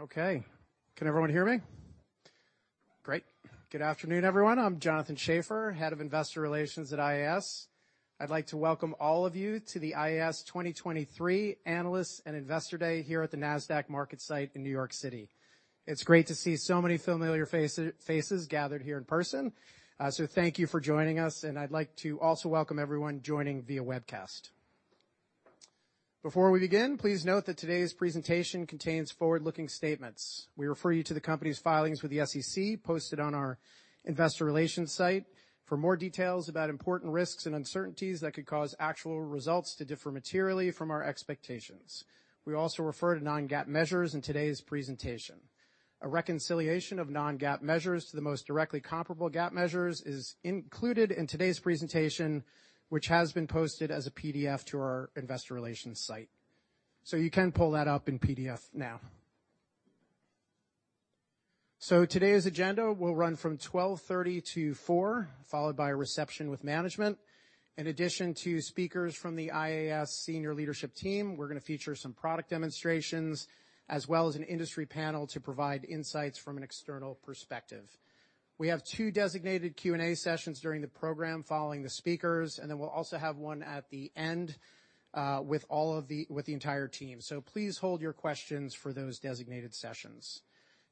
Okay. Can everyone hear me? Great. Good afternoon, everyone. I'm Jonathan Schaffer, Head of Investor Relations at IAS. I'd like to welcome all of you to the IAS 2023 Analysts and Investor Day here at the Nasdaq Market Site in New York City. It's great to see so many familiar faces gathered here in person. Thank you for joining us, and I'd like to also welcome everyone joining via webcast. Before we begin, please note that today's presentation contains forward-looking statements. We refer you to the company's filings with the SEC, posted on our investor relations site for more details about important risks and uncertainties that could cause actual results to differ materially from our expectations. We also refer to non-GAAP measures in today's presentation. A reconciliation of non-GAAP measures to the most directly comparable GAAP measures is included in today's presentation, which has been posted as a PDF to our investor relations site. You can pull that up in PDF now. Today's agenda will run from 12:30 P.M. to 4:00 P.M., followed by a reception with management. In addition to speakers from the IAS senior leadership team, we're gonna feature some product demonstrations, as well as an industry panel to provide insights from an external perspective. We have two designated Q&A sessions during the program, following the speakers, we'll also have one at the end with the entire team. Please hold your questions for those designated sessions.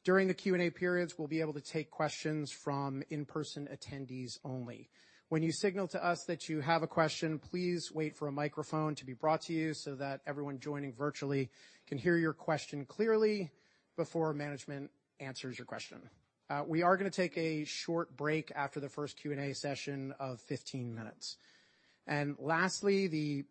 During the Q&A periods, we'll be able to take questions from in-person attendees only. When you signal to us that you have a question, please wait for a microphone to be brought to you so that everyone joining virtually can hear your question clearly before management answers your question. We are going to take a short break after the first Q&A session of 15 minutes. Lastly, the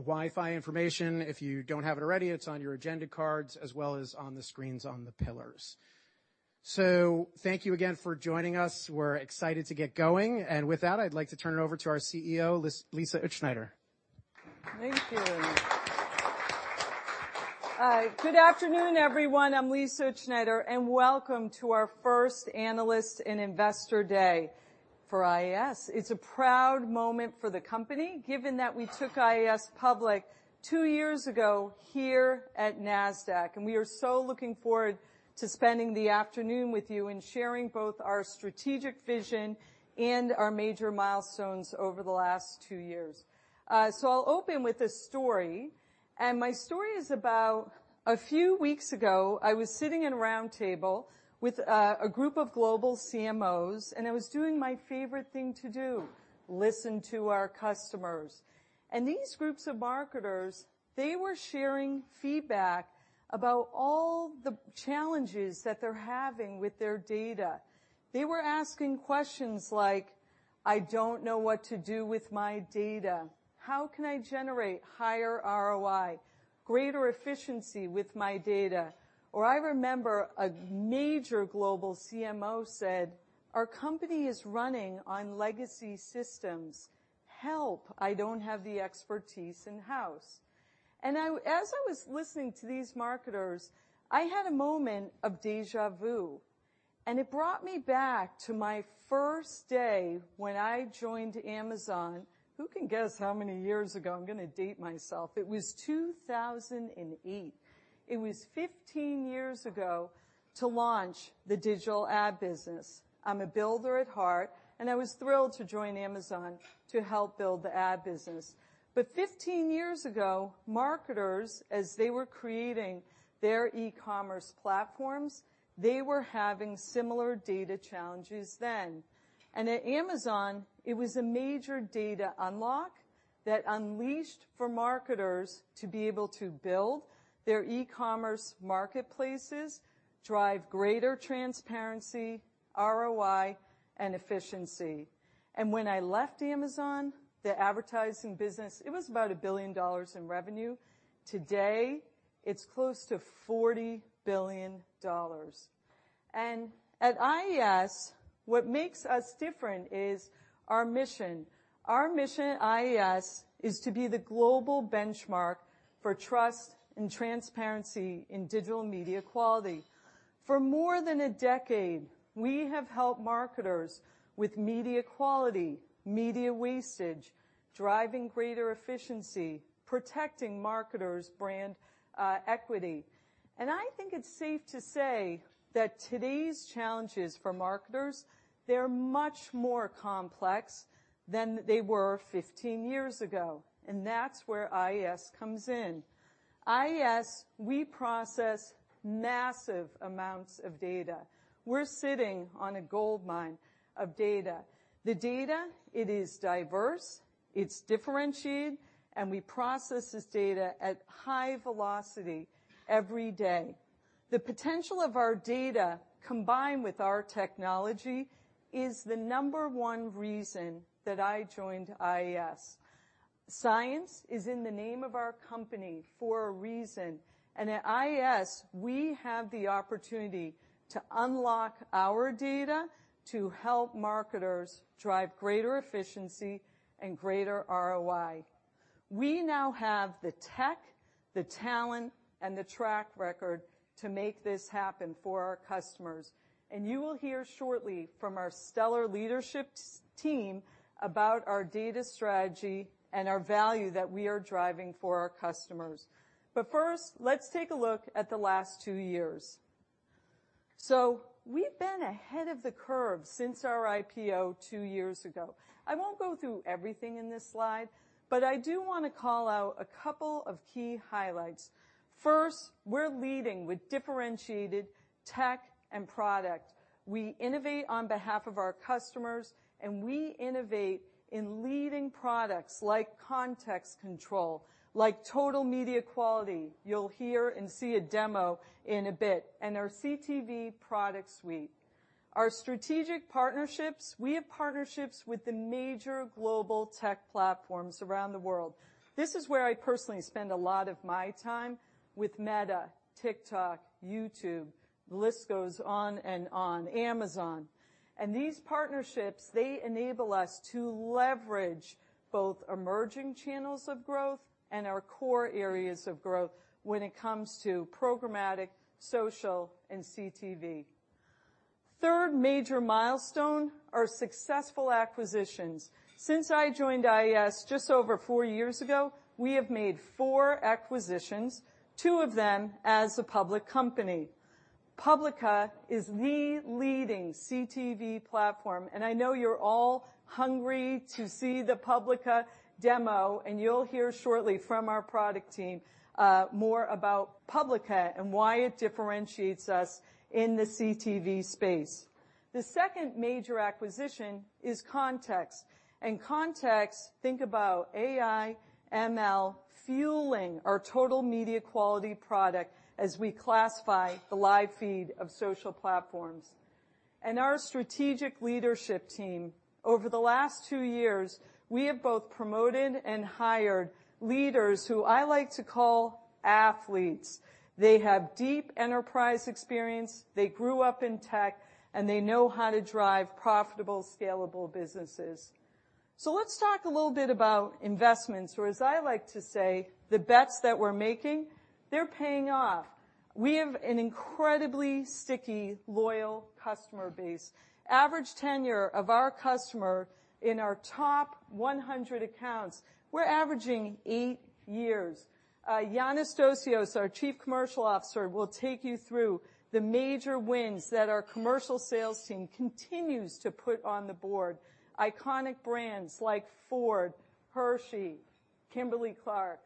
WiFi information, if you don't have it already, it's on your agenda cards, as well as on the screens on the pillars. Thank you again for joining us. We're excited to get going, and with that, I'd like to turn it over to our CEO, Lisa Utzschneider. Thank you. Good afternoon, everyone. I'm Lisa Utzschneider. Welcome to our first Analyst and Investor Day for IAS. It's a proud moment for the company, given that we took IAS public two years ago here at Nasdaq. We are so looking forward to spending the afternoon with you and sharing both our strategic vision and our major milestones over the last two years. I'll open with a story. My story is about a few weeks ago, I was sitting in a roundtable with a group of global CMOs, and I was doing my favorite thing to do, listen to our customers. These groups of marketers, they were sharing feedback about all the challenges that they're having with their data. They were asking questions like: I don't know what to do with my data. How can I generate higher ROI, greater efficiency with my data? I remember a major global CMO said: "Our company is running on legacy systems. Help! I don't have the expertise in-house." As I was listening to these marketers, I had a moment of déjà vu, and it brought me back to my first day when I joined Amazon. Who can guess how many years ago? I'm gonna date myself. It was 2008. It was 15 years ago, to launch the digital ad business. I'm a builder at heart, I was thrilled to join Amazon to help build the ad business. 15 years ago, marketers, as they were creating their e-commerce platforms, they were having similar data challenges then. At Amazon, it was a major data unlock that unleashed for marketers to be able to build their e-commerce marketplaces, drive greater transparency, ROI, and efficiency. When I left Amazon, the advertising business, it was about $1 billion in revenue. Today, it's close to $40 billion. At IAS, what makes us different is our mission. Our mission at IAS is to be the global benchmark for trust and transparency in digital media quality. For more than a decade, we have helped marketers with media quality, media wastage, driving greater efficiency, protecting marketers' brand equity. I think it's safe to say that today's challenges for marketers, they're much more complex than they were 15 years ago, and that's where IAS comes in. IAS, we process massive amounts of data. We're sitting on a goldmine of data. The data, it is diverse, it's differentiated, and we process this data at high velocity every day. The potential of our data, combined with our technology, is the number one reason that I joined IAS. Science is in the name of our company for a reason, and at IAS, we have the opportunity to unlock our data to help marketers drive greater efficiency and greater ROI. We now have the tech, the talent, and the track record to make this happen for our customers, and you will hear shortly from our stellar leadership team about our data strategy and our value that we are driving for our customers. First, let's take a look at the last 2 years. We've been ahead of the curve since our IPO 2 years ago. I won't go through everything in this slide, but I do want to call out a couple of key highlights. First, we're leading with differentiated tech and product. We innovate on behalf of our customers, we innovate in leading products like Context Control, like Total Media Quality. You'll hear and see a demo in a bit, and our CTV product suite. Our strategic partnerships, we have partnerships with the major global tech platforms around the world. This is where I personally spend a lot of my time with Meta, TikTok, YouTube, the list goes on and on, Amazon. These partnerships, they enable us to leverage both emerging channels of growth and our core areas of growth when it comes to programmatic, social, and CTV. Third major milestone, our successful acquisitions. Since I joined IAS just over four years ago, we have made four acquisitions, two of them as a public company. Publica is the leading CTV platform, and I know you're all hungry to see the Publica demo, and you'll hear shortly from our product team, more about Publica and why it differentiates us in the CTV space. The second major acquisition is Context, and Context, think about AI, ML, fueling our Total Media Quality product as we classify the live feed of social platforms. Our strategic leadership team. Over the last two years, we have both promoted and hired leaders who I like to call athletes. They have deep enterprise experience, they grew up in tech, and they know how to drive profitable, scalable businesses. Let's talk a little bit about investments, or as I like to say, the bets that we're making, they're paying off. We have an incredibly sticky, loyal customer base. Average tenure of our customer in our top 100 accounts, we're averaging eight years. Yannis Dosios, our Chief Commercial Officer, will take you through the major wins that our commercial sales team continues to put on the board, iconic brands like Ford, Hershey, Kimberly-Clark.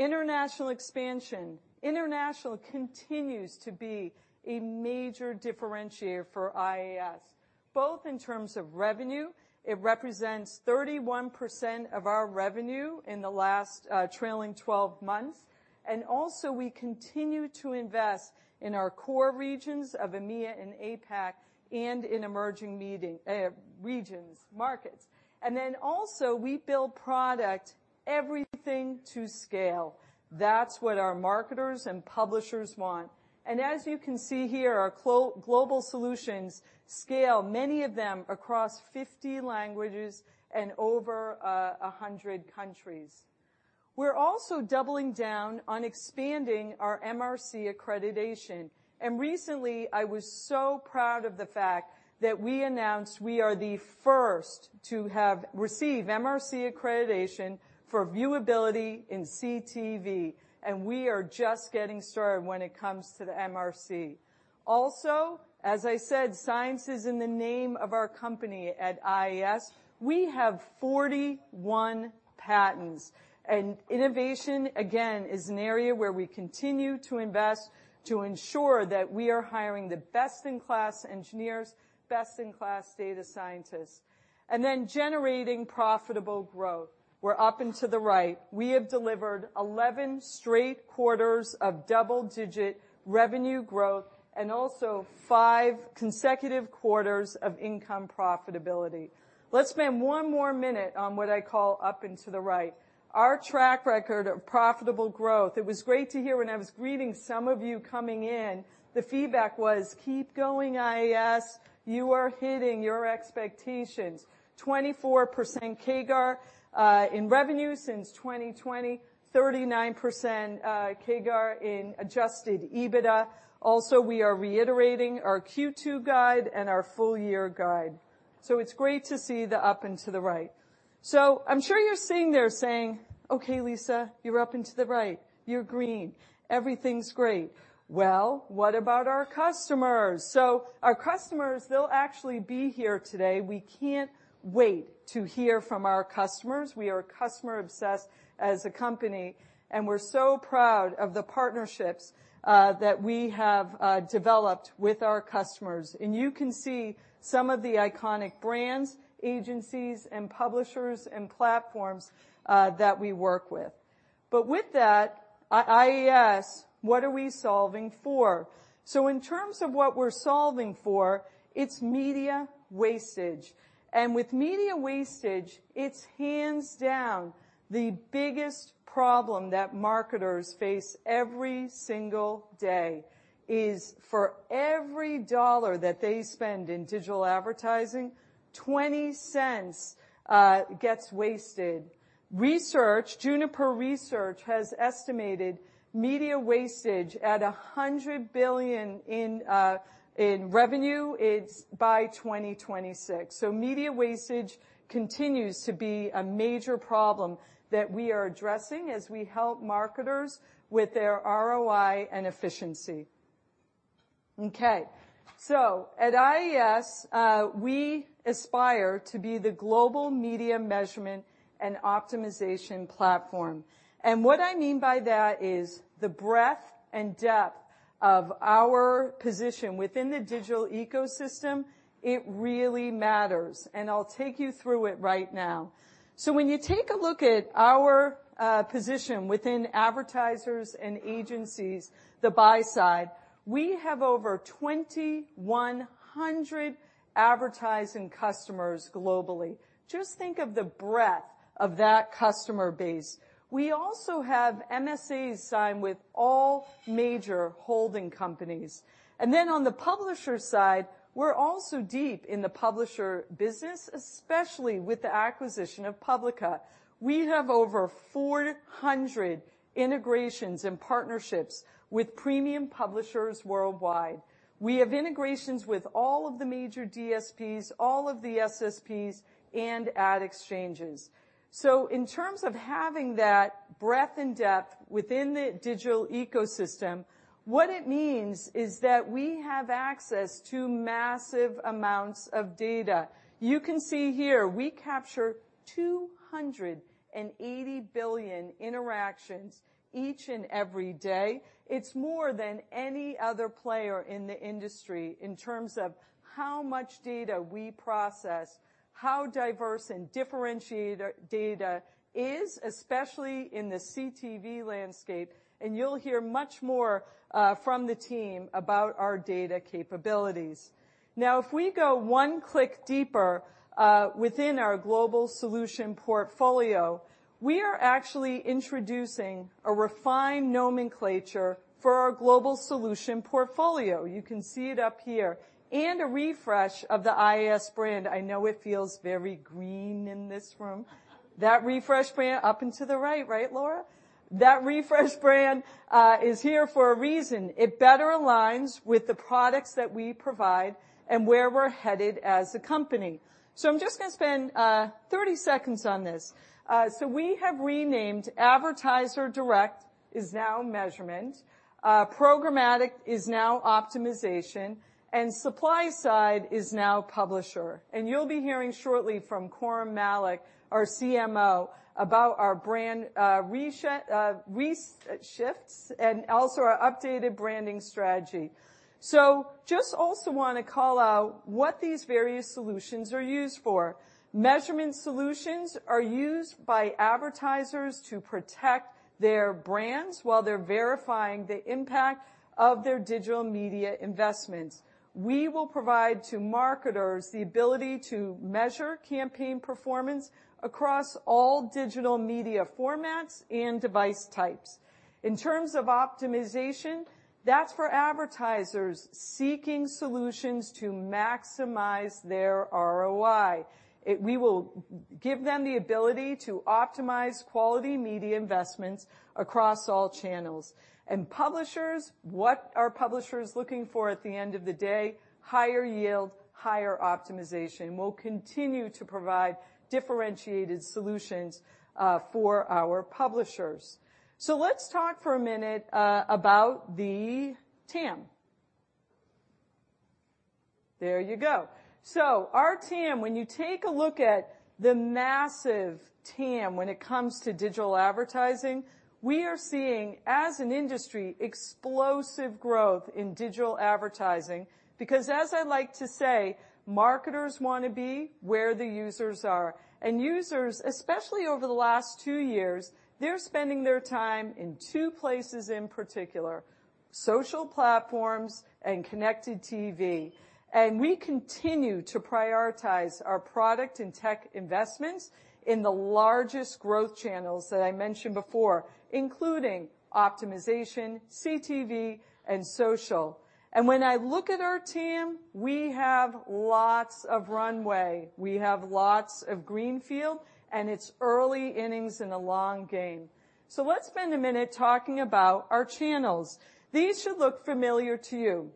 International expansion. International continues to be a major differentiator for IAS, both in terms of revenue, it represents 31% of our revenue in the last 12 months, and also we continue to invest in our core regions of EMEA and APAC, and in emerging meeting regions, markets. We build product, everything to scale. That's what our marketers and publishers want. As you can see here, our global solutions scale, many of them, across 50 languages and over 100 countries. We're also doubling down on expanding our MRC accreditation. Recently, I was so proud of the fact that we announced we are the first to have received MRC accreditation for viewability in CTV, and we are just getting started when it comes to the MRC. Also, as I said, science is in the name of our company at IAS. We have 41 patents. Innovation, again, is an area where we continue to invest to ensure that we are hiring the best-in-class engineers, best-in-class data scientists, and then generating profitable growth. We're up and to the right. We have delivered 11 straight quarters of double-digit revenue growth and also 5 consecutive quarters of income profitability. Let's spend one more minute on what I call up and to the right. Our track record of profitable growth, it was great to hear when I was greeting some of you coming in, the feedback was, "Keep going, IAS, you are hitting your expectations." 24% CAGR in revenue since 2020, 39% CAGR in adjusted EBITDA. Also, we are reiterating our Q2 guide and our full-year guide. It's great to see the up and to the right. I'm sure you're sitting there saying, "Okay, Lisa, you're up and to the right, you're green, everything's great. Well, what about our customers?" Our customers, they'll actually be here today. We can't wait to hear from our customers. We are customer-obsessed as a company, and we're so proud of the partnerships that we have developed with our customers. You can see some of the iconic brands, agencies, and publishers, and platforms that we work with. With that, IAS, what are we solving for? In terms of what we're solving for, it's media wastage. With media wastage, it's hands down the biggest problem that marketers face every single day, is for every dollar that they spend in digital advertising, 20 cents gets wasted. Research, Juniper Research, has estimated media wastage at $100 billion in revenue. It's by 2026. Media wastage continues to be a major problem that we are addressing as we help marketers with their ROI and efficiency. At IAS, we aspire to be the global media measurement and optimization platform. What I mean by that is the breadth and depth of our position within the digital ecosystem, it really matters, and I'll take you through it right now. When you take a look at our position within advertisers and agencies, the buy side, we have over 2,100 advertising customers globally. Just think of the breadth of that customer base. We also have MSAs signed with all major holding companies. On the publisher side, we're also deep in the publisher business, especially with the acquisition of Publica. We have over 400 integrations and partnerships with premium publishers worldwide. We have integrations with all of the major DSPs, all of the SSPs, and ad exchanges. In terms of having that breadth and depth within the digital ecosystem, what it means is that we have access to massive amounts of data. You can see here we capture 280 billion interactions each and every day. It's more than any other player in the industry in terms of how much data we process, how diverse and differentiated our data is, especially in the CTV landscape, and you'll hear much more from the team about our data capabilities. If we go one click deeper within our global solution portfolio, we are actually introducing a refined nomenclature for our global solution portfolio. You can see it up here, and a refresh of the IAS brand. I know it feels very green in this room. That refresh brand up and to the right, Laura? That refresh brand is here for a reason. It better aligns with the products that we provide and where we're headed as a company. I'm just going to spend 30 seconds on this. We have renamed Advertiser Direct is now Measurement, Programmatic is now Optimization, and Supply Side is now Publisher. You'll be hearing shortly from Khurrum Malik, our CMO, about our brand reshifts and also our updated branding strategy. Just also want to call out what these various solutions are used for. Measurement solutions are used by advertisers to protect their brands while they're verifying the impact of their digital media investments. We will provide to marketers the ability to measure campaign performance across all digital media formats and device types. In terms of optimization, that's for advertisers seeking solutions to maximize their ROI. We will give them the ability to optimize quality media investments across all channels. Publishers, what are publishers looking for at the end of the day? Higher yield, higher optimization We'll continue to provide differentiated solutions for our publishers. Let's talk for a minute about the TAM. There you go. Our TAM, when you take a look at the massive TAM when it comes to digital advertising, we are seeing, as an industry, explosive growth in digital advertising, because, as I like to say, marketers want to be where the users are, and users, especially over the last two years, they're spending their time in two places, in particular, social platforms and connected TV. We continue to prioritize our product and tech investments in the largest growth channels that I mentioned before, including optimization, CTV, and social. When I look at our TAM, we have lots of runway, we have lots of greenfield, and it's early innings in a long game. Let's spend a minute talking about our channels. These should look familiar to you.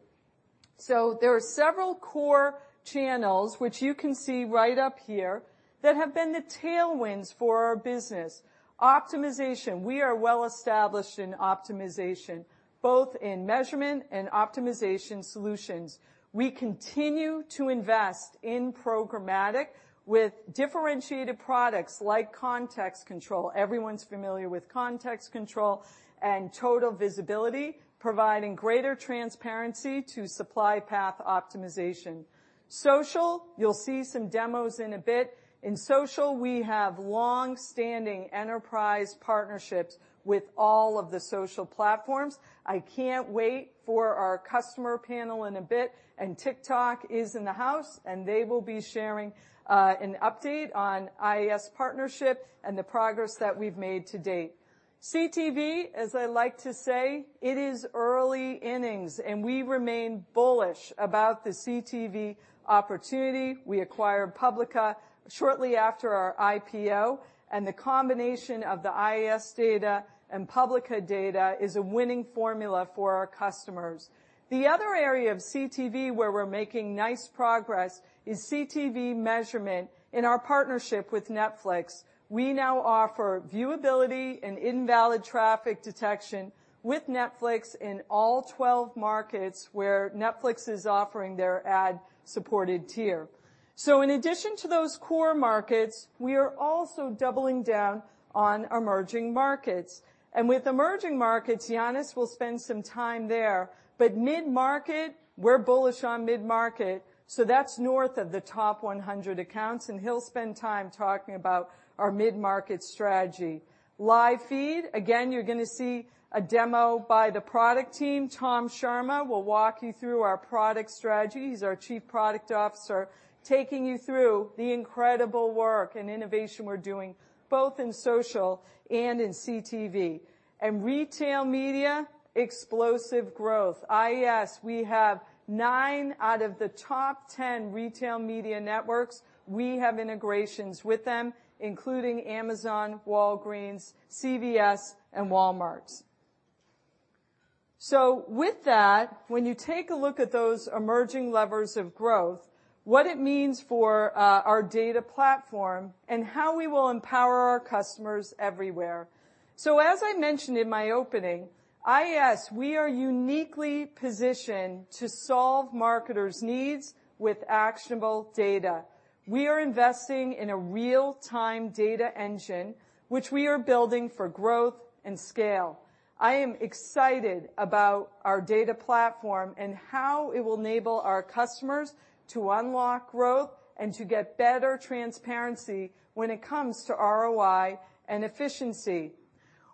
There are several core channels, which you can see right up here, that have been the tailwinds for our business. Optimization. We are well established in optimization, both in measurement and optimization solutions. We continue to invest in programmatic with differentiated products like Context Control. Everyone's familiar with Context Control and Total Visibility, providing greater transparency to Supply Path Optimization. Social, you'll see some demos in a bit. In social, we have long-standing enterprise partnerships with all of the social platforms. I can't wait for our customer panel in a bit, and TikTok is in the house, and they will be sharing an update on IAS partnership and the progress that we've made to date. CTV, as I like to say, it is early innings, and we remain bullish about the CTV opportunity. We acquired Publica shortly after our IPO, and the combination of the IAS data and Publica data is a winning formula for our customers. The other area of CTV, where we're making nice progress, is CTV measurement in our partnership with Netflix. We now offer viewability and invalid traffic detection with Netflix in all 12 markets where Netflix is offering their ad-supported tier. In addition to those core markets, we are also doubling down on emerging markets. With emerging markets, Yannis will spend some time there, but mid-market, we're bullish on mid-market, so that's north of the top 100 accounts, and he'll spend time talking about our mid-market strategy. Live feed, again, you're going to see a demo by the product team. Tom Sharma will walk you through our product strategy. He's our Chief Product Officer, taking you through the incredible work and innovation we're doing, both in social and in CTV. Retail media, explosive growth. IAS, we have nine out of the top 10 retail media networks. We have integrations with them, including Amazon, Walgreens, CVS, and Walmart. With that, when you take a look at those emerging levers of growth, what it means for our data platform, and how we will empower our customers everywhere. As I mentioned in my opening, IAS, we are uniquely positioned to solve marketers' needs with actionable data. We are investing in a real-time data engine, which we are building for growth and scale. I am excited about our data platform and how it will enable our customers to unlock growth and to get better transparency when it comes to ROI and efficiency.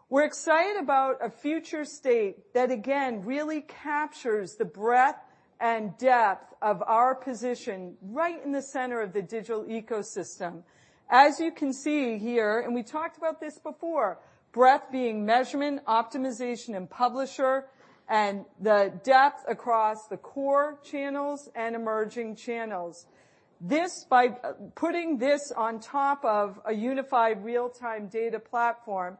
We're excited about a future state that, again, really captures the breadth and depth of our position right in the center of the digital ecosystem. As you can see here, and we talked about this before, breadth being measurement, optimization, and publisher, and the depth across the core channels and emerging channels. By putting this on top of a unified real-time data platform,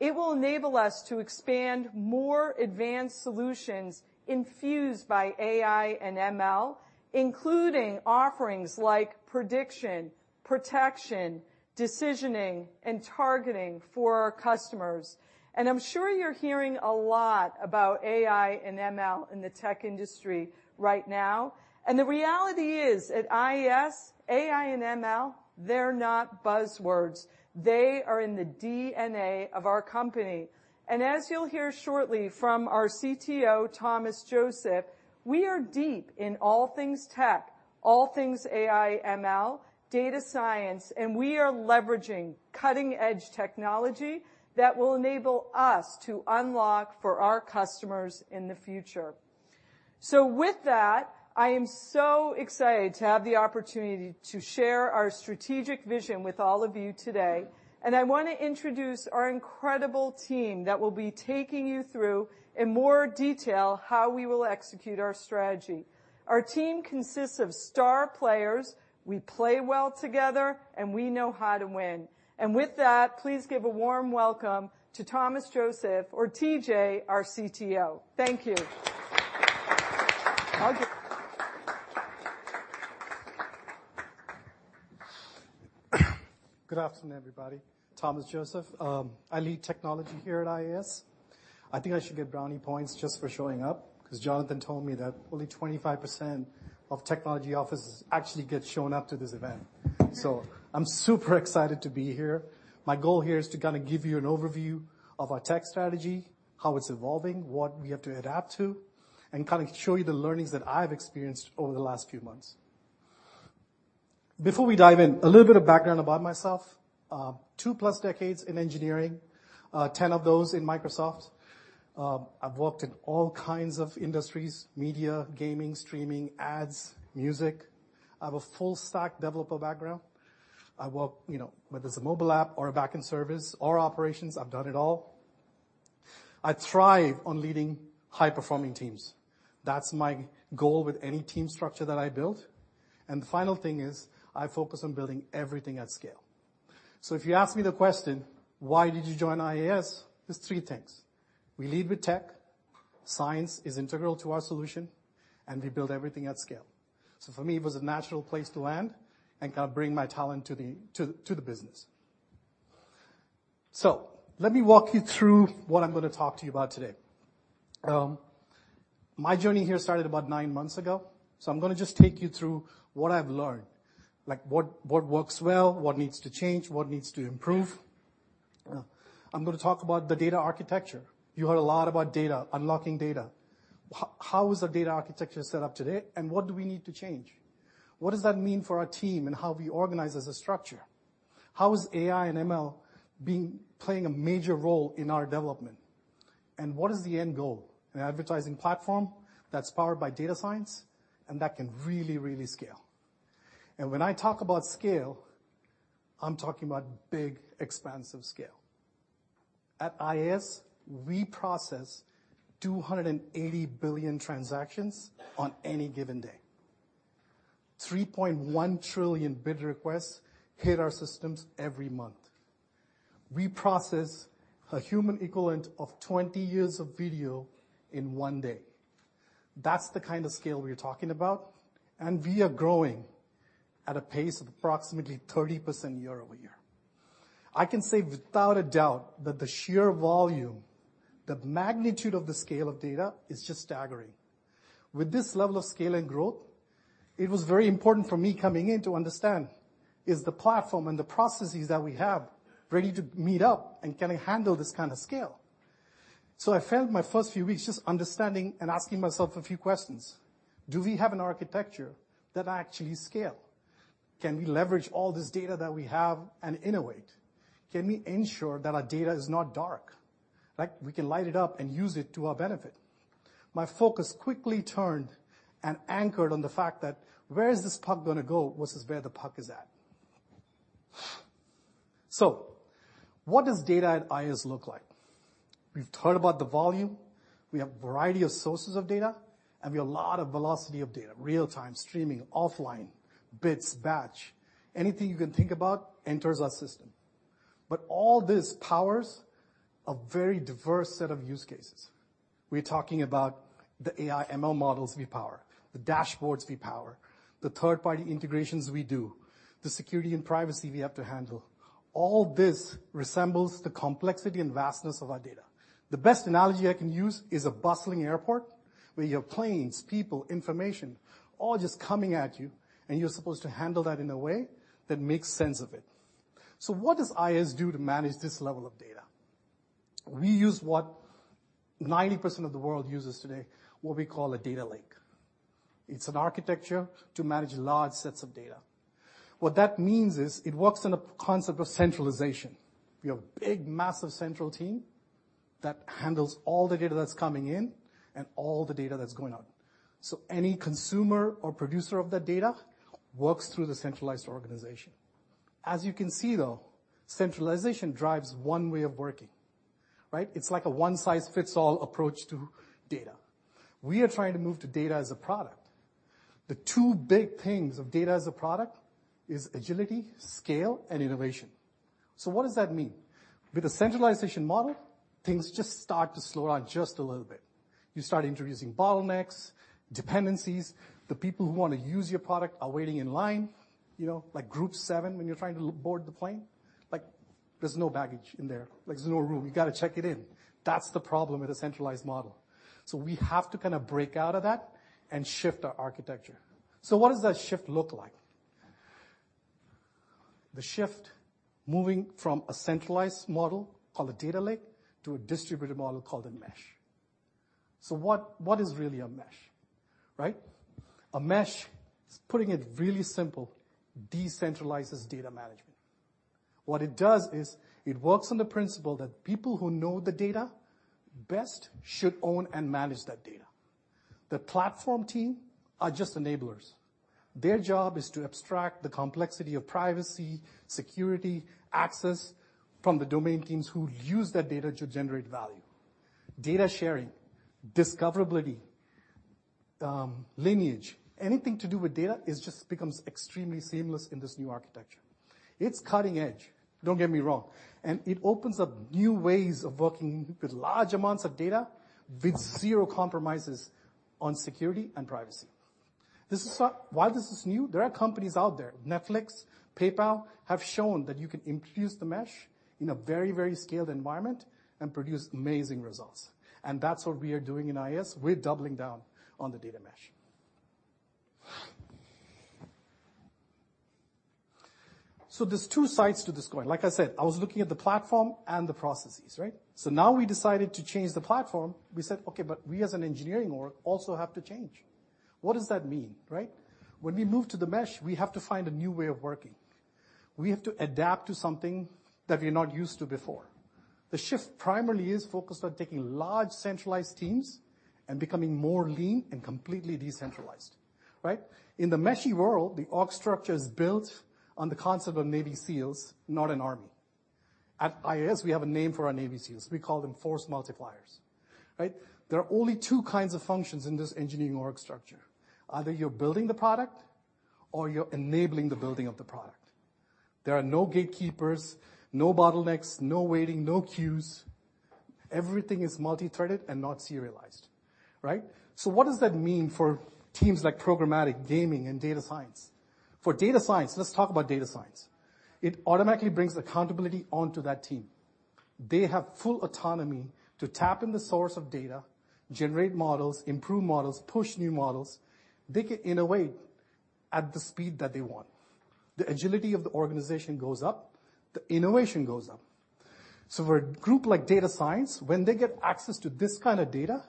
it will enable us to expand more advanced solutions infused by AI and ML, including offerings like prediction, protection, decisioning, and targeting for our customers. I'm sure you're hearing a lot about AI and ML in the tech industry right now. The reality is, at IAS, AI and ML, they're not buzzwords. They are in the DNA of our company, and as you'll hear shortly from our CTO, Thomas Joseph, we are deep in all things tech, all things AI, ML, data science, and we are leveraging cutting-edge technology that will enable us to unlock for our customers in the future. With that, I am so excited to have the opportunity to share our strategic vision with all of you today, and I wanna introduce our incredible team that will be taking you through, in more detail, how we will execute our strategy. Our team consists of star players. We play well together, and we know how to win. With that, please give a warm welcome to Thomas Joseph, or TJ, our CTO. Thank you. Good afternoon, everybody. Thomas Joseph. I lead technology here at IAS. I think I should get brownie points just for showing up, because Jonathan told me that only 25% of technology officers actually get shown up to this event. I'm super excited to be here. My goal here is to kinda give you an overview of our tech strategy, how it's evolving, what we have to adapt to, and kinda show you the learnings that I've experienced over the last few months. Before we dive in, a little bit of background about myself. 2+ decades in engineering, 10 of those in Microsoft. I've worked in all kinds of industries: media, gaming, streaming, ads, music. I have a full stack developer background. I work, you know, whether it's a mobile app or a backend service or operations, I've done it all. I thrive on leading high-performing teams. That's my goal with any team structure that I build. The final thing is, I focus on building everything at scale. If you ask me the question: Why did you join IAS? There's three things: We lead with tech, science is integral to our solution, and we build everything at scale. For me, it was a natural place to land and kind of bring my talent to the business. Let me walk you through what I'm gonna talk to you about today. My journey here started about nine months ago, so I'm gonna just take you through what I've learned, like, what works well, what needs to change, what needs to improve. I'm gonna talk about the data architecture. You heard a lot about data, unlocking data. How is the data architecture set up today, what do we need to change? What does that mean for our team and how we organize as a structure? How is AI and ML playing a major role in our development? What is the end goal? An advertising platform that's powered by data science and that can really scale. When I talk about scale, I'm talking about big, expansive scale. At IAS, we process 280 billion transactions on any given day. 3.1 trillion bid requests hit our systems every month. We process a human equivalent of 20 years of video in one day. That's the kind of scale we're talking about, we are growing at a pace of approximately 30% year-over-year. I can say without a doubt that the sheer volume, the magnitude of the scale of data is just staggering. With this level of scale and growth, it was very important for me coming in to understand, is the platform and the processes that we have ready to meet up and can it handle this kind of scale? I spent my first few weeks just understanding and asking myself a few questions. Do we have an architecture that actually scale? Can we leverage all this data that we have and innovate? Can we ensure that our data is not dark? Like, we can light it up and use it to our benefit. My focus quickly turned and anchored on the fact that where is this puck gonna go versus where the puck is at? What does data at IAS look like? We've talked about the volume. We have a variety of sources of data, and we have a lot of velocity of data, real-time, streaming, offline, bits, batch. Anything you can think about enters our system. All this powers a very diverse set of use cases. We're talking about the AI/ML models we power, the dashboards we power, the third-party integrations we do, the security and privacy we have to handle. All this resembles the complexity and vastness of our data. The best analogy I can use is a bustling airport, where you have planes, people, information, all just coming at you, and you're supposed to handle that in a way that makes sense of it. What does IAS do to manage this level of data? We use what 90% of the world uses today, what we call a data lake. It's an architecture to manage large sets of data. What that means is, it works on a concept of centralization. We have a big, massive central team that handles all the data that's coming in and all the data that's going out. Any consumer or producer of that data works through the centralized organization. As you can see, though, centralization drives one way of working, right? It's like a one-size-fits-all approach to data. We are trying to move to data as a product. The two big things of data as a product is agility, scale, and innovation. What does that mean? With a centralization model, things just start to slow down just a little bit. You start introducing bottlenecks, dependencies. The people who wanna use your product are waiting in line, you know, like group seven, when you're trying to board the plane. Like, there's no baggage in there. Like, there's no room. You gotta check it in. That's the problem with a centralized model. We have to kinda break out of that and shift our architecture. What does that shift look like? The shift, moving from a centralized model, called a data lake, to a distributed model, called a mesh. What is really a mesh? Right? A mesh, putting it really simple, decentralizes data management. What it does is, it works on the principle that people who know the data best should own and manage that data. The platform team are just enablers. Their job is to abstract the complexity of privacy, security, access from the domain teams who use that data to generate value. Data sharing, discoverability, lineage, anything to do with data is just becomes extremely seamless in this new architecture. It's cutting edge, don't get me wrong, it opens up new ways of working with large amounts of data, with zero compromises on security and privacy. While this is new, there are companies out there, Netflix, PayPal, have shown that you can infuse the mesh in a very, very scaled environment and produce amazing results, that's what we are doing in IAS. We're doubling down on the data mesh. There's two sides to this coin. Like I said, I was looking at the platform and the processes, right? Now we decided to change the platform. We said, "Okay, we, as an engineering org, also have to change." What does that mean, right? When we move to the mesh, we have to find a new way of working. We have to adapt to something that we're not used to before. The shift primarily is focused on taking large, centralized teams and becoming more lean and completely decentralized, right. In the meshy world, the org structure is built on the concept of Navy SEALs, not an army. At IAS, we have a name for our Navy SEALs. We call them force multipliers, right. There are only two kinds of functions in this engineering org structure: either you're building the product or you're enabling the building of the product. There are no gatekeepers, no bottlenecks, no waiting, no queues. Everything is multithreaded and not serialized, right. What does that mean for teams like programmatic, gaming, and data science? For data science, let's talk about data science. It automatically brings accountability onto that team. They have full autonomy to tap in the source of data, generate models, improve models, push new models. They can innovate at the speed that they want. The agility of the organization goes up, the innovation goes up. For a group like data science, when they get access to this kind of data,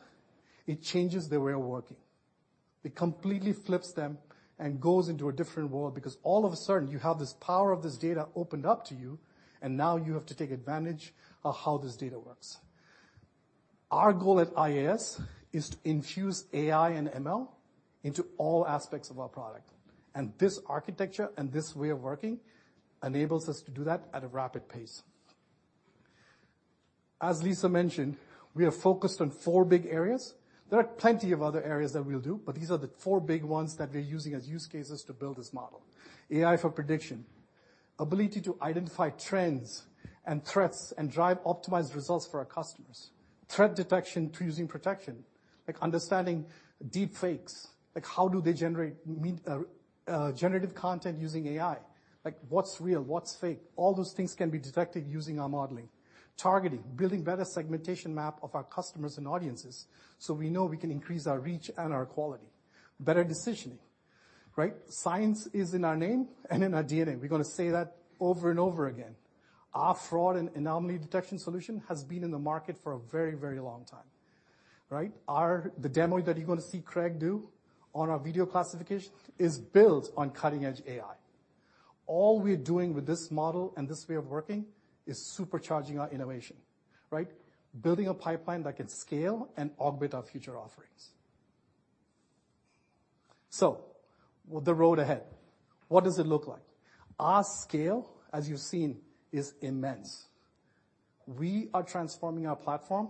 it changes their way of working. It completely flips them and goes into a different world, because all of a sudden, you have this power of this data opened up to you, and now you have to take advantage of how this data works. Our goal at IAS is to infuse AI and ML into all aspects of our product, and this architecture and this way of working enables us to do that at a rapid pace. As Lisa mentioned, we are focused on four big areas. There are plenty of other areas that we'll do, but these are the four big ones that we're using as use cases to build this model. AI for prediction, ability to identify trends and threats, and drive optimized results for our customers. Threat detection to using protection, like understanding deepfakes, like how do they generate mean generative content using AI? Like, what's real? What's fake? All those things can be detected using our modeling. Targeting, building better segmentation map of our customers and audiences, so we know we can increase our reach and our quality. Better decisioning, right? Science is in our name and in our DNA. We're gonna say that over and over again. Our fraud and anomaly detection solution has been in the market for a very, very long time, right? The demo that you're gonna see Craig do on our video classification is built on cutting-edge AI. All we're doing with this model and this way of working is supercharging our innovation, right? Building a pipeline that can scale and augment our future offerings. With the road ahead, what does it look like? Our scale, as you've seen, is immense. We are transforming our platform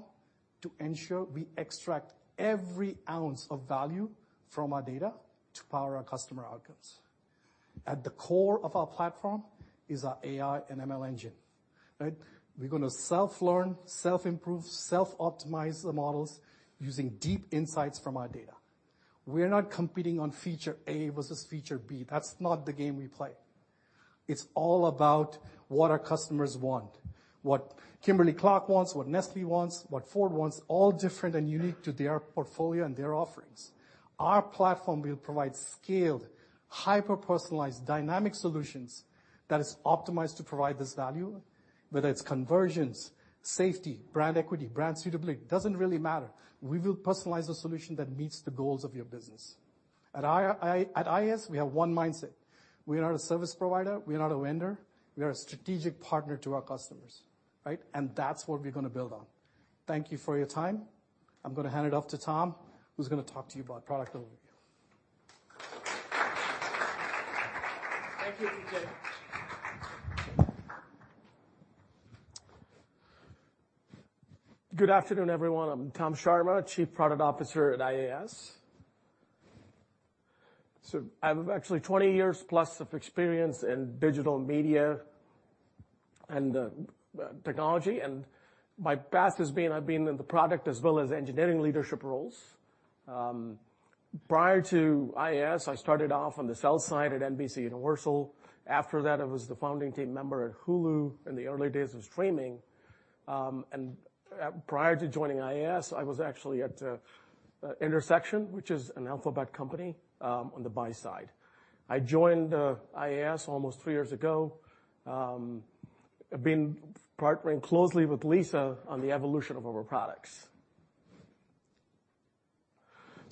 to ensure we extract every ounce of value from our data to power our customer outcomes. At the core of our platform is our AI and ML engine, right? We're gonna self-learn, self-improve, self-optimize the models using deep insights from our data. We are not competing on feature A versus feature B. That's not the game we play. It's all about what our customers want, what Kimberly-Clark wants, what Nestlé wants, what Ford wants, all different and unique to their portfolio and their offerings. Our platform will provide scaled, hyper-personalized, dynamic solutions that is optimized to provide this value, whether it's conversions, safety, brand equity, brand suitability, doesn't really matter. We will personalize a solution that meets the goals of your business. At IAS, we have one mindset: we are not a service provider, we are not a vendor, we are a strategic partner to our customers, right? That's what we're gonna build on. Thank you for your time. I'm gonna hand it off to Tom, who's gonna talk to you about product delivery. Thank you, TJ. Good afternoon, everyone. I'm Tom Sharma, Chief Product Officer at IAS. I have actually 20 years plus of experience in digital media and technology, and my past has been, I've been in the product as well as engineering leadership roles. Prior to IAS, I started off on the sales side at NBCUniversal. After that, I was the founding team member at Hulu in the early days of streaming. Prior to joining IAS, I was actually at Intersection, which is an Alphabet company, on the buy side. I joined IAS almost three years ago, I've been partnering closely with Lisa on the evolution of our products.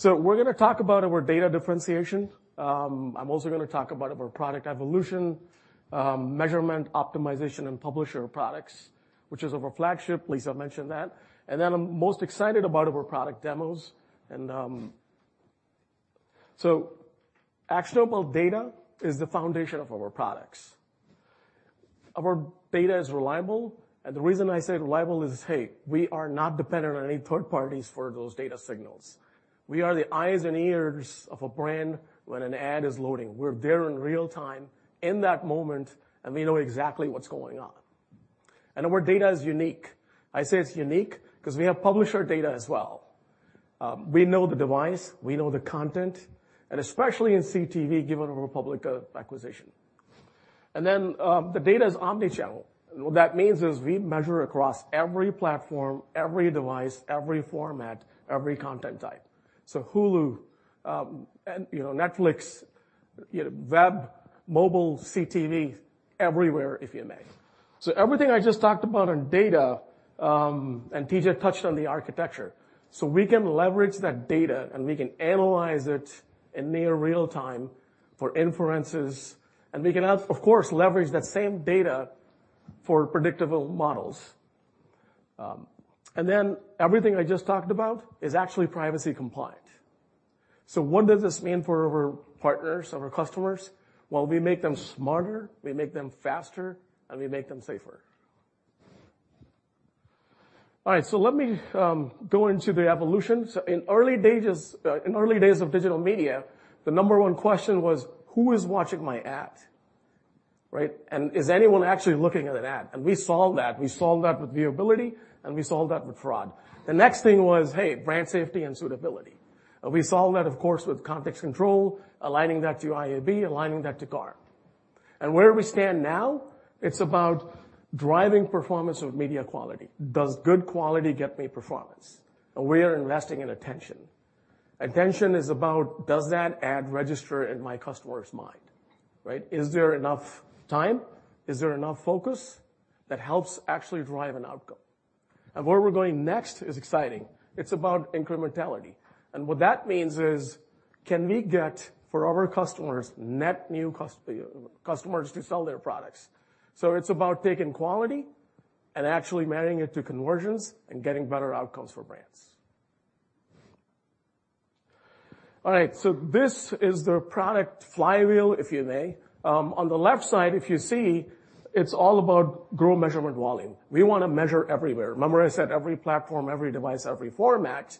We're gonna talk about our data differentiation. I'm also gonna talk about our product evolution, measurement, optimization, and publisher products, which is of our flagship. Lisa mentioned that. I'm most excited about our product demos. Actionable data is the foundation of our products. Our data is reliable. The reason I say reliable is, hey, we are not dependent on any third parties for those data signals. We are the eyes and ears of a brand when an ad is loading. We're there in real time, in that moment, and we know exactly what's going on. Our data is unique. I say it's unique because we have publisher data as well. We know the device, we know the content, and especially in CTV, given our Publica acquisition. The data is omnichannel. What that means is we measure across every platform, every device, every format, every content type. Hulu, you know, Netflix, you know, web, mobile, CTV, everywhere, if you may. Everything I just talked about on data, and TJ touched on the architecture. We can leverage that data, and we can analyze it in near real time for inferences, and we can, of course, leverage that same data for predictable models. Everything I just talked about is actually privacy compliant. What does this mean for our partners, our customers? Well, we make them smarter, we make them faster, and we make them safer. All right, so let me go into the evolution. In early stages, in early days of digital media, the number one question was, "Who is watching my ad?" Right? "Is anyone actually looking at an ad?" We solved that. We solved that with viewability, and we solved that with fraud. The next thing was, hey, brand safety and suitability. We solved that, of course, with Context Control, aligning that to IAB, aligning that to GARM. Where we stand now, it's about driving performance of media quality. Does good quality get me performance? We are investing in attention. Attention is about, does that ad register in my customer's mind, right? Is there enough time? Is there enough focus that helps actually drive an outcome? Where we're going next is exciting. It's about incrementality. What that means is, can we get, for our customers, net new customers to sell their products? It's about taking quality and actually marrying it to conversions and getting better outcomes for brands. This is the product flywheel, if you may. On the left side, if you see, it's all about grow measurement volume. We wanna measure everywhere. Remember I said, every platform, every device, every format.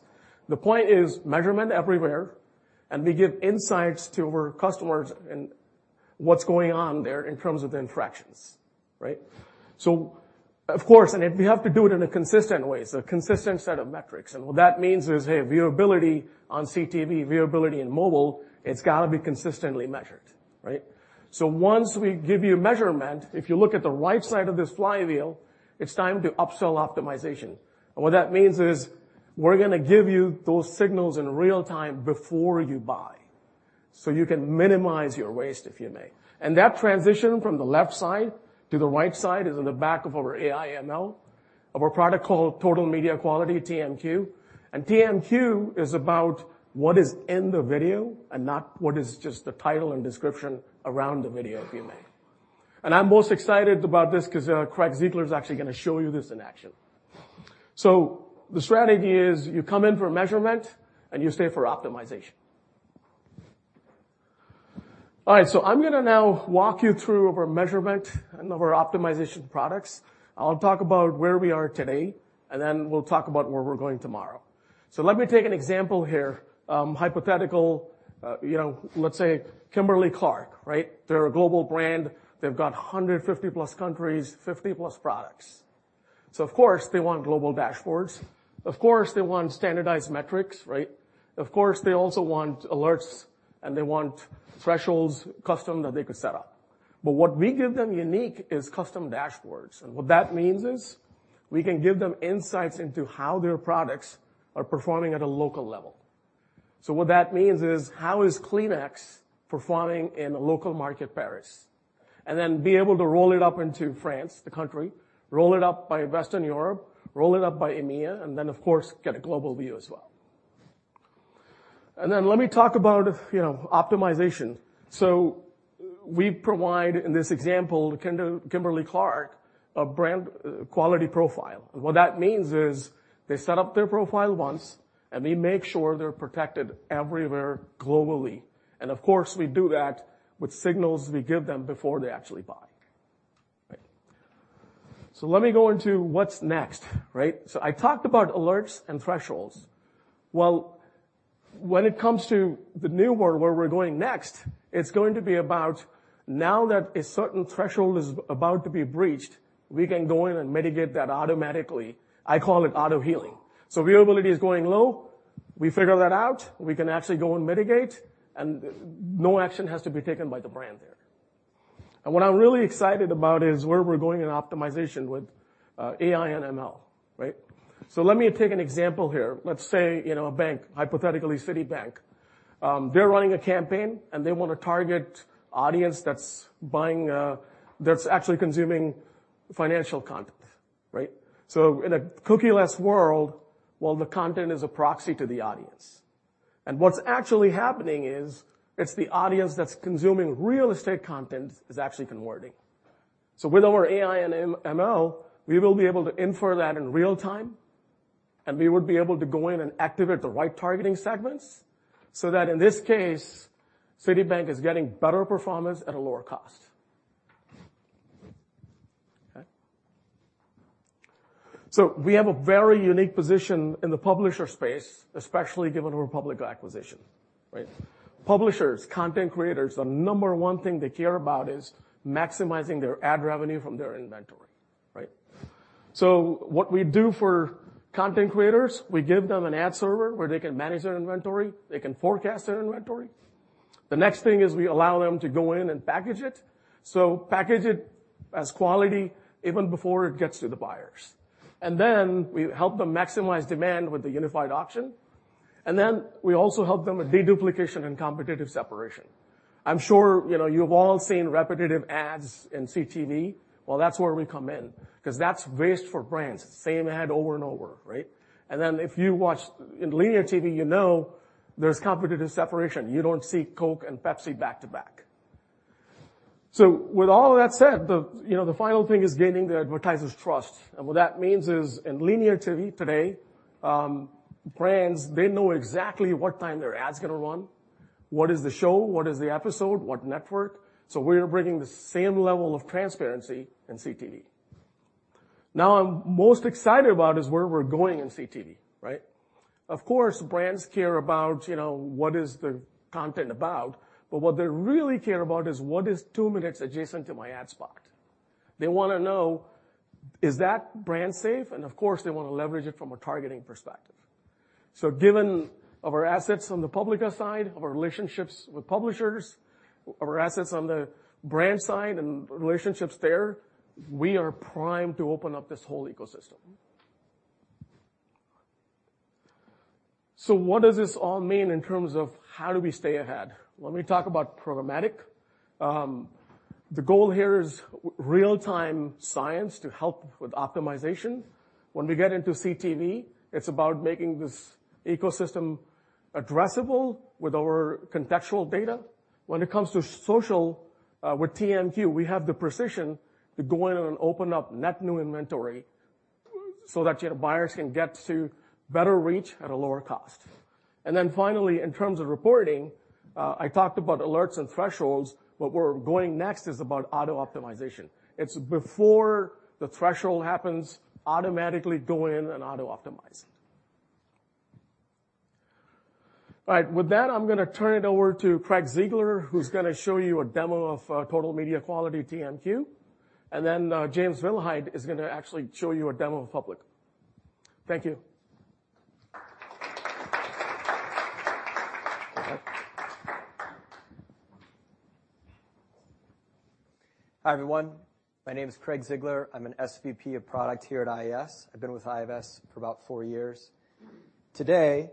The point is measurement everywhere, and we give insights to our customers and what's going on there in terms of the infractions, right? Of course, and we have to do it in a consistent way, so a consistent set of metrics. What that means is, hey, viewability on CTV, viewability in mobile, it's gotta be consistently measured, right? Once we give you measurement, if you look at the right side of this flywheel, it's time to upsell optimization. What that means is, we're gonna give you those signals in real time before you buy, so you can minimize your waste, if you may. That transition from the left side to the right side is in the back of our AI/ML, of our product called Total Media Quality, TMQ. TMQ is about what is in the video and not what is just the title and description around the video, if you may. I'm most excited about this because Craig Ziegler is actually gonna show you this in action. The strategy is, you come in for measurement and you stay for optimization. All right, I'm gonna now walk you through of our measurement and of our optimization products. I'll talk about where we are today, and then we'll talk about where we're going tomorrow. Let me take an example here. Hypothetical, you know, let's say Kimberly-Clark, right? They're a global brand. They've got 150-plus countries, 50-plus products. Of course, they want global dashboards. Of course, they want standardized metrics, right? Of course, they also want alerts, and they want thresholds, custom, that they could set up. What we give them unique is custom dashboards, and what that means is we can give them insights into how their products are performing at a local level. What that means is, how is Kleenex performing in a local market, Paris? Then be able to roll it up into France, the country, roll it up by Western Europe, roll it up by EMEA, then, of course, get a global view as well. Then let me talk about, you know, optimization. We provide, in this example, Kimberly-Clark, a brand quality profile. What that means is they set up their profile once, and we make sure they're protected everywhere, globally. Of course, we do that with signals we give them before they actually buy. Let me go into what's next. I talked about alerts and thresholds. When it comes to the new world, where we're going next, it's going to be about now that a certain threshold is about to be breached, we can go in and mitigate that automatically. I call it auto-healing. Viewability is going low, we figure that out, we can actually go and mitigate, and no action has to be taken by the brand there. What I'm really excited about is where we're going in optimization with AI and ML, right? Let me take an example here. Let's say, you know, a bank, hypothetically, Citibank. They're running a campaign, and they want to target audience that's actually consuming financial content, right? In a cookie-less world, well, the content is a proxy to the audience. What's actually happening is, it's the audience that's consuming real estate content is actually converting. With our AI and ML, we will be able to infer that in real time, and we would be able to go in and activate the right targeting segments, so that in this case, Citibank is getting better performance at a lower cost. Okay. We have a very unique position in the publisher space, especially given our Publica acquisition, right? Publishers, content creators, the number one thing they care about is maximizing their ad revenue from their inventory, right? What we do for content creators, we give them an ad server where they can manage their inventory, they can forecast their inventory. The next thing is we allow them to go in and package it, so package it as quality even before it gets to the buyers. We help them maximize demand with the unified auction, and then we also help them with deduplication and competitive separation. I'm sure, you know, you've all seen repetitive ads in CTV. That's where we come in, 'cause that's waste for brands, the same ad over and over, right? If you watch in linear TV, you know there's competitive separation. You don't see Coke and Pepsi back to back. With all of that said, the, you know, the final thing is gaining the advertisers' trust. What that means is, in linear TV today, brands, they know exactly what time their ad's gonna run, what is the show, what is the episode, what network. We're bringing the same level of transparency in CTV. I'm most excited about is where we're going in CTV, right? Of course, brands care about, you know, what is the content about. What they really care about is what is two minutes adjacent to my ad spot? They wanna know, is that brand safe? Of course, they wanna leverage it from a targeting perspective. Given of our assets on the Publica side, of our relationships with publishers, of our assets on the brand side and relationships there, we are primed to open up this whole ecosystem. What does this all mean in terms of how do we stay ahead? Let me talk about programmatic. The goal here is real-time science to help with optimization. When we get into CTV, it's about making this ecosystem addressable with our contextual data. When it comes to social, with TMQ, we have the precision to go in and open up net new inventory so that, you know, buyers can get to better reach at a lower cost. In terms of reporting, I talked about alerts and thresholds. What we're going next is about auto-optimization. It's before the threshold happens, automatically go in and auto-optimize it. All right. With that, I'm gonna turn it over to Craig Ziegler, who's gonna show you a demo of Total Media Quality, TMQ, and then James Wilhite is gonna actually show you a demo of Publica. Thank you. Hi, everyone. My name is Craig Ziegler. I'm an SVP of product here at IAS. I've been with IAS for about four years. Today,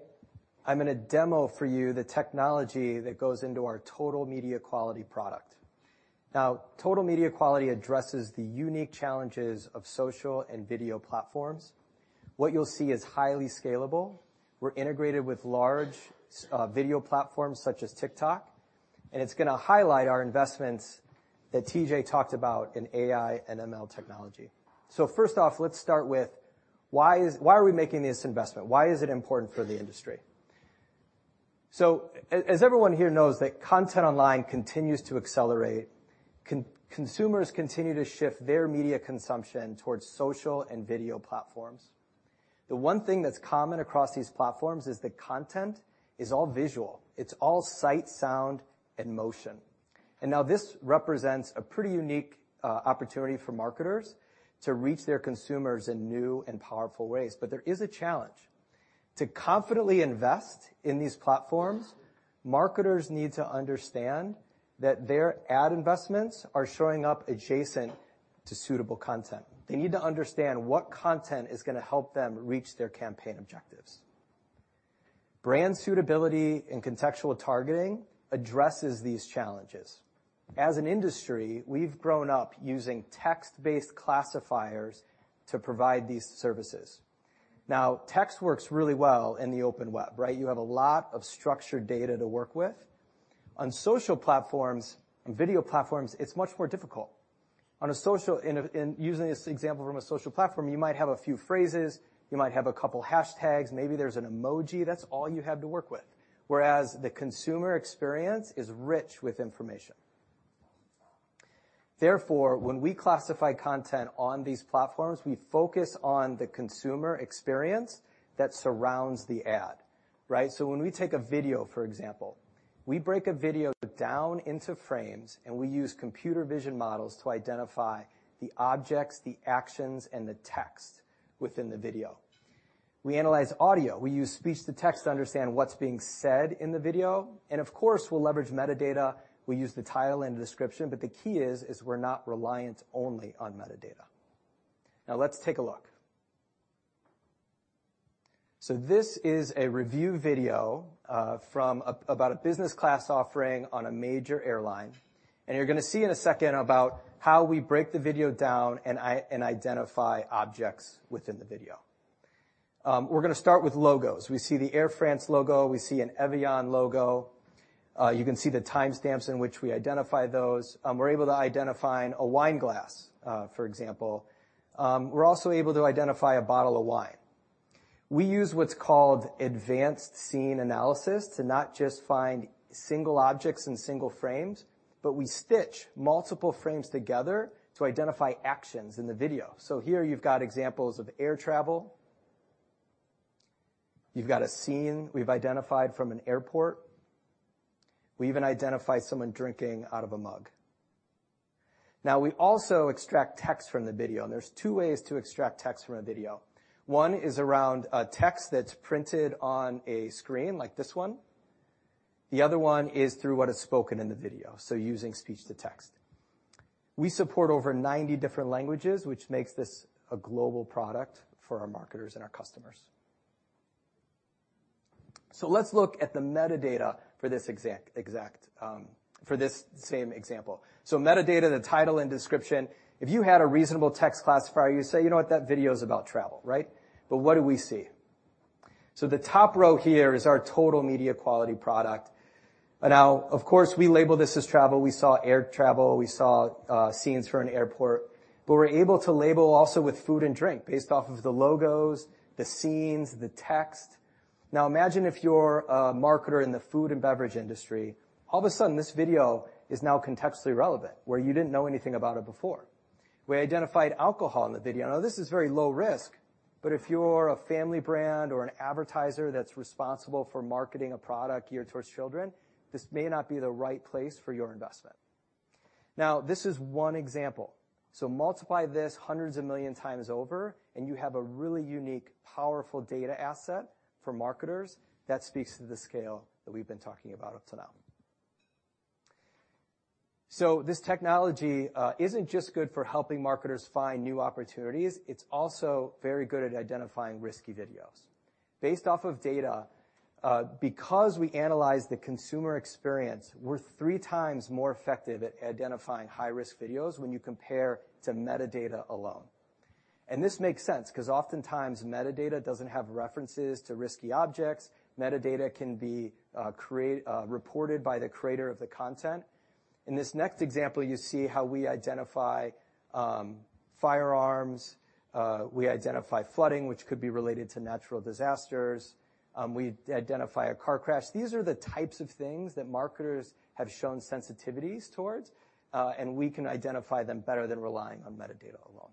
I'm gonna demo for you the technology that goes into our Total Media Quality product. Total Media Quality addresses the unique challenges of social and video platforms. What you'll see is highly scalable. We're integrated with large video platforms such as TikTok, and it's gonna highlight our investments that TJ talked about in AI and ML technology. First off, let's start with why are we making this investment? Why is it important for the industry? As everyone here knows, that content online continues to accelerate. Consumers continue to shift their media consumption towards social and video platforms. The one thing that's common across these platforms is the content is all visual. It's all sight, sound, and motion. Now this represents a pretty unique opportunity for marketers to reach their consumers in new and powerful ways. There is a challenge. To confidently invest in these platforms, marketers need to understand that their ad investments are showing up adjacent to suitable content. They need to understand what content is gonna help them reach their campaign objectives. Brand suitability and contextual targeting addresses these challenges. As an industry, we've grown up using text-based classifiers to provide these services. Text works really well in the open web, right? You have a lot of structured data to work with. On social platforms and video platforms, it's much more difficult. Using this example from a social platform, you might have a few phrases, you might have a couple hashtags, maybe there's an emoji. That's all you have to work with, whereas the consumer experience is rich with information. When we classify content on these platforms, we focus on the consumer experience that surrounds the ad, right? When we take a video, for example, we break a video down into frames, and we use computer vision models to identify the objects, the actions, and the text within the video. We analyze audio. We use speech-to-text to understand what's being said in the video, and of course, we'll leverage metadata. We use the title and description, but the key is we're not reliant only on metadata. Let's take a look. This is a review video from about a business class offering on a major airline, and you're gonna see in a second about how we break the video down and identify objects within the video. We're gonna start with logos. We see the Air France logo, we see an Evian logo. You can see the timestamps in which we identify those. We're able to identify a wine glass, for example. We're also able to identify a bottle of wine. We use what's called advanced scene analysis to not just find single objects in single frames, but we stitch multiple frames together to identify actions in the video. Here you've got examples of air travel. You've got a scene we've identified from an airport. We even identified someone drinking out of a mug. Now, we also extract text from the video, and there's two ways to extract text from a video. One is around a text that's printed on a screen, like this one. The other one is through what is spoken in the video, so using speech-to-text. We support over 90 different languages, which makes this a global product for our marketers and our customers. Let's look at the metadata for this same example. Metadata, the title, and description. If you had a reasonable text classifier, you'd say, "You know what? That video is about travel," right? What do we see? The top row here is our Total Media Quality product. Of course, we label this as travel. We saw air travel. We saw scenes for an airport, but we're able to label also with food and drink based off of the logos, the scenes, the text. Imagine if you're a marketer in the food and beverage industry. All of a sudden, this video is now contextually relevant, where you didn't know anything about it before. We identified alcohol in the video. This is very low risk, but if you're a family brand or an advertiser that's responsible for marketing a product geared towards children, this may not be the right place for your investment. This is one example, so multiply this hundreds of million times over, and you have a really unique, powerful data asset for marketers that speaks to the scale that we've been talking about up to now. This technology isn't just good for helping marketers find new opportunities. It's also very good at identifying risky videos. Based off of data, because we analyze the consumer experience, we're three times more effective at identifying high-risk videos when you compare to metadata alone. This makes sense because oftentimes metadata doesn't have references to risky objects. Metadata can be reported by the creator of the content. In this next example, you see how we identify firearms, we identify flooding, which could be related to natural disasters, we identify a car crash. These are the types of things that marketers have shown sensitivities towards. We can identify them better than relying on metadata alone.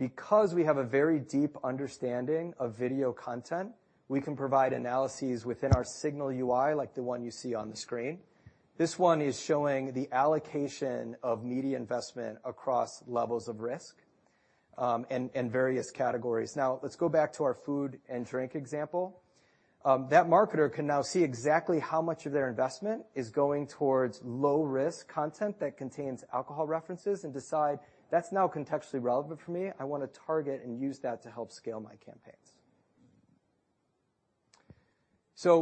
We have a very deep understanding of video content, we can provide analyses within our IAS Signal, like the one you see on the screen. This one is showing the allocation of media investment across levels of risk and various categories. Let's go back to our food and drink example. That marketer can now see exactly how much of their investment is going towards low-risk content that contains alcohol references and decide, "That's now contextually relevant for me. I want to target and use that to help scale my campaigns."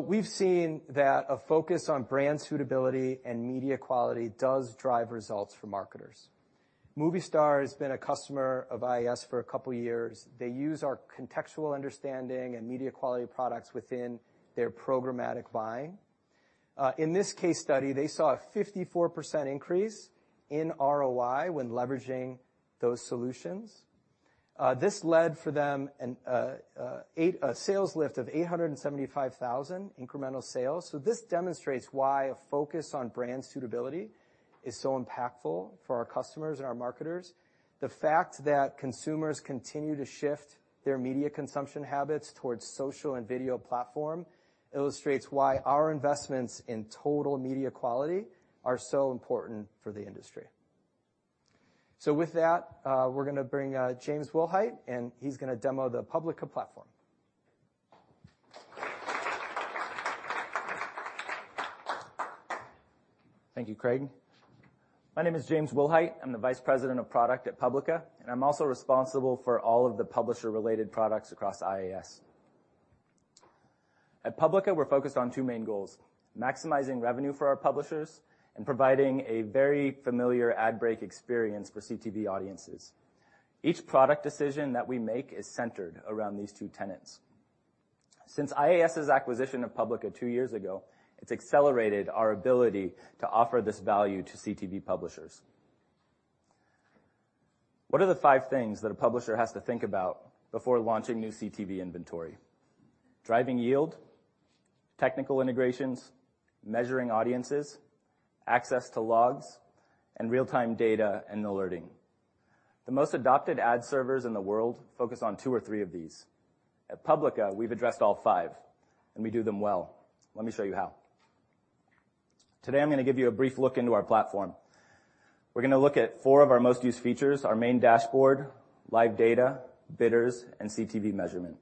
We've seen that a focus on brand suitability and media quality does drive results for marketers. Movistar has been a customer of IAS for a couple of years. They use our contextual understanding and media quality products within their programmatic buying. In this case study, they saw a 54% increase in ROI when leveraging those solutions. This led for them a sales lift of $875,000 incremental sales. This demonstrates why a focus on brand suitability is so impactful for our customers and our marketers. The fact that consumers continue to shift their media consumption habits towards social and video platform, illustrates why our investments in Total Media Quality are so important for the industry. With that, we're gonna bring James Wilhite, and he's gonna demo the Publica platform. Thank you, Craig. My name is James Wilhite. I'm the Vice President of Product at Publica, and I'm also responsible for all of the publisher-related products across IAS. At Publica, we're focused on two main goals, maximizing revenue for our publishers and providing a very familiar ad break experience for CTV audiences. Each product decision that we make is centered around these two tenets. Since IAS's acquisition of Publica two years ago, it's accelerated our ability to offer this value to CTV publishers. What are the five things that a publisher has to think about before launching new CTV inventory? Driving yield, technical integrations, measuring audiences, access to logs, and real-time data and alerting. The most adopted ad servers in the world focus on two or three of these. At Publica, we've addressed all five, and we do them well. Let me show you how. Today, I'm gonna give you a brief look into our platform. We're gonna look at four of our most used features, our main dashboard, live data, bidders, and CTV measurement.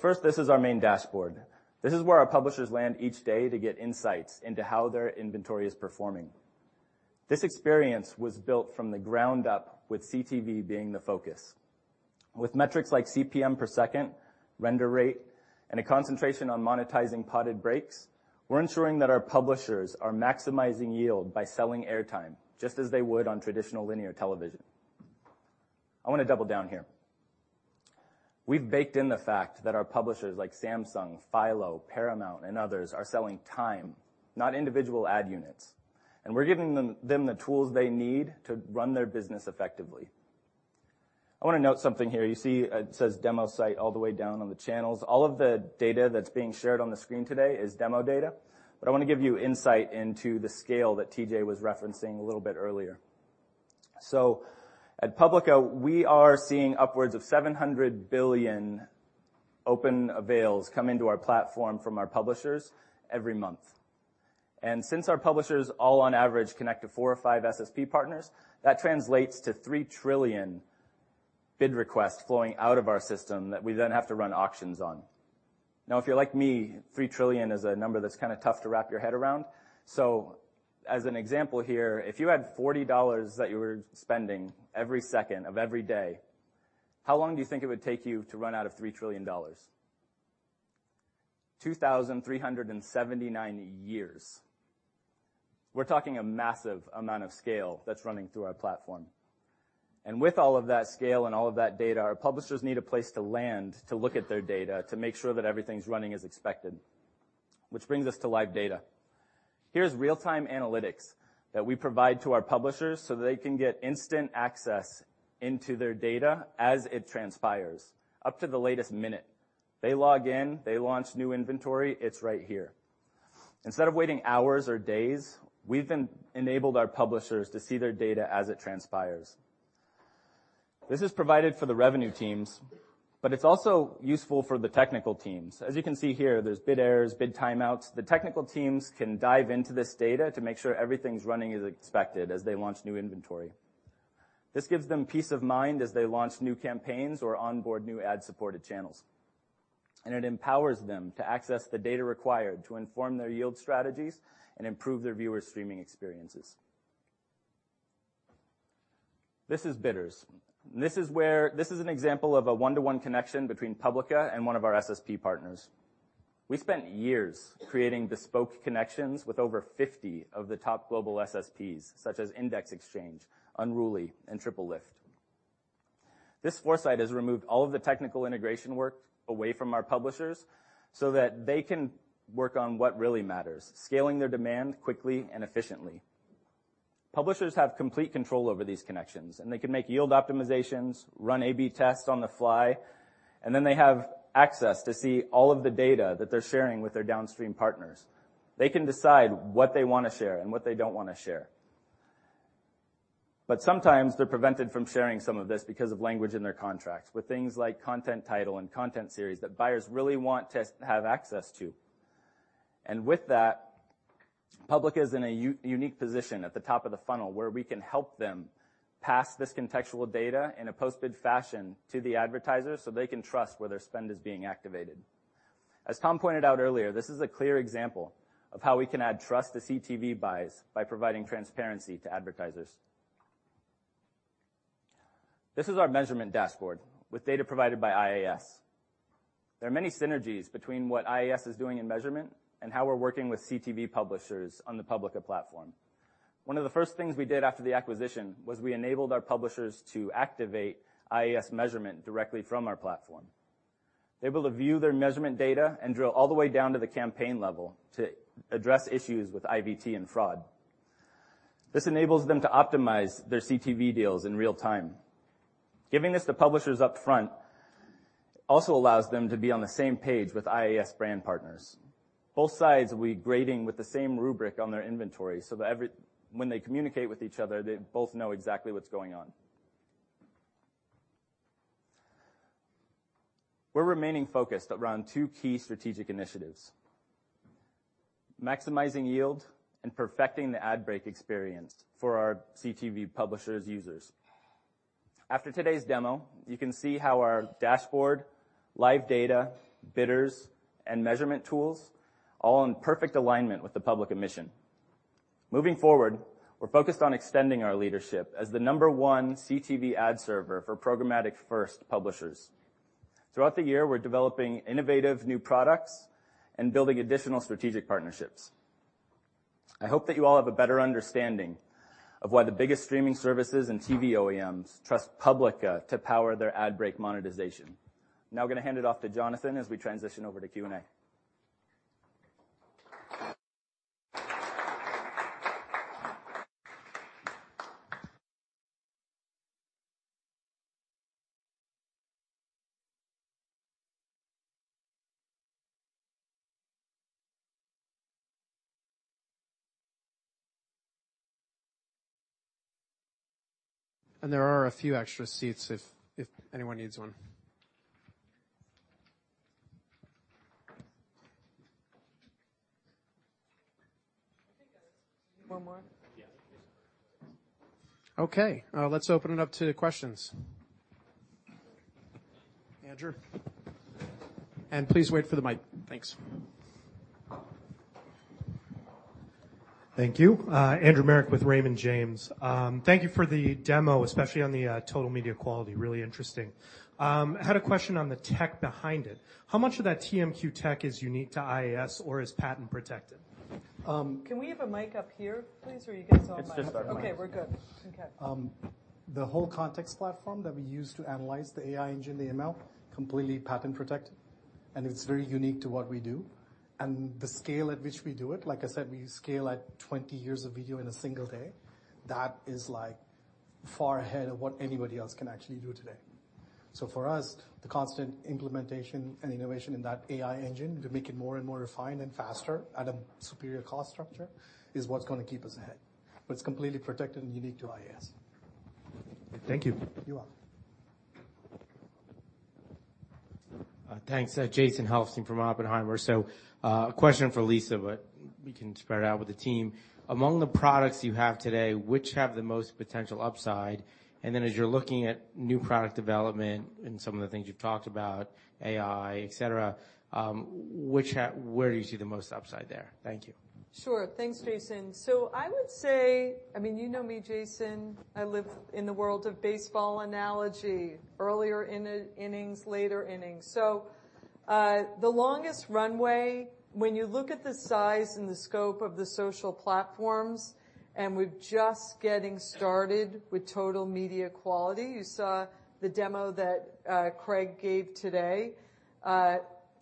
First, this is our main dashboard. This is where our publishers land each day to get insights into how their inventory is performing. This experience was built from the ground up, with CTV being the focus. With metrics like CPM per second, render rate, and a concentration on monetizing podded breaks, we're ensuring that our publishers are maximizing yield by selling airtime, just as they would on traditional linear television. I wanna double down here. We've baked in the fact that our publishers, like Samsung, Philo, Paramount, and others, are selling time, not individual ad units, and we're giving them the tools they need to run their business effectively. I wanna note something here. You see it says demo site all the way down on the channels. All of the data that's being shared on the screen today is demo data, but I wanna give you insight into the scale that TJ was referencing a little bit earlier. At Publica, we are seeing upwards of 700 billion open avails come into our platform from our publishers every month. Since our publishers all on average connect to four or five SSP partners, that translates to 3 trillion bid requests flowing out of our system that we then have to run auctions on. If you're like me, 3 trillion is a number that's kinda tough to wrap your head around. As an example here, if you had $40 that you were spending every second of every day, how long do you think it would take you to run out of $3 trillion? 2,379 years. We're talking a massive amount of scale that's running through our platform, and with all of that scale and all of that.data, our publishers need a place to land to look at their data to make sure that everything's running as expected, which brings us to live data. Here's real-time analytics that we provide to our publishers so that they can get instant access into their data as it transpires, up to the latest minute. They log in, they launch new inventory, it's right here. Instead of waiting hours or days, we've enabled our publishers to see their data as it transpires. This is provided for the revenue teams, but it's also useful for the technical teams. As you can see here, there's bid errors, bid timeouts. The technical teams can dive into this data to make sure everything's running as expected as they launch new inventory. This gives them peace of mind as they launch new campaigns or onboard new ad-supported channels, and it empowers them to access the data required to inform their yield strategies and improve their viewers' streaming experiences. This is bidders. This is an example of a one-to-one connection between Publica and one of our SSP partners. We spent years creating bespoke connections with over 50 of the top global SSPs, such as Index Exchange, Unruly, and TripleLift. This foresight has removed all of the technical integration work away from our publishers so that they can work on what really matters, scaling their demand quickly and efficiently. Publishers have complete control over these connections, and they can make yield optimizations, run A/B tests on the fly, and then they have access to see all of the data that they're sharing with their downstream partners. They can decide what they wanna share and what they don't wanna share. Sometimes they're prevented from sharing some of this because of language in their contracts, with things like content title and content series that buyers really want to have access to. With that, Publica is in a unique position at the top of the funnel, where we can help them pass this contextual data in a post-bid fashion to the advertisers, so they can trust where their spend is being activated. As Tom pointed out earlier, this is a clear example of how we can add trust to CTV buys by providing transparency to advertisers. This is our measurement dashboard with data provided by IAS. There are many synergies between what IAS is doing in measurement and how we're working with CTV publishers on the Publica platform. One of the first things we did after the acquisition was we enabled our publishers to activate IAS measurement directly from our platform. They're able to view their measurement data and drill all the way down to the campaign level to address issues with IVT and fraud. This enables them to optimize their CTV deals in real time. Giving this to publishers upfront also allows them to be on the same page with IAS brand partners. Both sides will be grading with the same rubric on their inventory, so that when they communicate with each other, they both know exactly what's going on. We're remaining focused around two key strategic initiatives: maximizing yield and perfecting the ad break experience for our CTV publishers users. After today's demo, you can see how our dashboard, live data, bidders, and measurement tools all in perfect alignment with the Publica mission. Moving forward, we're focused on extending our leadership as the number one CTV ad server for programmatic-first publishers. Throughout the year, we're developing innovative new products and building additional strategic partnerships. I hope that you all have a better understanding of why the biggest streaming services and TV OEMs trust Publica to power their ad break monetization. I'm going to hand it off to Jonathan as we transition over to Q&A. There are a few extra seats if anyone needs one. I think one more? Yeah. Okay, let's open it up to questions. Andrew. Please wait for the mic. Thanks. Thank you. Andrew Marok with Raymond James. Thank you for the demo, especially on the Total Media Quality. Really interesting. Had a question on the tech behind it. How much of that TMQ tech is unique to IAS, or is patent protected? Can we have a mic up here, please, or you guys- It's just up. Okay, we're good. Okay. The whole Context platform that we use to analyze the AI engine, the ML, completely patent protected, it's very unique to what we do. The scale at which we do it, like I said, we scale, like, 20 years of video in a single day. That is, like, far ahead of what anybody else can actually do today. For us, the constant implementation and innovation in that AI engine to make it more and more refined and faster at a superior cost structure is what's going to keep us ahead. It's completely protected and unique to IAS. Thank you. You're welcome. Thanks. Jason Helfstein from Oppenheimer. A question for Lisa, but we can spread it out with the team. Among the products you have today, which have the most potential upside? As you're looking at new product development and some of the things you've talked about, AI, et cetera, where do you see the most upside there? Thank you. Sure. Thanks, Jason. I would say, I mean, you know me, Jason, I live in the world of baseball analogy, earlier in innings, later innings. The longest runway, when you look at the size and the scope of the social platforms, and we're just getting started with Total Media Quality. You saw the demo that Craig gave today.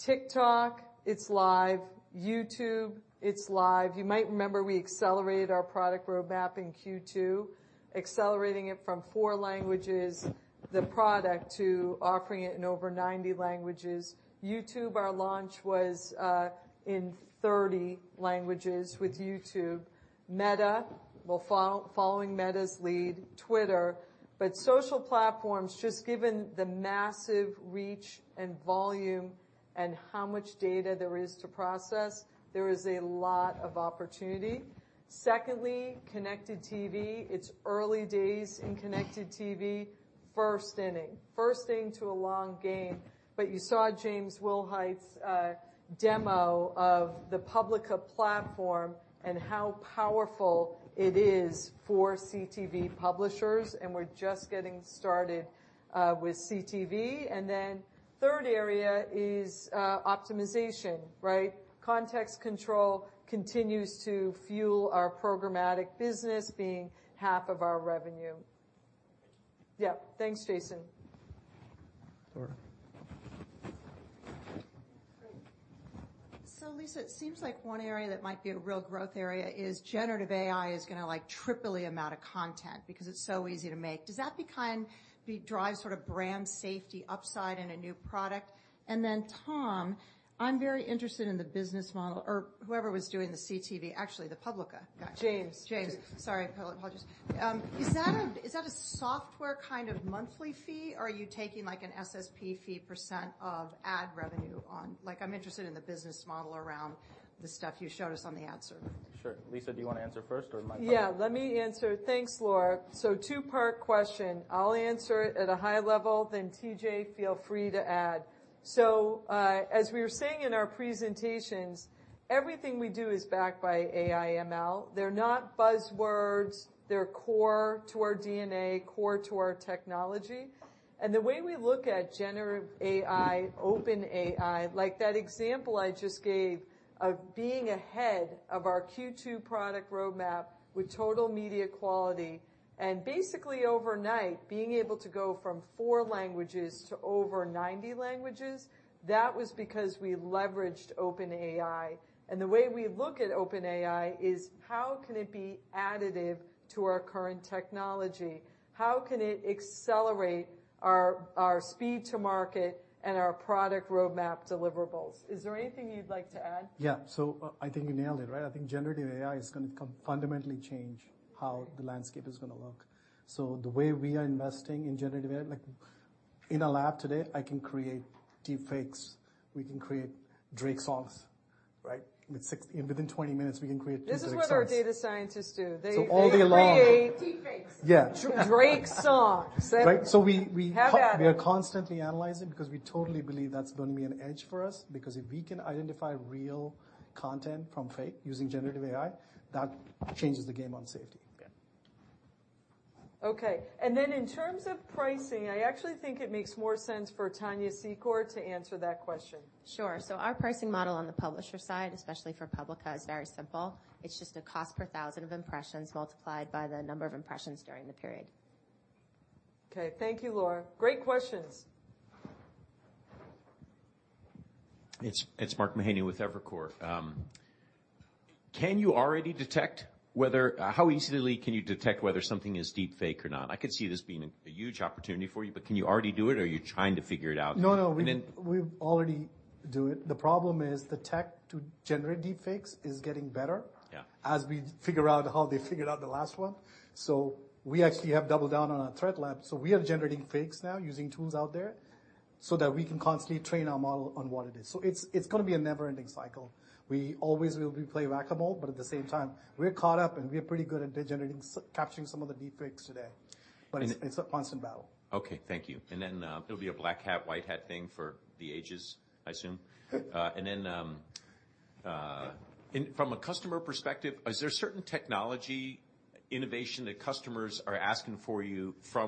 TikTok, it's live. YouTube, it's live. You might remember we accelerated our product roadmap in Q2, accelerating it from 4 languages, the product, to offering it in over 90 languages. YouTube, our launch was in 30 languages with YouTube. Meta, following Meta's lead, Twitter. Social platforms, just given the massive reach and volume and how much data there is to process, there is a lot of opportunity. Secondly, connected TV. It's early days in connected TV, first inning. First inning to a long game, but you saw James Wilhite's demo of the Publica platform and how powerful it is for CTV publishers, and we're just getting started with CTV. Third area is optimization, right? Context Control continues to fuel our programmatic business being half of our revenue. Thanks, Jason. Laura. Great. Lisa, it seems like one area that might be a real growth area is generative AI is gonna, like, triple the amount of content because it's so easy to make. Does that drive sort of brand safety upside in a new product? Tom, I'm very interested in the business model or whoever was doing the CTV, actually, the Publica guy. James. James. Sorry. Apologies. Is that a software kind of monthly fee, or are you taking like an SSP fee percent of ad revenue on... I'm interested in the business model around the stuff you showed us on the ad server. Sure. Lisa, do you want to answer first, or am I- Yeah, let me answer. Thanks, Laura. Two-part question. I'll answer it at a high level, then TJ, feel free to add. As we were saying in our presentations, everything we do is backed by AI ML. They're not buzzwords, they're core to our DNA, core to our technology. The way we look at generative AI, OpenAI, like that example I just gave of being ahead of our Q2 product roadmap with Total Media Quality, and basically overnight, being able to go from 4 languages to over 90 languages, that was because we leveraged OpenAI. The way we look at OpenAI is how can it be additive to our current technology? How can it accelerate our speed to market and our product roadmap deliverables? Is there anything you'd like to add? Yeah. I think you nailed it, right? I think generative AI is going to fundamentally change how the landscape is going to look. The way we are investing in generative AI, like in a lab today, I can create deepfakes. We can create Drake songs, right? Within 20 minutes, we can create two Drake songs. This is what our data scientists do. All day long. They. Deepfakes. Yeah. Drake songs. Right. Have at it. We are constantly analyzing because we totally believe that's going to be an edge for us. Because if we can identify real content from fake using generative AI, that changes the game on safety. Yeah. Okay, in terms of pricing, I actually think it makes more sense for Tania Secor to answer that question. Sure. Our pricing model on the publisher side, especially for Publica, is very simple. It's just a cost per thousand of impressions multiplied by the number of impressions during the period. Okay. Thank you, Laura. Great questions. It's Mark Mahaney with Evercore. how easily can you detect whether something is deepfake or not? I could see this being a huge opportunity for you, can you already do it, or are you trying to figure it out? No, no. And then- We already do it. The problem is the tech to generate deepfakes is getting better- Yeah... as we figure out how they figured out the last one. We actually have doubled down on our threat lab. We are generating fakes now using tools out there so that we can constantly train our model on what it is. It's going to be a never-ending cycle. We always will be play whack-a-mole, but at the same time, we're caught up, and we're pretty good at generating capturing some of the deepfakes today, but... And- It's a constant battle. Okay, thank you. Then, it'll be a black hat-white hat thing for the ages, I assume. Then, From a customer perspective, is there certain technology innovation that customers are asking from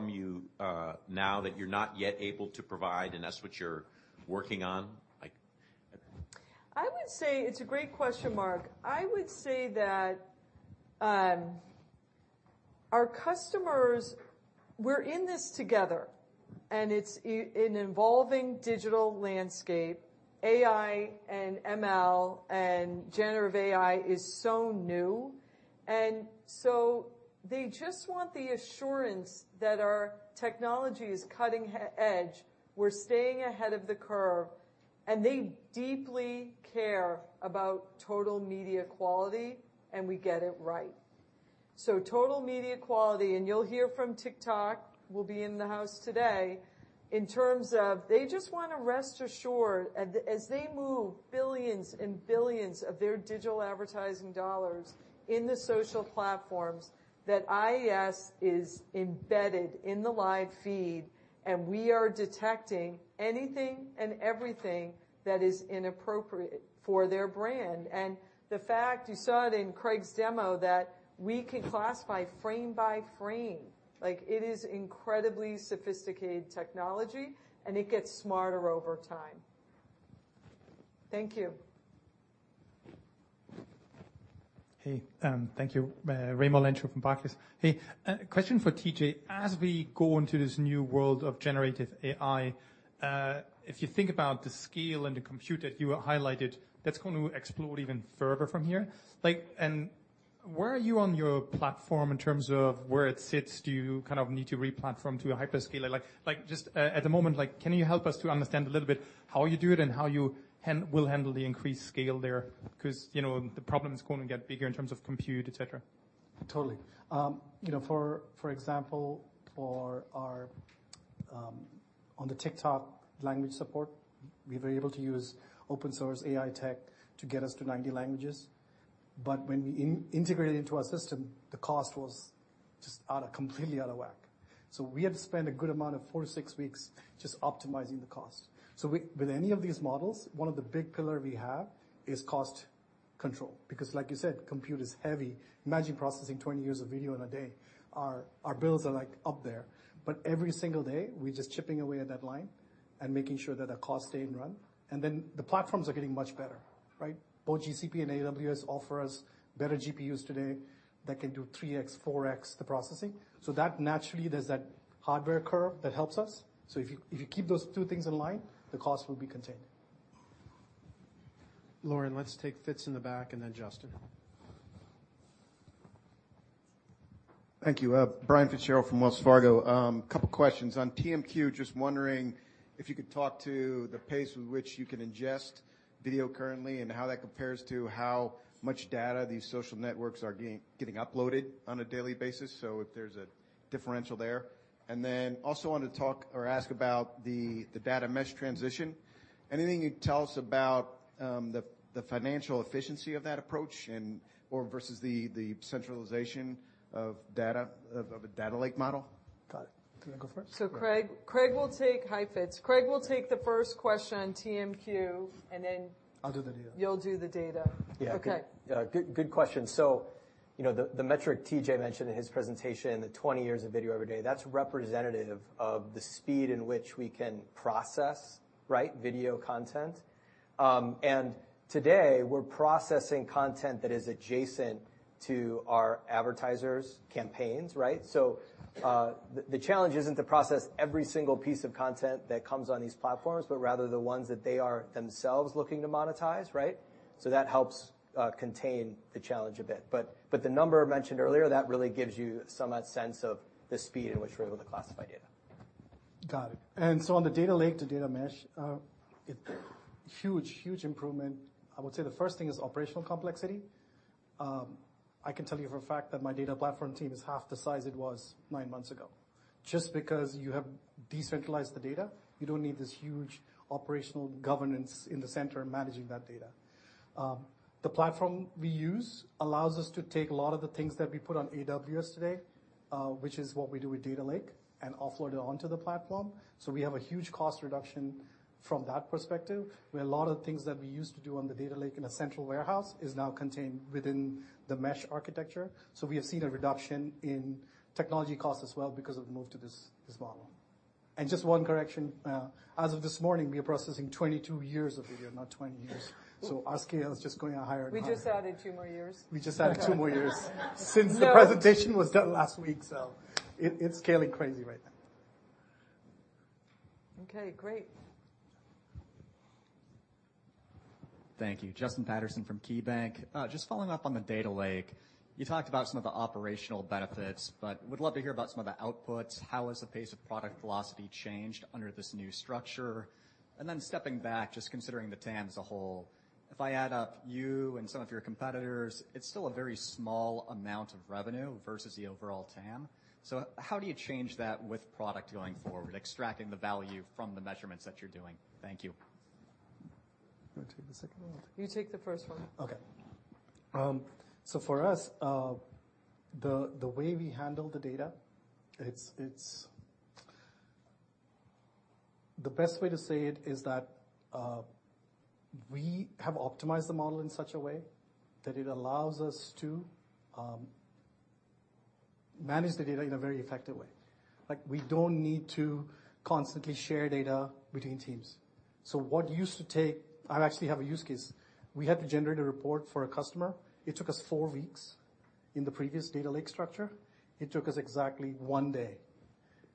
you, now that you're not yet able to provide and that's what you're working on? I would say it's a great question, Mark. I would say that our customers, we're in this together, and it's an evolving digital landscape. AI and ML and generative AI is so new. They just want the assurance that our technology is cutting-edge, we're staying ahead of the curve, and they deeply care about Total Media Quality. We get it right. Total Media Quality, and you'll hear from TikTok, will be in the house today, in terms of they just want to rest assured as they move billions and billions of their digital advertising dollars in the social platforms, that IAS is embedded in the live feed, and we are detecting anything and everything that is inappropriate for their brand. The fact, you saw it in Craig's demo, that we can classify frame by frame. Like, it is incredibly sophisticated technology, and it gets smarter over time. Thank you. Hey, thank you. Raimo Lenschow from Barclays. Hey, a question for TJ. As we go into this new world of generative AI, if you think about the scale and the compute that you highlighted, that's going to explode even further from here. Like, and where are you on your platform in terms of where it sits? Do you kind of need to replatform to a hyperscaler? Like, just at the moment, can you help us to understand a little bit how you do it and how you will handle the increased scale there? Because, you know, the problem is going to get bigger in terms of compute, et cetera. Totally. You know, for example, for our TikTok language support, we were able to use open source AI tech to get us to 90 languages, when we integrated into our system, the cost was just completely out of whack. We had to spend a good amount of 4 to 6 weeks just optimizing the cost. With any of these models, one of the big pillar we have is cost control, because like you said, compute is heavy. Imagine processing 20 years of video in a day. Our bills are, like, up there. Every single day, we're just chipping away at that line and making sure that the costs stay in run, then the platforms are getting much better, right? Both GCP and AWS offer us better GPUs today that can do 3x, 4x the processing. That naturally, there's that hardware curve that helps us. If you keep those two things in line, the cost will be contained. Lauren, let's take Fitz in the back, and then Justin. Thank you. Brian Fitzgerald from Wells Fargo. A couple questions. On TMQ, just wondering if you could talk to the pace with which you can ingest video currently, and how that compares to how much data these social networks are getting uploaded on a daily basis, so if there's a differential there. Also want to talk or ask about the data mesh transition. Anything you can tell us about the financial efficiency of that approach and/or versus the centralization of data, of a data lake model? Got it. Do you want to go first? Craig, hi, Fitz. Craig will take the first question on TMQ, and then- I'll do the data. You'll do the data. Yeah. Okay. Good question. You know, the metric TJ mentioned in his presentation, the 20 years of video every day, that's representative of the speed in which we can process, right, video content. Today, we're processing content that is adjacent to our advertisers' campaigns, right? The challenge isn't to process every single piece of content that comes on these platforms, but rather the ones that they are themselves looking to monetize, right? That helps contain the challenge a bit. But the number I mentioned earlier, that really gives you somewhat sense of the speed in which we're able to classify data. Got it. On the data lake to data mesh, huge, huge improvement. I would say the first thing is operational complexity. I can tell you for a fact that my data platform team is half the size it was nine months ago. Just because you have decentralized the data, you don't need this huge operational governance in the center managing that data. The platform we use allows us to take a lot of the things that we put on AWS today, which is what we do with data lake, and offload it onto the platform. We have a huge cost reduction from that perspective, where a lot of the things that we used to do on the data lake in a central warehouse is now contained within the mesh architecture. We have seen a reduction in technology costs as well because of the move to this model. Just one correction, as of this morning, we are processing 22 years of video, not 20 years. Our scale is just going higher and higher. We just added two more years. We just added two more years since the presentation was done last week, so it's scaling crazy right now. Okay, great. Thank you. Justin Patterson from KeyBanc. Just following up on the data lake. You talked about some of the operational benefits, but would love to hear about some of the outputs. How has the pace of product velocity changed under this new structure? Then stepping back, just considering the TAM as a whole, if I add up you and some of your competitors, it's still a very small amount of revenue versus the overall TAM. How do you change that with product going forward, extracting the value from the measurements that you're doing? Thank you. You want to take the second one? You take the first one. Okay. For us, the way we handle the data, the best way to say it is that we have optimized the model in such a way that it allows us to manage the data in a very effective way. Like, we don't need to constantly share data between teams. I actually have a use case. We had to generate a report for a customer. It took us four weeks in the previous data lake structure. It took us exactly one day,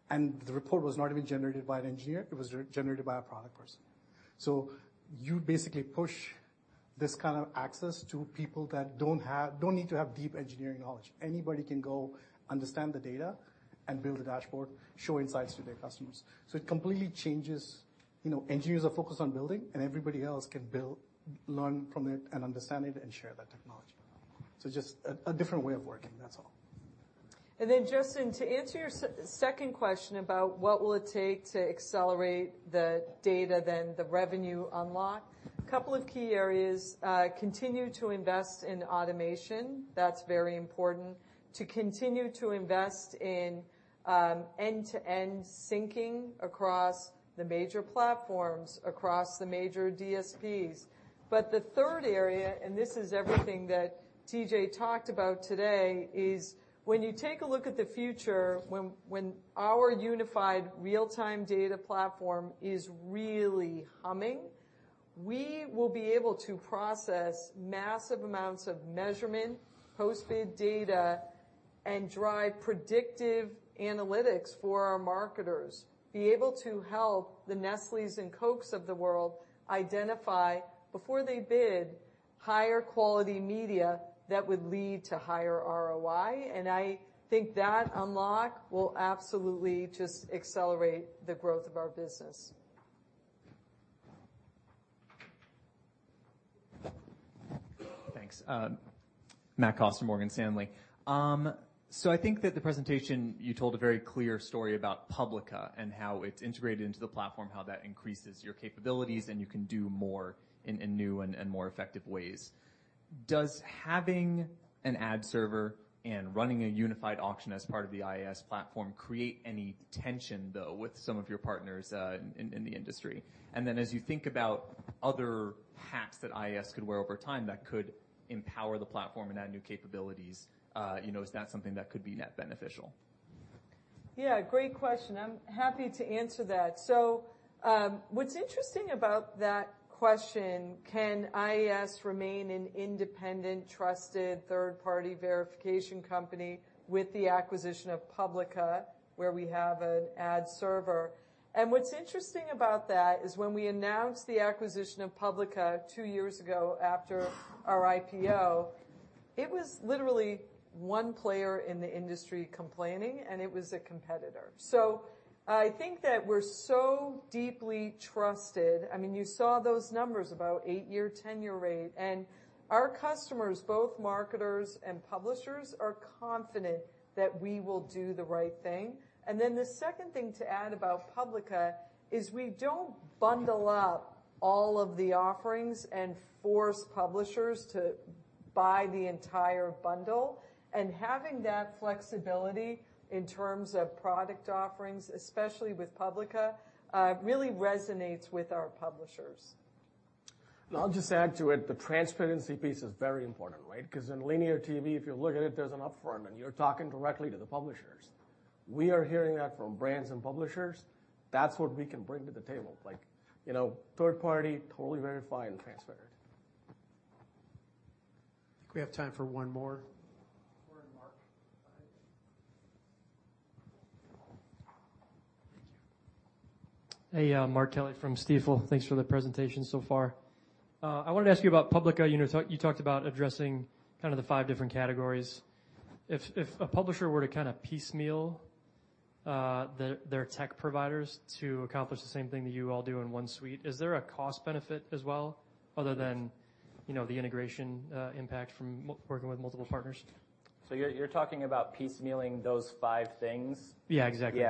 and the report was not even generated by an engineer, it was generated by a product person. You basically push this kind of access to people that don't need to have deep engineering knowledge. Anybody can go understand the data and build a dashboard, show insights to their customers. It completely changes, you know, engineers are focused on building, and everybody else can build, learn from it, and understand it, and share that technology. Just a different way of working, that's all. Justin, to answer your second question about what will it take to accelerate the data, then the revenue unlock, a couple of key areas, continue to invest in automation. That's very important. To continue to invest in end-to-end syncing across the major platforms, across the major DSPs. The third area, and this is everything that TJ talked about today, is when you take a look at the future, when our unified real-time data platform is really humming, we will be able to process massive amounts of measurement, post-bid data, and drive predictive analytics for our marketers. Be able to help the Nestlé and Cokes of the world identify, before they bid, higher quality media that would lead to higher ROI. I think that unlock will absolutely just accelerate the growth of our business. Thanks, Matthew Costa, Morgan Stanley. I think that the presentation, you told a very clear story about Publica and how it's integrated into the platform, how that increases your capabilities, and you can do more in new and more effective ways. Does having an ad server and running a unified auction as part of the IAS platform create any tension, though, with some of your partners, in the industry? As you think about other hats that IAS could wear over time, that could empower the platform and add new capabilities, you know, is that something that could be net beneficial? Yeah, great question. I'm happy to answer that. What's interesting about that question, can IAS remain an independent, trusted, third-party verification company with the acquisition of Publica, where we have an ad server? What's interesting about that is when we announced the acquisition of Publica two years ago after our IPO, it was literally one player in the industry complaining, and it was a competitor. I think that we're so deeply trusted. I mean, you saw those numbers, about 8-year tenure rate, and our customers, both marketers and publishers, are confident that we will do the right thing. The second thing to add about Publica is we don't bundle up all of the offerings and force publishers to buy the entire bundle, and having that flexibility in terms of product offerings, especially with Publica really resonates with our publishers. I'll just add to it, the transparency piece is very important, right? In linear TV, if you look at it, there's an upfront, and you're talking directly to the publishers. We are hearing that from brands and publishers. That's what we can bring to the table, like, you know, third party, totally verified and transparent. We have time for one more. Mark. Hey, Mark Kelley from Stifel. Thanks for the presentation so far. I wanted to ask you about Publica. You know, you talked about addressing kind of the five different categories. If a publisher were to kind of piecemeal their tech providers to accomplish the same thing that you all do in one suite, is there a cost benefit as well, other than, you know, the integration impact from working with multiple partners? You're talking about piecemealing those five things? Yeah, exactly.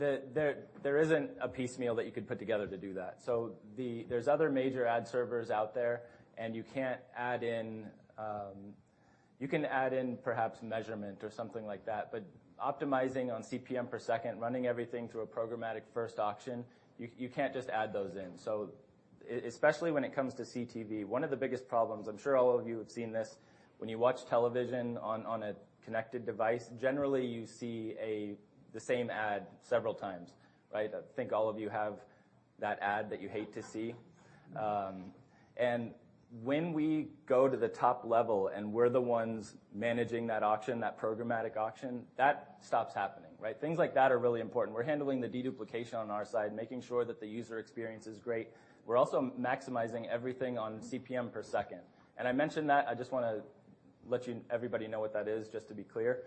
Yeah. there isn't a piecemeal that you could put together to do that. There's other major ad servers out there, and you can't add in. You can add in perhaps measurement or something like that, but optimizing on CPM per second, running everything through a programmatic first auction, you can't just add those in. Especially when it comes to CTV, one of the biggest problems, I'm sure all of you have seen this, when you watch television on a connected device, generally, you see the same ad several times, right? I think all of you have that ad that you hate to see. When we go to the top level, and we're the ones managing that programmatic auction, that stops happening, right? Things like that are really important. We're handling the deduplication on our side, making sure that the user experience is great. We're also maximizing everything on CPM per second. I mentioned that, I just wanna let everybody know what that is, just to be clear.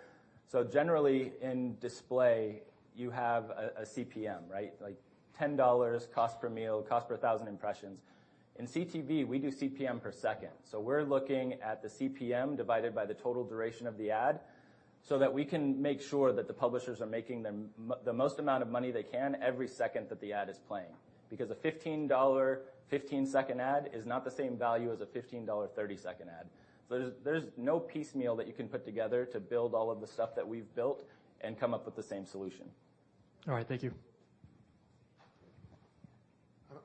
Generally, in display, you have a CPM, right? Like $10, cost per mille, cost per 1,000 impressions. In CTV, we do CPM per second. We're looking at the CPM divided by the total duration of the ad, so that we can make sure that the publishers are making the most amount of money they can every second that the ad is playing. A $15-second ad is not the same value as a $15, 30-second ad. There's no piecemeal that you can put together to build all of the stuff that we've built and come up with the same solution. All right. Thank you.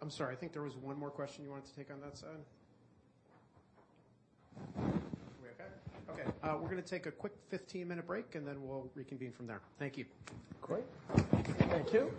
I'm sorry. I think there was one more question you wanted to take on that side? Okay, okay. We're going to take a quick 15-minute break, and then we'll reconvene from there. Thank you. Great. Thank you.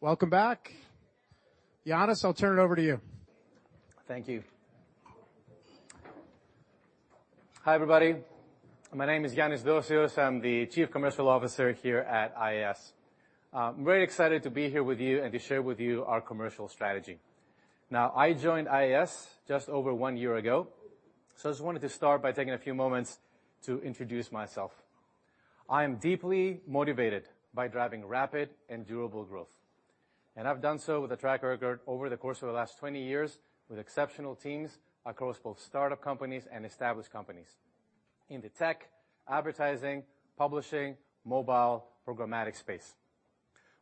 Welcome back. Yannis, I'll turn it over to you. Thank you. Hi, everybody. My name is Yannis Dosios. I'm the Chief Commercial Officer here at IAS. I'm very excited to be here with you and to share with you our commercial strategy. I joined IAS just over one year ago, so I just wanted to start by taking a few moments to introduce myself. I am deeply motivated by driving rapid and durable growth, and I've done so with a track record over the course of the last 20 years, with exceptional teams across both startup companies and established companies in the tech, advertising, publishing, mobile, programmatic space.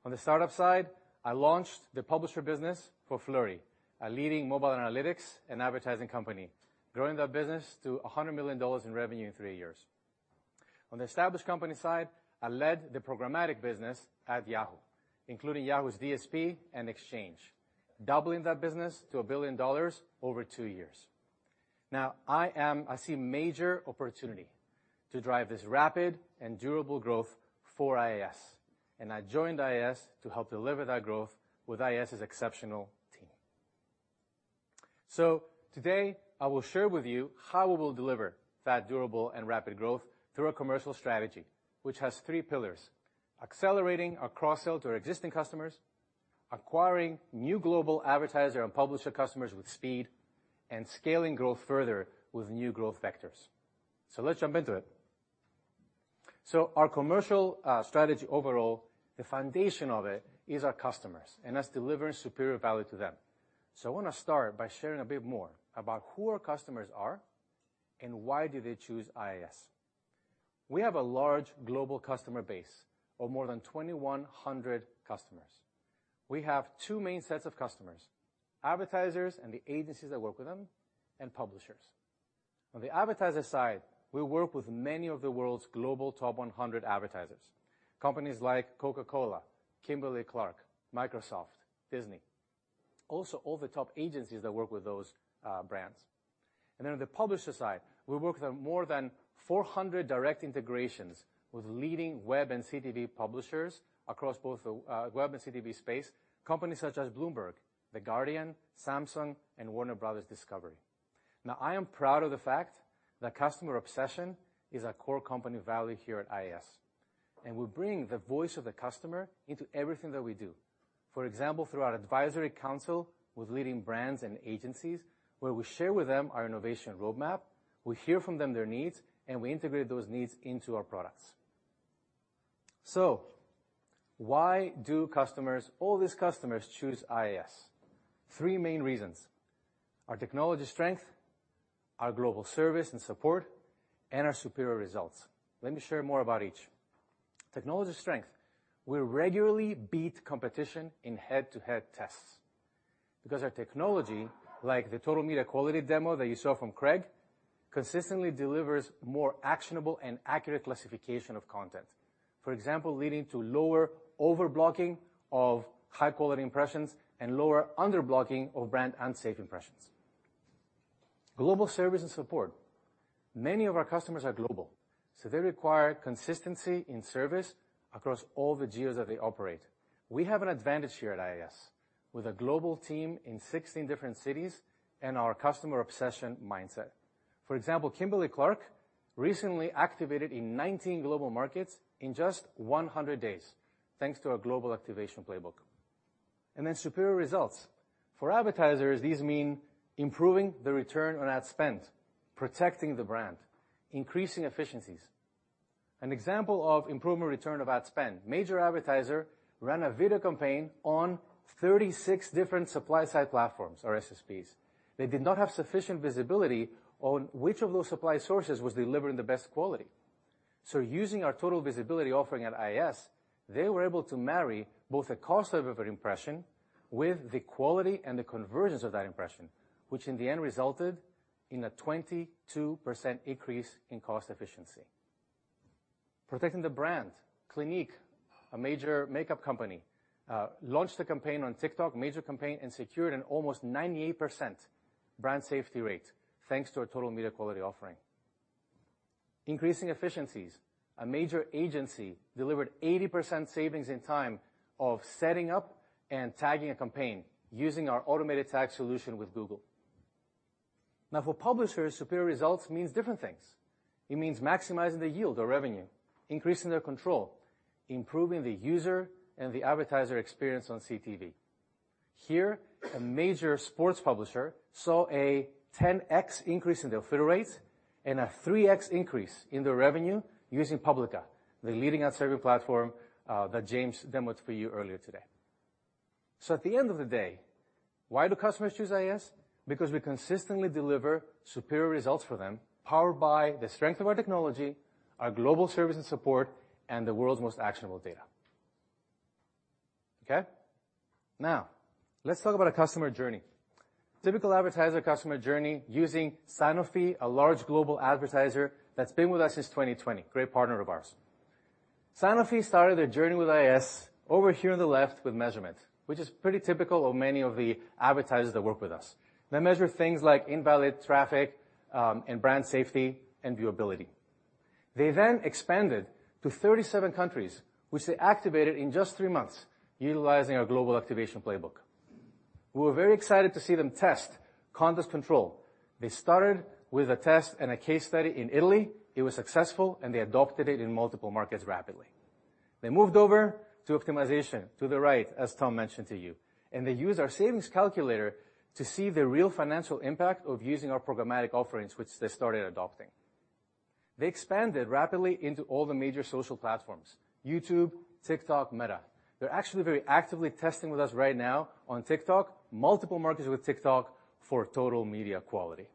On the startup side, I launched the publisher business for Flurry, a leading mobile analytics and advertising company, growing that business to $100 million in revenue in three years. On the established company side, I led the programmatic business at Yahoo, including Yahoo's DSP and Exchange, doubling that business to $1 billion over two years. I see major opportunity to drive this rapid and durable growth for IAS, and I joined IAS to help deliver that growth with IAS's exceptional team. Today, I will share with you how we will deliver that durable and rapid growth through our commercial strategy, which has three pillars: accelerating our cross-sell to our existing customers, acquiring new global advertiser and publisher customers with speed, and scaling growth further with new growth vectors. Let's jump into it. Our commercial strategy overall, the foundation of it is our customers, and that's delivering superior value to them. I want to start by sharing a bit more about who our customers are and why do they choose IAS. We have a large global customer base of more than 2,100 customers. We have 2 main sets of customers, advertisers and the agencies that work with them, and publishers. On the advertiser side, we work with many of the world's global top 100 advertisers, companies like Coca-Cola, Kimberly-Clark, Microsoft, Disney. Also, all the top agencies that work with those brands. On the publisher side, we work with more than 400 direct integrations with leading web and CTV publishers across both the web and CTV space, companies such as Bloomberg, The Guardian, Samsung, and Warner Bros. Discovery. Now, I am proud of the fact that customer obsession is a core company value here at IAS, and we bring the voice of the customer into everything that we do. For example, through our advisory council with leading brands and agencies, where we share with them our innovation roadmap, we hear from them their needs, and we integrate those needs into our products. Why do all these customers choose IAS? Three main reasons: our technology strength, our global service and support, and our superior results. Let me share more about each. Technology strength. We regularly beat competition in head-to-head tests because our technology, like the Total Media Quality demo that you saw from Craig Ziegler, consistently delivers more actionable and accurate classification of content. For example, leading to lower overblocking of high-quality impressions and lower underblocking of brand unsafe impressions. Global service and support. Many of our customers are global, they require consistency in service across all the geos that they operate. We have an advantage here at IAS with a global team in 16 different cities and our customer obsession mindset. For example, Kimberly-Clark recently activated in 19 global markets in just 100 days, thanks to our global activation playbook. Superior results. For advertisers, these mean improving the return on ad spend, protecting the brand, increasing efficiencies. An example of improving return of ad spend, major advertiser ran a video campaign on 36 different supply-side platforms or SSPs. They did not have sufficient visibility on which of those supply sources was delivering the best quality. Using our Total Visibility offering at IAS, they were able to marry both the cost of every impression with the quality and the convergence of that impression, which in the end resulted in a 22% increase in cost efficiency. Protecting the brand. Clinique, a major makeup company, launched a campaign on TikTok, major campaign, and secured an almost 98% brand safety rate, thanks to our Total Media Quality offering. Increasing efficiencies. A major agency delivered 80% savings in time of setting up and tagging a campaign using our automated tag solution with Google. For publishers, superior results means different things. It means maximizing the yield or revenue, increasing their control, improving the user and the advertiser experience on CTV. Here, a major sports publisher saw a 10x increase in their fill rates and a 3x increase in their revenue using Publica, the leading ad server platform, that James demoed for you earlier today. At the end of the day, why do customers choose IAS? We consistently deliver superior results for them, powered by the strength of our technology, our global service and support, and the world's most actionable data. Okay? Let's talk about a customer journey. Typical advertiser customer journey using Sanofi, a large global advertiser that's been with us since 2020. Great partner of ours. Sanofi started their journey with IAS over here on the left with measurement, which is pretty typical of many of the advertisers that work with us. They measure things like invalid traffic, and brand safety and viewability. They expanded to 37 countries, which they activated in just three months, utilizing our global activation playbook. We were very excited to see them test Context Control. They started with a test and a case study in Italy. It was successful, and they adopted it in multiple markets rapidly. They moved over to optimization, to the right, as Tom mentioned to you, and they used our savings calculator to see the real financial impact of using our programmatic offerings, which they started adopting. They expanded rapidly into all the major social platforms, YouTube, TikTok, Meta. They're actually very actively testing with us right now on TikTok, multiple markets with TikTok for Total Media Quality.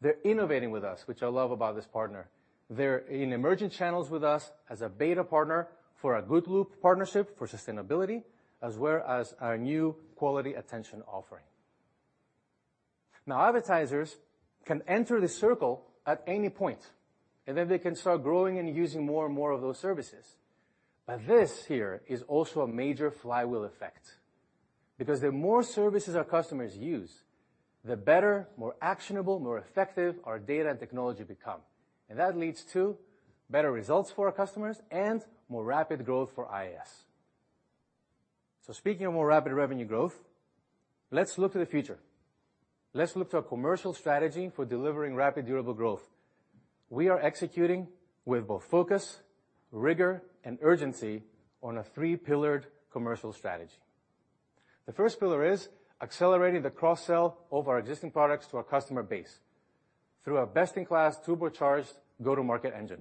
They're innovating with us, which I love about this partner. They're in emerging channels with us as a beta partner for our Good-Loop partnership for sustainability, as well as our new Quality Attention offering. Now, advertisers can enter the circle at any point, and then they can start growing and using more and more of those services. This here is also a major flywheel effect, because the more services our customers use, the better, more actionable, more effective our data and technology become, and that leads to better results for our customers and more rapid growth for IAS. Speaking of more rapid revenue growth, let's look to the future. Let's look to our commercial strategy for delivering rapid, durable growth. We are executing with both focus, rigor, and urgency on a three-pillared commercial strategy. The first pillar is accelerating the cross-sell of our existing products to our customer base through our best-in-class, turbocharged go-to-market engine.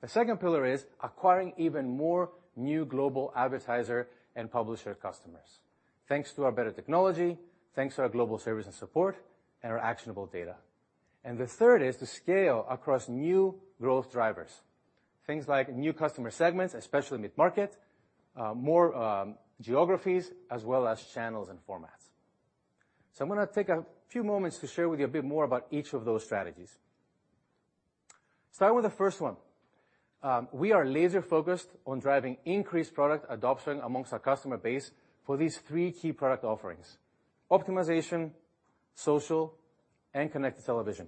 The second pillar is acquiring even more new global advertiser and publisher customers, thanks to our better technology, thanks to our global service and support, and our actionable data. The third is to scale across new growth drivers, things like new customer segments, especially mid-market, more geographies, as well as channels and formats. I'm gonna take a few moments to share with you a bit more about each of those strategies. Start with the first one. We are laser-focused on driving increased product adoption amongst our customer base for these three key product offerings: optimization, social, and connected television.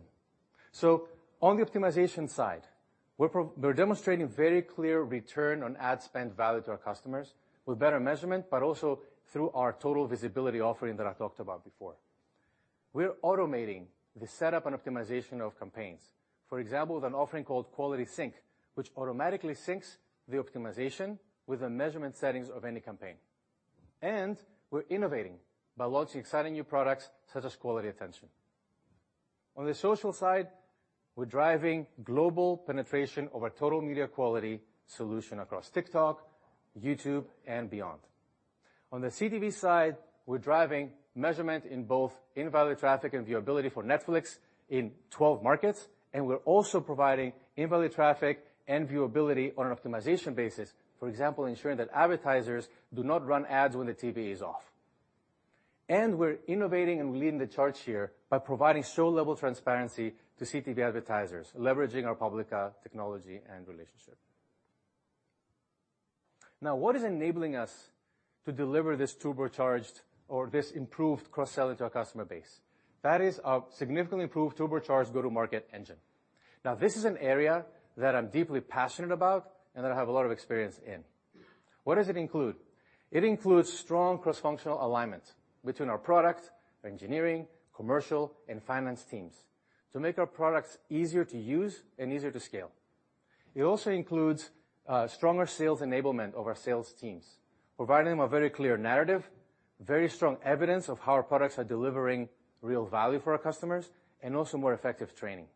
On the optimization side, we're demonstrating very clear return on ad spend value to our customers with better measurement, but also through our Total Visibility offering that I talked about before. We're automating the setup and optimization of campaigns. For example, with an offering called Quality Sync, which automatically syncs the optimization with the measurement settings of any campaign. We're innovating by launching exciting new products such as Quality Attention. On the social side, we're driving global penetration of our Total Media Quality solution across TikTok, YouTube, and beyond. On the CTV side, we're driving measurement in both invalid traffic and viewability for Netflix in 12 markets. We're also providing invalid traffic and viewability on an optimization basis, for example, ensuring that advertisers do not run ads when the TV is off. We're innovating and leading the charge here by providing show-level transparency to CTV advertisers, leveraging our Publica technology and relationship. What is enabling us to deliver this turbocharged or this improved cross-sell into our customer base? That is a significantly improved, turbocharged go-to-market engine. This is an area that I'm deeply passionate about and that I have a lot of experience in. What does it include? It includes strong cross-functional alignment between our product, engineering, commercial, and finance teams to make our products easier to use and easier to scale. It also includes stronger sales enablement of our sales teams, providing them a very clear narrative, very strong evidence of how our products are delivering real value for our customers, and also more effective training.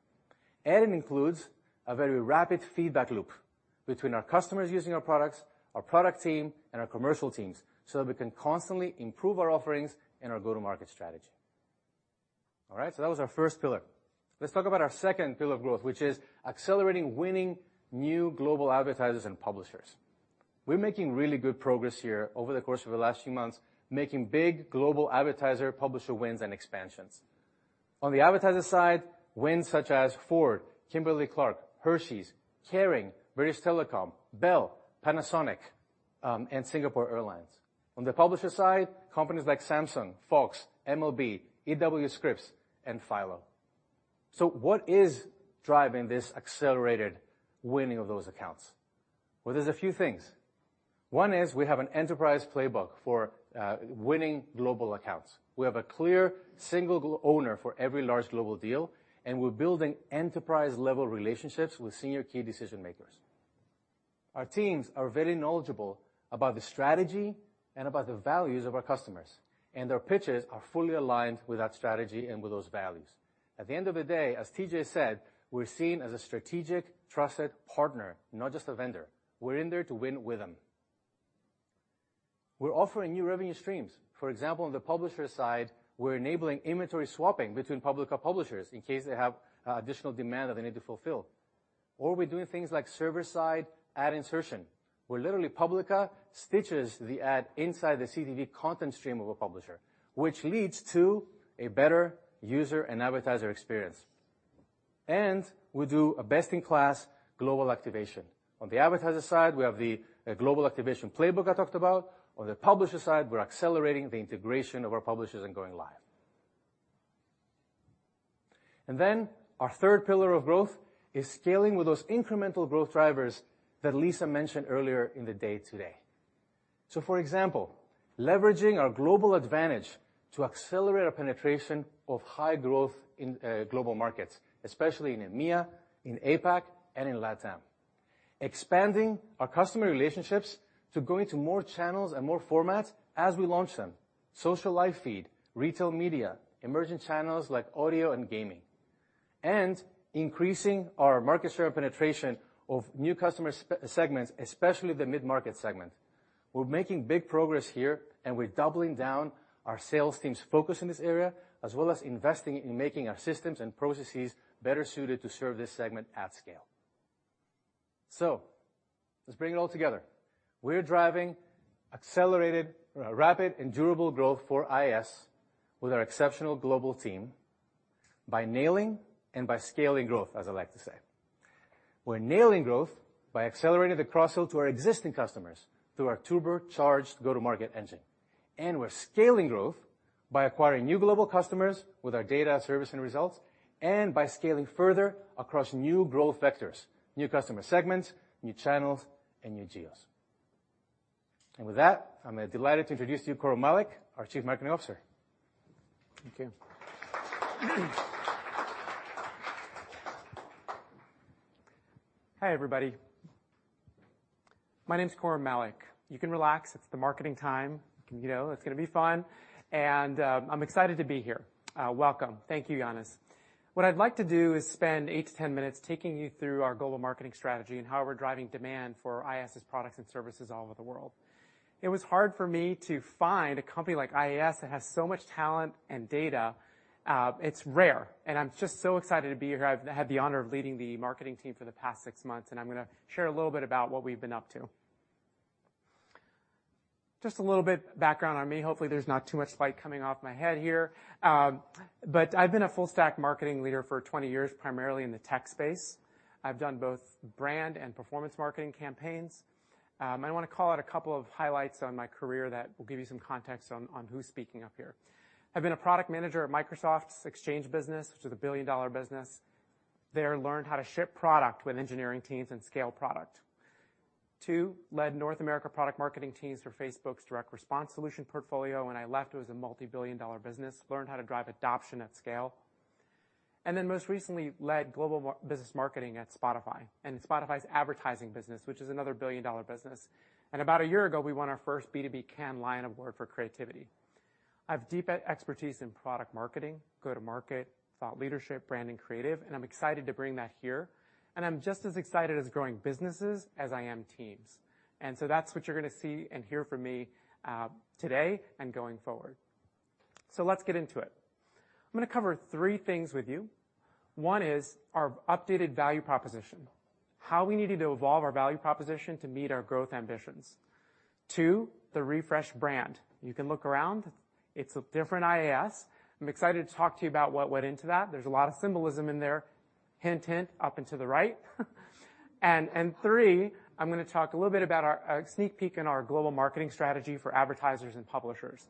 It includes a very rapid feedback loop between our customers using our products, our product team, and our commercial teams, so that we can constantly improve our offerings and our go-to-market strategy. That was our first pillar. Let's talk about our second pillar of growth, which is accelerating winning new global advertisers and publishers. We're making really good progress here over the course of the last few months, making big global advertiser-publisher wins and expansions. On the advertiser side, wins such as Ford, Kimberly-Clark, Hershey, Kering, BT, Bell, Panasonic, and Singapore Airlines. On the publisher side, companies like Samsung, Fox, MLB, E. W. Scripps, and Philo. What is driving this accelerated winning of those accounts? Well, there's a few things. One is we have an enterprise playbook for winning global accounts. We have a clear single owner for every large global deal, and we're building enterprise-level relationships with senior key decision makers. Our teams are very knowledgeable about the strategy and about the values of our customers, and their pitches are fully aligned with that strategy and with those values. At the end of the day, as TJ said, we're seen as a strategic, trusted partner, not just a vendor. We're in there to win with them. We're offering new revenue streams. For example, on the publisher side, we're enabling inventory swapping between Publica publishers in case they have additional demand that they need to fulfill. We're doing things like server-side ad insertion, where literally Publica stitches the ad inside the CTV content stream of a publisher, which leads to a better user and advertiser experience. We do a best-in-class global activation. On the advertiser side, we have the global activation playbook I talked about. On the publisher side, we're accelerating the integration of our publishers and going live. Our third pillar of growth is scaling with those incremental growth drivers that Lisa mentioned earlier in the day today. For example, leveraging our global advantage to accelerate our penetration of high growth in global markets, especially in EMEA, in APAC, and in LATAM. Expanding our customer relationships to go into more channels and more formats as we launch them, social live feed, retail media, emerging channels like audio and gaming, and increasing our market share penetration of new customer segments, especially the mid-market segment. We're making big progress here, and we're doubling down our sales team's focus in this area, as well as investing in making our systems and processes better suited to serve this segment at scale. Let's bring it all together. We're driving accelerated, rapid and durable growth for IAS with our exceptional global team by nailing and by scaling growth, as I like to say. We're nailing growth by accelerating the cross-sell to our existing customers through our turbocharged go-to-market engine. We're scaling growth by acquiring new global customers with our data, service, and results, and by scaling further across new growth vectors, new customer segments, new channels, and new geos. With that, I'm delighted to introduce to you Khurrum Malik, our Chief Marketing Officer. Thank you. Hi, everybody. My name is Khurrum Malik. You can relax. It's the marketing time. You know, it's gonna be fun, and I'm excited to be here. Welcome. Thank you, Yannis Dosios. What I'd like to do is spend eight-ten minutes taking you through our global marketing strategy and how we're driving demand for IAS's products and services all over the world. It was hard for me to find a company like IAS that has so much talent and data. It's rare, and I'm just so excited to be here. I've had the honor of leading the marketing team for the past six months, and I'm gonna share a little bit about what we've been up to. Just a little bit background on me. Hopefully, there's not too much light coming off my head here. I've been a full-stack marketing leader for 20 years, primarily in the tech space. I've done both brand and performance marketing campaigns. I wanna call out a couple of highlights on my career that will give you some context on who's speaking up here. I've been a product manager at Microsoft's Exchange business, which is a billion-dollar business. There, learned how to ship product with engineering teams and scale product. Two, led North America product marketing teams for Facebook's direct response solution portfolio. When I left, it was a multi-billion-dollar business. Learned how to drive adoption at scale. Most recently, led global business marketing at Spotify, and Spotify's advertising business, which is another billion-dollar business. About a year ago, we won our first B2B Cannes Lions Award for creativity. I have deep expertise in product marketing, go-to-market, thought leadership, brand, and creative, and I'm excited to bring that here, and I'm just as excited as growing businesses as I am teams. That's what you're gonna see and hear from me today and going forward. Let's get into it. I'm gonna cover three things with you. One is our updated value proposition, how we needed to evolve our value proposition to meet our growth ambitions. Two, the refreshed brand. You can look around. It's a different IAS. I'm excited to talk to you about what went into that. There's a lot of symbolism in there, hint, up and to the right. Three, I'm gonna talk a little bit about our... a sneak peek in our global marketing strategy for advertisers and publishers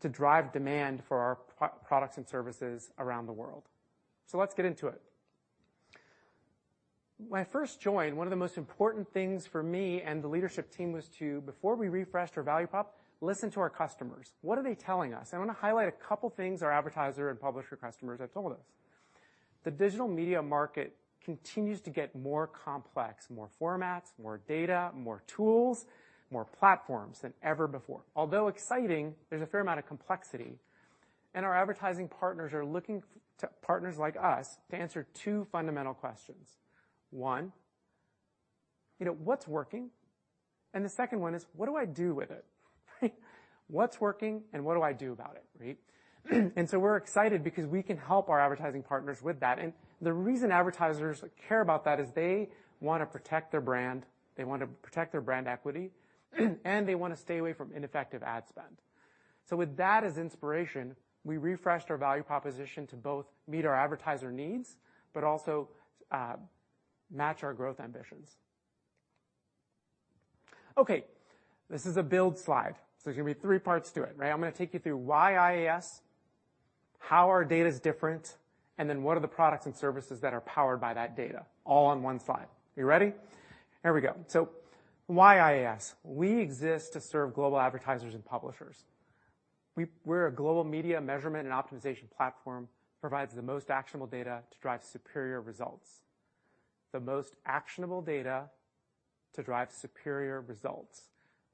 to drive demand for our products and services around the world. Let's get into it. When I first joined, one of the most important things for me and the leadership team was to, before we refreshed our value prop, listen to our customers. What are they telling us? I wanna highlight a couple things our advertiser and publisher customers have told us. The digital media market continues to get more complex, more formats, more data, more tools, more platforms than ever before. Although exciting, there's a fair amount of complexity, and our advertising partners are looking to partners like us to answer two fundamental questions. One, you know, what's working? The second one is, what do I do with it, right? What's working, and what do I do about it, right? We're excited because we can help our advertising partners with that. The reason advertisers care about that is they want to protect their brand, they want to protect their brand equity, and they want to stay away from ineffective ad spend. With that as inspiration, we refreshed our value proposition to both meet our advertiser needs, but also match our growth ambitions. Okay, this is a build slide, so there's gonna be three parts to it, right? I'm gonna take you through why IAS, how our data is different, and then what are the products and services that are powered by that data, all on one slide. Are you ready? Here we go. Why IAS? We exist to serve global advertisers and publishers. We're a global media measurement and optimization platform, provides the most actionable data to drive superior results. The most actionable data to drive superior results.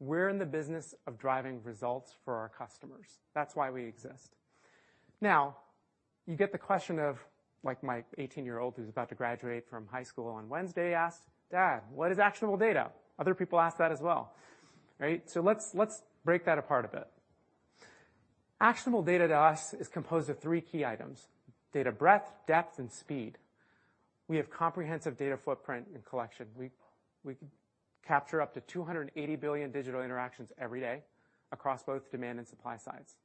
We're in the business of driving results for our customers. That's why we exist. Now, you get the question of, like, my 18-year-old, who's about to graduate from high school on Wednesday, asked: "Dad, what is actionable data?" Other people ask that as well, right? Let's break that apart a bit. Actionable data to us is composed of 3 key items: data breadth, depth, and speed. We have comprehensive data footprint and collection. We capture up to 280 billion digital interactions every day across both demand and supply sides.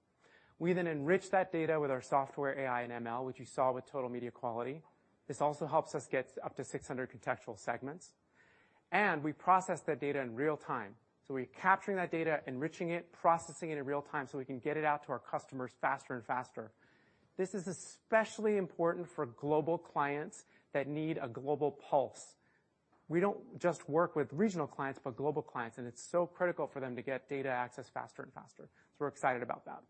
We then enrich that data with our software, AI, and ML, which you saw with Total Media Quality. This also helps us get up to 600 contextual segments, and we process that data in real time. We're capturing that data, enriching it, processing it in real time, so we can get it out to our customers faster and faster. This is especially important for global clients that need a global pulse. We don't just work with regional clients, but global clients, and it's so critical for them to get data access faster and faster, so we're excited about that.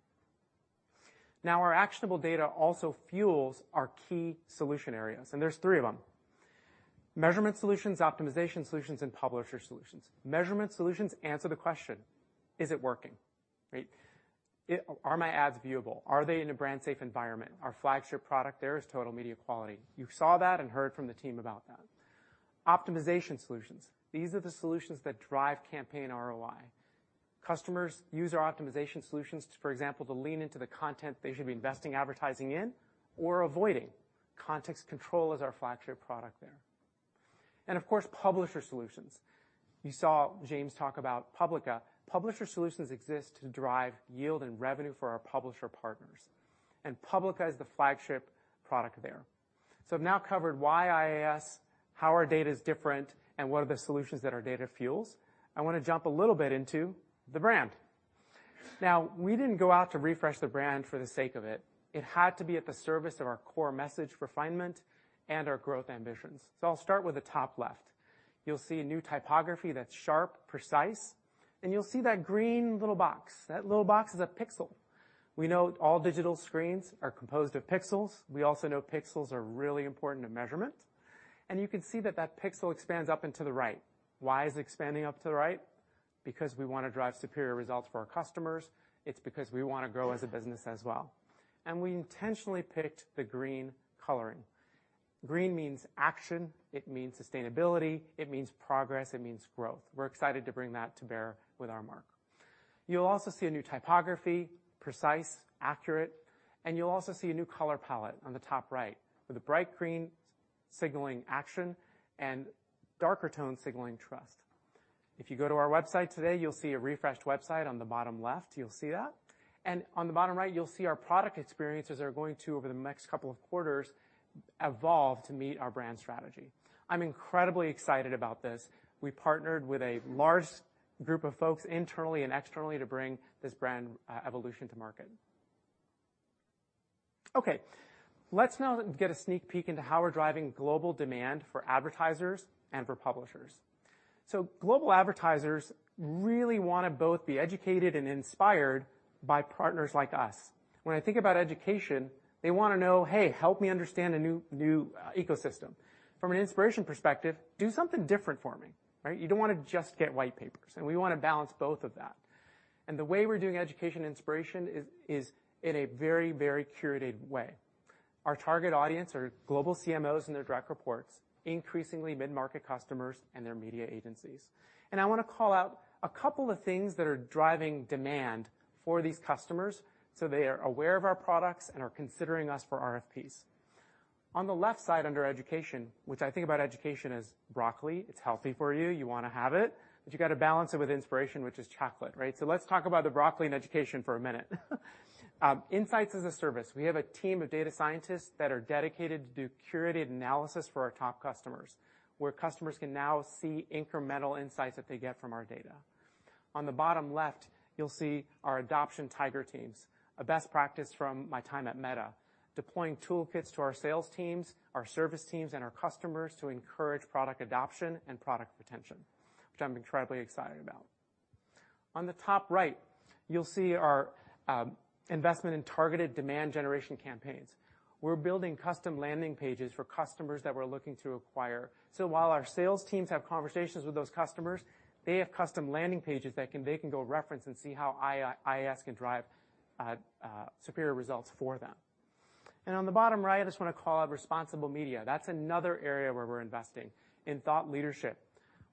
Our actionable data also fuels our key solution areas, and there's three of them: measurement solutions, optimization solutions, and publisher solutions. Measurement solutions answer the question: Is it working? Right. Are my ads viewable? Are they in a brand-safe environment? Our flagship product there is Total Media Quality. You saw that and heard from the team about that. Optimization solutions. These are the solutions that drive campaign ROI. Customers use our optimization solutions, for example, to lean into the content they should be investing advertising in or avoiding. Context Control is our flagship product there. Of course, publisher solutions. You saw James talk about Publica. Publisher solutions exist to drive yield and revenue for our publisher partners, and Publica is the flagship product there. I've now covered why IAS, how our data is different, and what are the solutions that our data fuels. I want to jump a little bit into the brand. Now, we didn't go out to refresh the brand for the sake of it. It had to be at the service of our core message refinement and our growth ambitions. I'll start with the top left. You'll see a new typography that's sharp, precise, and you'll see that green little box. That little box is a pixel. We know all digital screens are composed of pixels. We also know pixels are really important to measurement. You can see that that pixel expands up and to the right. Why is it expanding up to the right? Because we want to drive superior results for our customers. It's because we want to grow as a business as well. We intentionally picked the green coloring. Green means action, it means sustainability, it means progress, it means growth. We're excited to bring that to bear with our Mark. You'll also see a new typography, precise, accurate. You'll also see a new color palette on the top right, with a bright green signaling action and darker tone signaling trust. If you go to our website today, you'll see a refreshed website on the bottom left, you'll see that. On the bottom right, you'll see our product experiences are going to, over the next couple of quarters, evolve to meet our brand strategy. I'm incredibly excited about this. We partnered with a large group of folks internally and externally to bring this brand evolution to market. Let's now get a sneak peek into how we're driving global demand for advertisers and for publishers. Global advertisers really want to both be educated and inspired by partners like us. When I think about education, they want to know, "Hey, help me understand a new ecosystem." From an inspiration perspective, "Do something different for me," right? You don't want to just get white papers, and we want to balance both of that. The way we're doing education inspiration is in a very, very curated way. Our target audience are global CMOs and their direct reports, increasingly mid-market customers and their media agencies. I want to call out a couple of things that are driving demand for these customers, so they are aware of our products and are considering us for RFPs. On the left side, under education, which I think about education as broccoli. It's healthy for you. You want to have it, but you got to balance it with inspiration, which is chocolate, right? Let's talk about the broccoli and education for a minute. Insights as a service. We have a team of data scientists that are dedicated to do curated analysis for our top customers, where customers can now see incremental insights that they get from our data. On the bottom left, you'll see our adoption tiger teams, a best practice from my time at Meta, deploying toolkits to our sales teams, our service teams, and our customers to encourage product adoption and product retention, which I'm incredibly excited about. On the top right, you'll see our investment in targeted demand generation campaigns. We're building custom landing pages for customers that we're looking to acquire. While our sales teams have conversations with those customers, they have custom landing pages that they can go reference and see how IAS can drive superior results for them. On the bottom right, I just want to call out responsible media. That's another area where we're investing in thought leadership.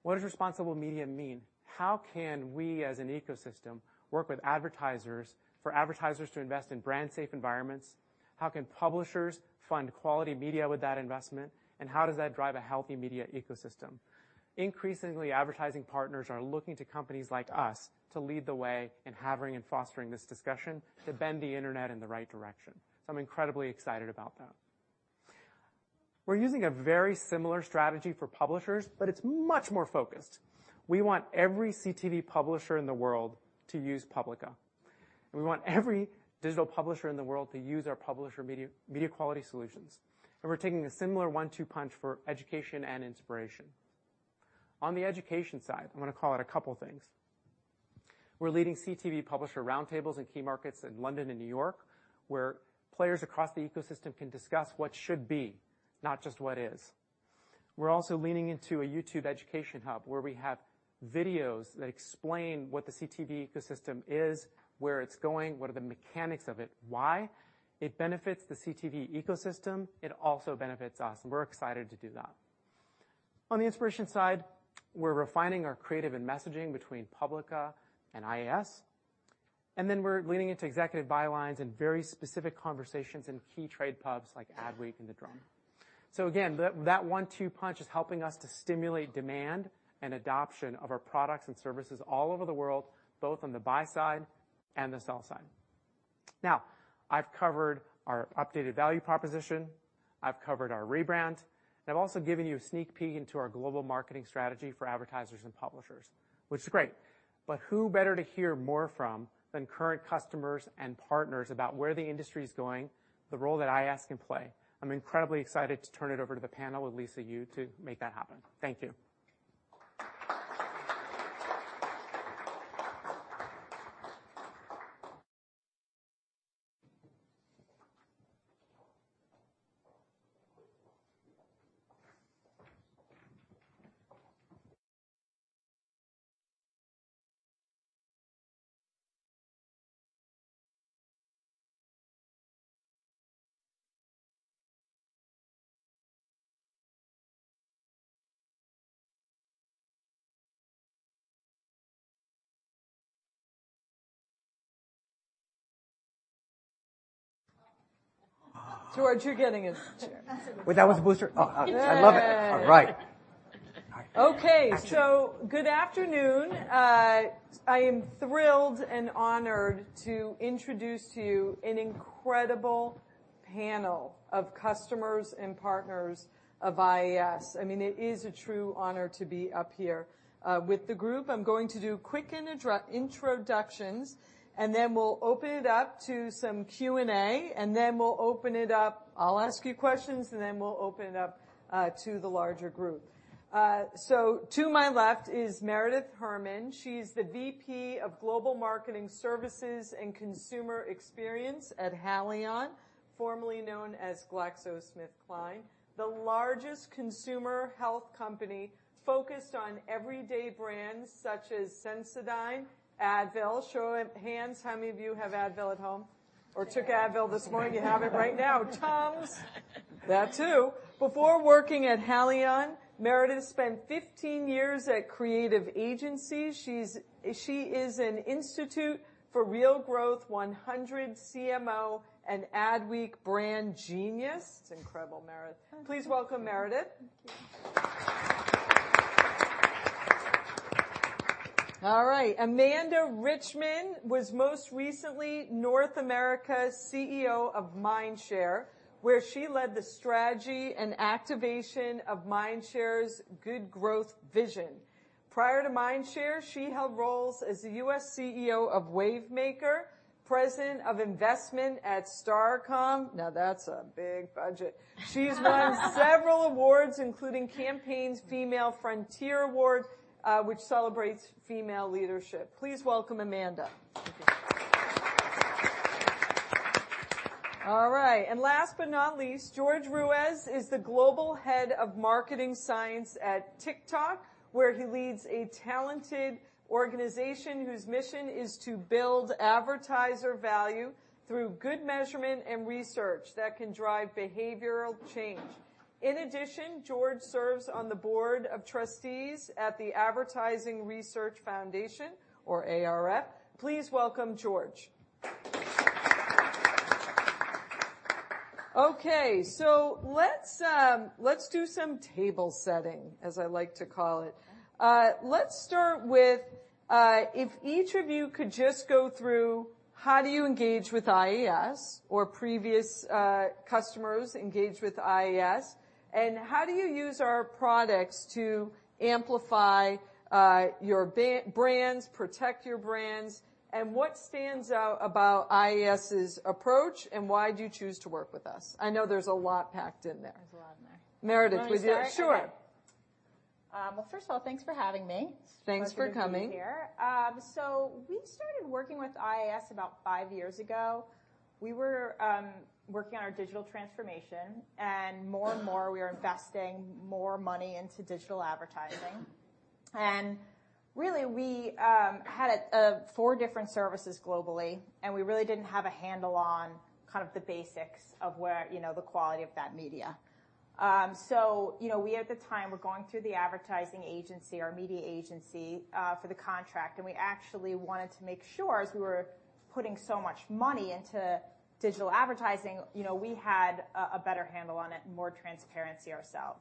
What does responsible media mean? How can we, as an ecosystem, work with advertisers for advertisers to invest in brand-safe environments? How can publishers fund quality media with that investment? How does that drive a healthy media ecosystem? Increasingly, advertising partners are looking to companies like us to lead the way in having and fostering this discussion to bend the internet in the right direction. I'm incredibly excited about that. We're using a very similar strategy for publishers, but it's much more focused. We want every CTV publisher in the world to use Publica, and we want every digital publisher in the world to use our publisher media quality solutions. We're taking a similar one-two punch for education and inspiration. On the education side, I'm gonna call it a couple things. We're leading CTV publisher roundtables in key markets in London and New York, where players across the ecosystem can discuss what should be, not just what is. We're also leaning into a YouTube education hub, where we have videos that explain what the CTV ecosystem is, where it's going, what are the mechanics of it. Why? It benefits the CTV ecosystem. It also benefits us. We're excited to do that. On the inspiration side, we're refining our creative and messaging between Publica and IAS. We're leaning into executive bylines and very specific conversations in key trade pubs like Adweek and The Drum. Again, that one-two punch is helping us to stimulate demand and adoption of our products and services all over the world, both on the buy side and the sell side. Now, I've covered our updated value proposition, I've covered our rebrand. I've also given you a sneak peek into our global marketing strategy for advertisers and publishers, which is great. Who better to hear more from than current customers and partners about where the industry is going, the role that IAS can play? I'm incredibly excited to turn it over to the panel with Lisa Yu to make that happen. Thank you. Jorge, you're getting a chair. Wait, that was the booster? Oh, oh, I love it. Yay. All right. Good afternoon. I am thrilled and honored to introduce to you an incredible panel of customers and partners of IAS. It is a true honor to be up here with the group. I'm going to do quick introductions. Then we'll open it up to some Q&A. Then we'll open it up. I'll ask you questions. Then we'll open it up to the larger group. To my left is Meredith Herman. She's the VP of Global Marketing Services and Consumer Experience at Haleon, formerly known as GlaxoSmithKline, the largest consumer health company focused on everyday brands such as Sensodyne, Advil. Show of hands, how many of you have Advil at home or took Advil this morning? You have it right now. TUMS? That, too. Before working at Haleon, Meredith spent 15 years at creative agencies. She is an Institute for Real Growth, 100 CMO and Adweek brand genius. It's incredible, Meredith. Please welcome Meredith. All right. Amanda Richman was most recently North America's CEO of Mindshare, where she led the strategy and activation of Mindshare's good growth vision. Prior to Mindshare, she held roles as the U.S. CEO of Wavemaker, President of Investment at Starcom. Now, that's a big budget. She's won several awards, including Campaign's Female Frontier Award, which celebrates female leadership. Please welcome Amanda. Last but not least, Jorge Ruiz is the Global Head of Marketing Science at TikTok, where he leads a talented organization whose mission is to build advertiser value through good measurement and research that can drive behavioral change. In addition, Jorge serves on the board of trustees at The Advertising Research Foundation, or ARF. Please welcome Jorge. Okay, let's do some table setting, as I like to call it. Let's start with if each of you could just go through how do you engage with IAS or previous customers engage with IAS, and how do you use our products to amplify your brands, protect your brands, and what stands out about IAS's approach and why do you choose to work with us? I know there's a lot packed in there. There's a lot in there. Meredith, would you- Want me to start? Sure. Well, first of all, thanks for having me. Thanks for coming. Here. We started working with IAS about five years ago. We were working on our digital transformation, and more and more, we were investing more money into digital advertising. And really, we had four different services globally, and we really didn't have a handle on kind of the basics of where, you know, the quality of that media. You know, we at the time, were going through the advertising agency, our media agency for the contract, and we actually wanted to make sure as we were putting so much money into digital advertising, you know, we had a better handle on it and more transparency ourselves.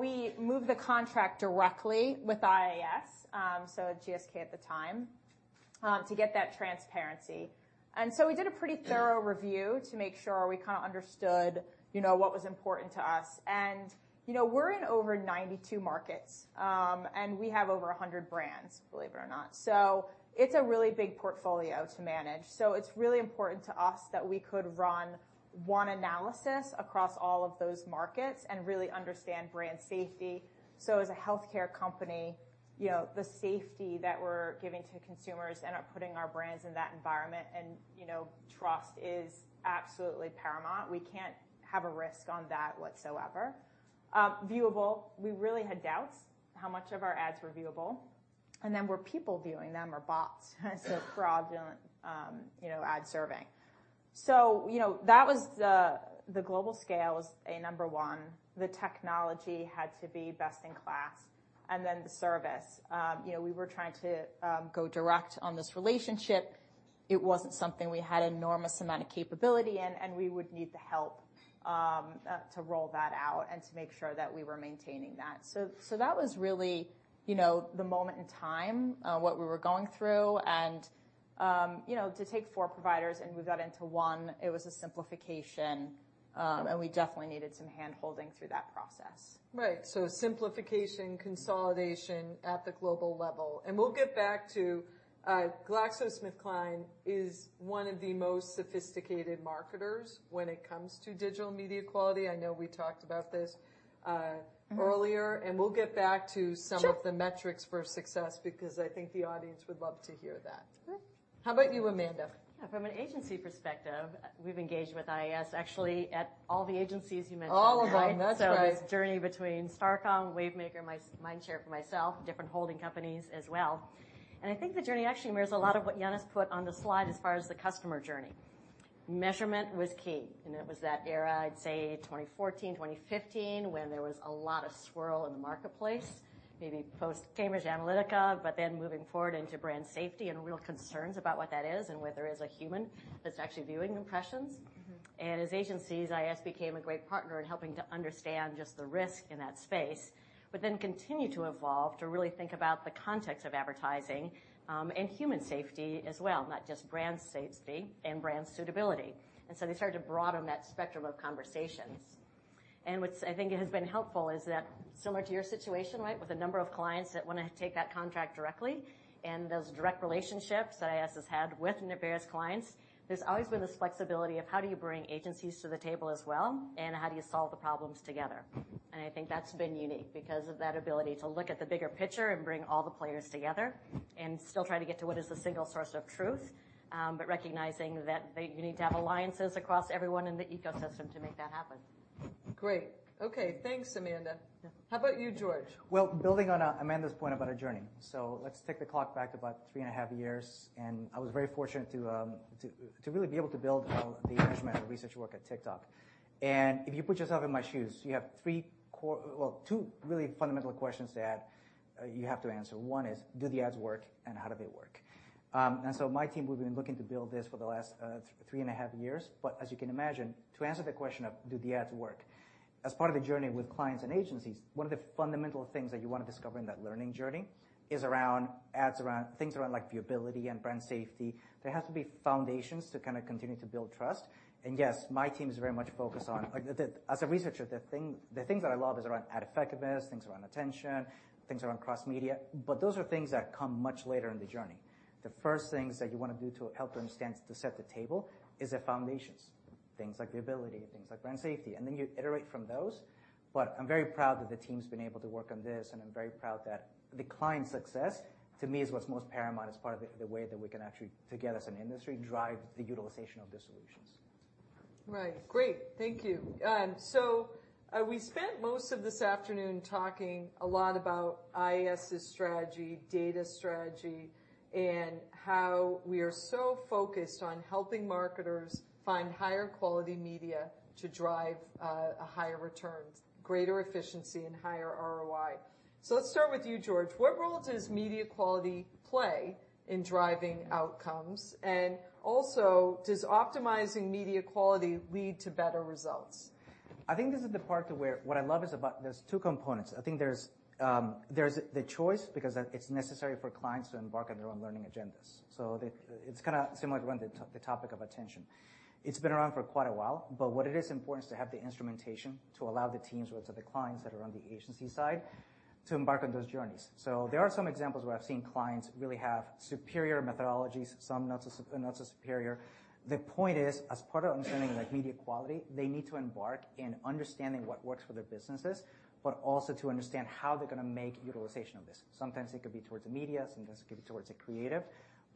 We moved the contract directly with IAS, so GSK at the time.... to get that transparency. We did a pretty thorough review to make sure we kind of understood, you know, what was important to us. You know, we're in over 92 markets, and we have over 100 brands, believe it or not. It's a really big portfolio to manage. It's really important to us that we could run one analysis across all of those markets and really understand brand safety. As a healthcare company, you know, the safety that we're giving to consumers and are putting our brands in that environment and, you know, trust is absolutely paramount. We can't have a risk on that whatsoever. Viewable, we really had doubts how much of our ads were viewable, and then were people viewing them or bots? Fraudulent, you know, ad serving. you know, that was the global scale was a number one. The technology had to be best-in-class, and then the service. you know, we were trying to go direct on this relationship. It wasn't something we had an enormous amount of capability in, and we would need the help to roll that out and to make sure that we were maintaining that. That was really, you know, the moment in time, what we were going through and, you know, to take four providers and move that into one, it was a simplification, and we definitely needed some handholding through that process. Right. Simplification, consolidation at the global level. We'll get back to. GlaxoSmithKline is one of the most sophisticated marketers when it comes to digital media quality. I know we talked about this. Mm-hmm. -earlier, and we'll get back to some- Sure. of the metrics for success because I think the audience would love to hear that. Okay. How about you, Amanda? Yeah. From an agency perspective, we've engaged with IAS actually at all the agencies you mentioned. All of them. That's right. This journey between Starcom, Wavemaker, Mindshare for myself, different holding companies as well. I think the journey actually mirrors a lot of what Yannis put on the slide as far as the customer journey. Measurement was key. It was that era, I'd say 2014, 2015, when there was a lot of swirl in the marketplace, maybe post-Cambridge Analytica, moving forward into brand safety and real concerns about what that is and whether there is a human that's actually viewing impressions. Mm-hmm. As agencies, IAS became a great partner in helping to understand just the risk in that space, but then continued to evolve, to really think about the context of advertising, and human safety as well, not just brand safety and brand suitability. They started to broaden that spectrum of conversations. I think has been helpful is that similar to your situation, right, with a number of clients that wanna take that contract directly and those direct relationships that IAS has had with their various clients, there's always been this flexibility of: How do you bring agencies to the table as well, and how do you solve the problems together? I think that's been unique because of that ability to look at the bigger picture and bring all the players together and still try to get to what is the single source of truth, recognizing that you need to have alliances across everyone in the ecosystem to make that happen. Great. Okay, thanks, Amanda. Yeah. How about you, Jorge? Well, building on Amanda's point about a journey. Let's take the clock back to about 3.5 years, and I was very fortunate to really be able to build the measurement and research work at TikTok. If you put yourself in my shoes, you have three core... well, two really fundamental questions that you have to answer. One is: Do the ads work, and how do they work? My team, we've been looking to build this for the last 3.5 years. As you can imagine, to answer the question of do the ads work, as part of the journey with clients and agencies, one of the fundamental things that you want to discover in that learning journey is around ads, around things around, like, viewability and brand safety. There has to be foundations to kind of continue to build trust. Yes, my team is very much focused on like the, as a researcher, the things that I love is around ad effectiveness, things around attention, things around cross-media, but those are things that come much later in the journey. The first things that you want to do to help understand, to set the table is the foundations, things like viewability and things like brand safety, and then you iterate from those. I'm very proud that the team's been able to work on this, and I'm very proud that the client's success, to me, is what's most paramount as part of the way that we can actually, together as an industry, drive the utilization of the solutions. Right. Great, thank you. We spent most of this afternoon talking a lot about IAS's strategy, data strategy, and how we are so focused on helping marketers find higher-quality media to drive a higher return, greater efficiency, and higher ROI. Let's start with you, Jorge. What role does media quality play in driving outcomes? Also, does optimizing media quality lead to better results? I think this is the part where what I love is about. There's two components. I think there's the choice because it's necessary for clients to embark on their own learning agendas. It's kinda similar to when the topic of attention. It's been around for quite a while, but what it is important is to have the instrumentation to allow the teams or to the clients that are on the agency side to embark on those journeys. There are some examples where I've seen clients really have superior methodologies, some not so superior. The point is, as part of understanding, like, media quality, they need to embark in understanding what works for their businesses, but also to understand how they're gonna make utilization of this. Sometimes it could be towards the media, sometimes it could be towards the creative.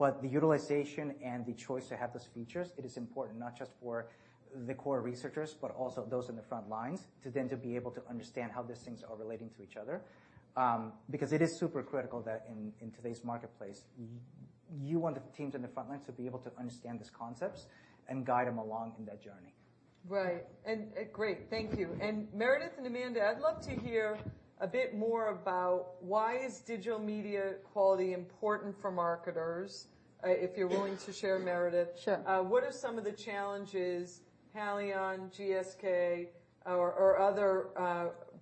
The utilization and the choice to have those features, it is important not just for the core researchers, but also those in the front lines, to be able to understand how these things are relating to each other. Because it is super critical that in today's marketplace, you want the teams on the front line to be able to understand these concepts and guide them along in that journey. Right. Great, thank you. Meredith and Amanda, I'd love to hear a bit more about why is digital media quality important for marketers? if you're willing to share, Meredith. Sure. What are some of the challenges, Haleon, GSK, or other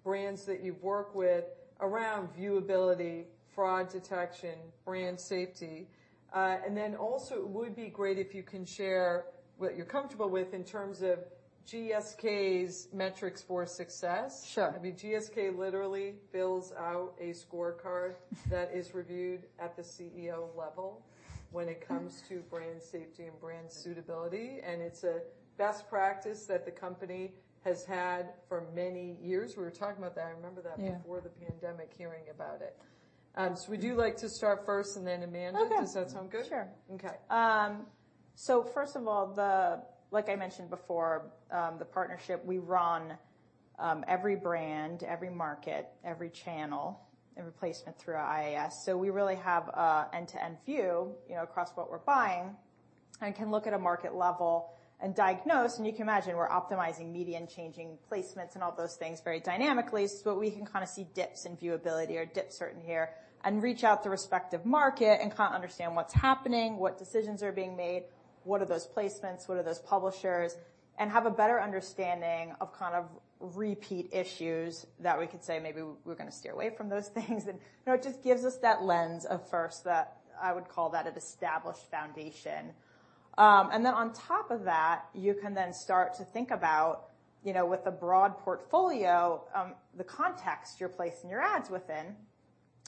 brands that you've worked with around viewability, fraud detection, brand safety? It would be great if you can share what you're comfortable with in terms of GSK's metrics for success. Sure. I mean, GSK literally fills out a scorecard that is reviewed at the CEO level when it comes to brand safety and brand suitability. It's a best practice that the company has had for many years. We were talking about that. I remember that. Yeah ...before the pandemic, hearing about it. Would you like to start first, and then Amanda? Okay. Does that sound good? Sure. Okay. First of all, like I mentioned before, the partnership, we run every brand, every market, every channel, every placement through our IAS. We really have a end-to-end view, you know, across what we're buying and can look at a market level and diagnose. You can imagine, we're optimizing media and changing placements and all those things very dynamically. We can kinda see dips in viewability or dips certain here and reach out to respective market and kind of understand what's happening, what decisions are being made, what are those placements, what are those publishers, and have a better understanding of kind of repeat issues that we could say maybe we're gonna steer away from those things. You know, it just gives us that lens of first, that I would call that an established foundation. And then on top of that, you can then start to think about, you know, with the broad portfolio, the context you're placing your ads within.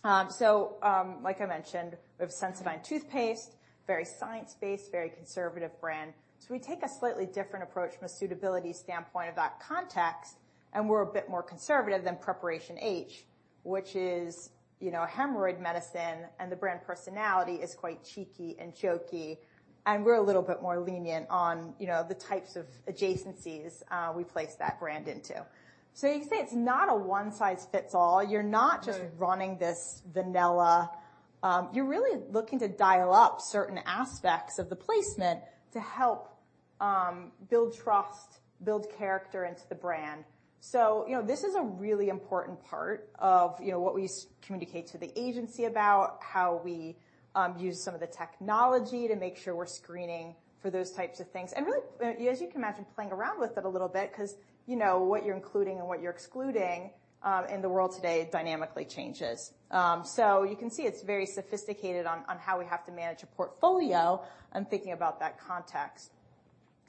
Like I mentioned, we have Sensodyne toothpaste, very science-based, very conservative brand. We take a slightly different approach from a suitability standpoint about context, and we're a bit more conservative than Preparation H, which is, you know, a hemorrhoid medicine, and the brand personality is quite cheeky and jokey, and we're a little bit more lenient on, you know, the types of adjacencies, we place that brand into. You can say it's not a one-size-fits-all. Sure. You're not just running this vanilla... you're really looking to dial up certain aspects of the placement to help, build trust, build character into the brand. You know, this is a really important part of, you know, what we communicate to the agency about, how we use some of the technology to make sure we're screening for those types of things. Really, as you can imagine, playing around with it a little bit 'cause, you know, what you're including and what you're excluding, in the world today dynamically changes. You can see it's very sophisticated on how we have to manage a portfolio and thinking about that context.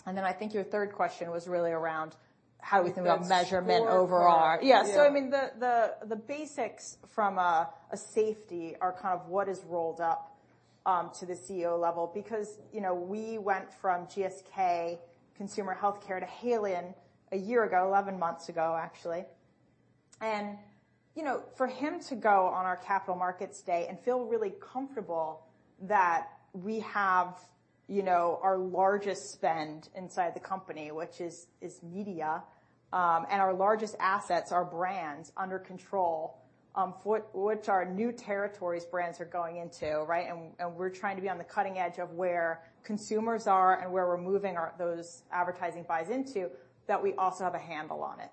I think your third question was really around how we think about measurement overall. Sure. Yeah. Yeah. I mean, the basics from a safety are kind of what is rolled up to the CEO level. You know, we went from GSK Consumer Healthcare to Haleon a year ago, 11 months ago, actually. You know, for him to go on our Capital Markets Day and feel really comfortable that we have, you know, our largest spend inside the company, which is media, and our largest assets, our brands, under control, which our new territories brands are going into, right? And we're trying to be on the cutting edge of where consumers are and where we're moving those advertising buys into, that we also have a handle on it,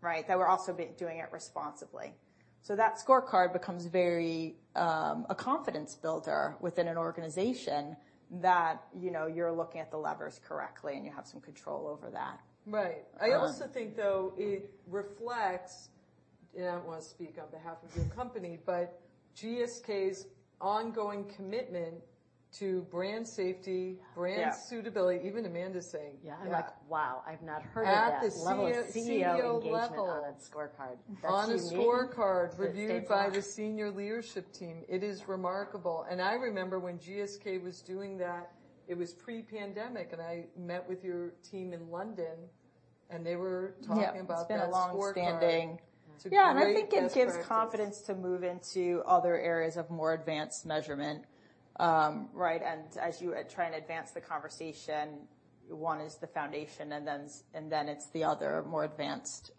right? That we're also doing it responsibly. That scorecard becomes very a confidence builder within an organization that, you know, you're looking at the levers correctly, and you have some control over that. Right. Um- I also think, though, it reflects, and I don't want to speak on behalf of your company, but GSK's ongoing commitment to brand safety- Yeah. -brand suitability. Even Amanda's saying- Yeah. Yeah. Like, wow, I've not heard of that... At the CEO level. CEO engagement on a scorecard. That's unique. On a scorecard- It, it's- -reviewed by the senior leadership team. It is remarkable. I remember when GSK was doing that, it was pre-pandemic, and I met with your team in London, and they were talking about... Yeah, it's been a long-standing that scorecard. It's a great best practice. I think it gives confidence to move into other areas of more advanced measurement. As you try and advance the conversation, one is the foundation, and then it's the other more advanced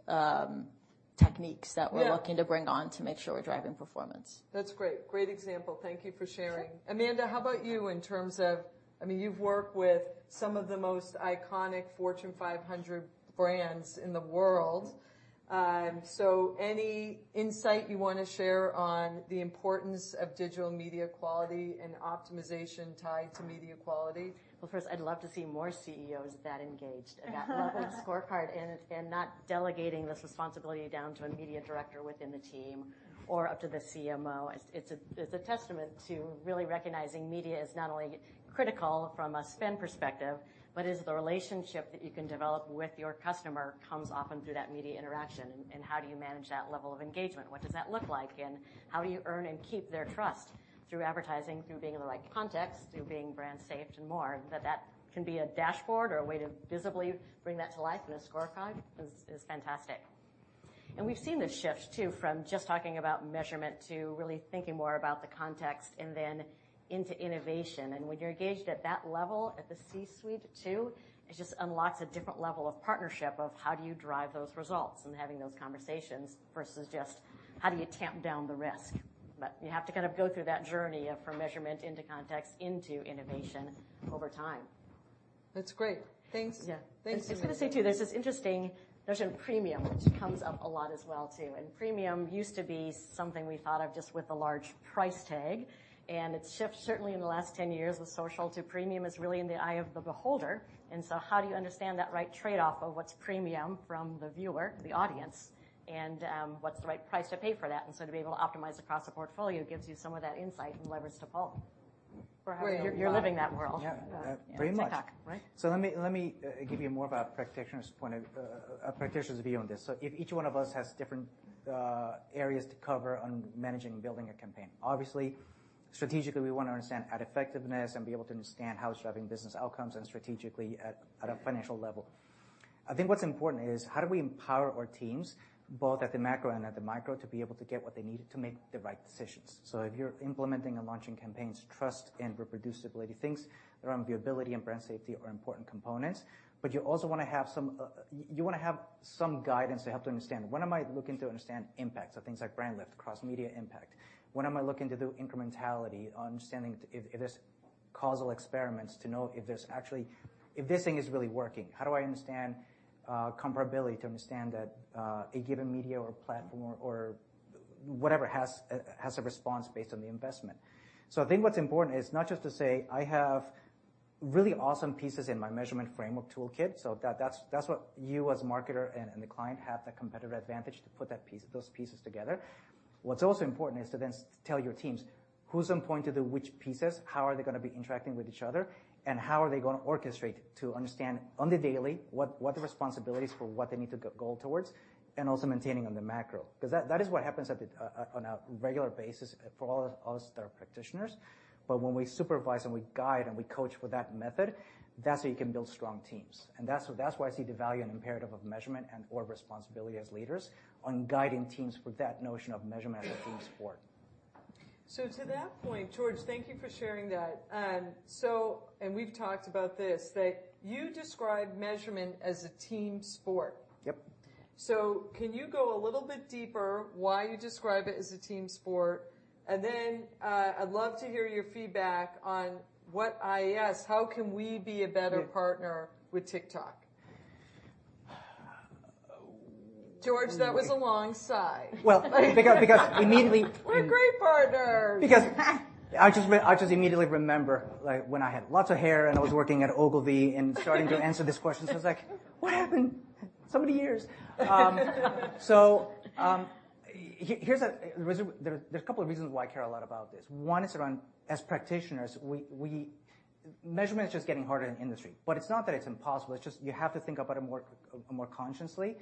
techniques. Yeah ...that we're looking to bring on to make sure we're driving performance. That's great. Great example. Thank you for sharing. Sure. Amanda, how about you in terms of... I mean, you've worked with some of the most iconic Fortune 500 brands in the world. Any insight you want to share on the importance of digital media quality and optimization tied to media quality? Well, first, I'd love to see more CEOs that engaged at that level of scorecard and not delegating this responsibility down to a media director within the team or up to the CMO. It's a testament to really recognizing media is not only critical from a spend perspective, but is the relationship that you can develop with your customer comes often through that media interaction. How do you manage that level of engagement? What does that look like, and how do you earn and keep their trust through advertising, through being in the right context, through being brand safe and more? That can be a dashboard or a way to visibly bring that to life in a scorecard is fantastic. We've seen this shift, too, from just talking about measurement to really thinking more about the context and then into innovation. When you're engaged at that level, at the C-suite too, it just unlocks a different level of partnership of how do you drive those results and having those conversations, versus just how do you tamp down the risk? You have to kind of go through that journey of from measurement into context, into innovation over time. That's great. Thanks. Yeah. Thanks. I was gonna say, too, there's this interesting notion of premium, which comes up a lot as well, too. Premium used to be something we thought of just with a large price tag, and it's shifted certainly in the last 10 years with social, to premium is really in the eye of the beholder. How do you understand that right trade-off of what's premium from the viewer, the audience, and what's the right price to pay for that? To be able to optimize across a portfolio gives you some of that insight and leverage to pull. You're living that world. Yeah, very much. TikTok, right? Let me give you more of a practitioner's point of a practitioner's view on this. If each one of us has different areas to cover on managing and building a campaign, obviously, strategically, we want to understand ad effectiveness and be able to understand how it's driving business outcomes and strategically at a financial level. I think what's important is how do we empower our teams, both at the macro and at the micro, to be able to get what they need to make the right decisions. If you're implementing and launching campaigns, trust and reproducibility, things around viewability and brand safety are important components. You also want to have some guidance to help to understand, when am I looking to understand impact, so things like brand lift, cross-media impact? When am I looking to do incrementality, understanding if there's causal experiments to know if this thing is really working? How do I understand comparability to understand that a given media or platform or, whatever, has a response based on the investment? I think what's important is not just to say, "I have really awesome pieces in my measurement framework toolkit." That's what you as a marketer and the client have the competitive advantage to put those pieces together. What's also important is to then tell your teams, who's appointed to which pieces? How are they gonna be interacting with each other? How are they gonna orchestrate to understand on the daily, what the responsibilities for what they need to go towards, and also maintaining on the macro? That is what happens at the on a regular basis for all of us that are practitioners. When we supervise, and we guide, and we coach with that method, that's how you can build strong teams. That's why I see the value and imperative of measurement and/or responsibility as leaders on guiding teams with that notion of measurement as a team sport. To that point, Jorge, thank you for sharing that. We've talked about this, that you describe measurement as a team sport. Yep. Can you go a little bit deeper why you describe it as a team sport? I'd love to hear your feedback on what IAS, how can we be a better? Yeah -with TikTok? Jorge , that was a long sigh. Well, because immediately. We're a great partner. I just immediately remember, like, when I had lots of hair and I was working at Ogilvy and starting to answer this question. I was like, "What happened? So many years." There's a couple of reasons why I care a lot about this. One is around, as practitioners, we measurement is just getting harder in the industry, but it's not that it's impossible. It's just you have to think about it more consciously.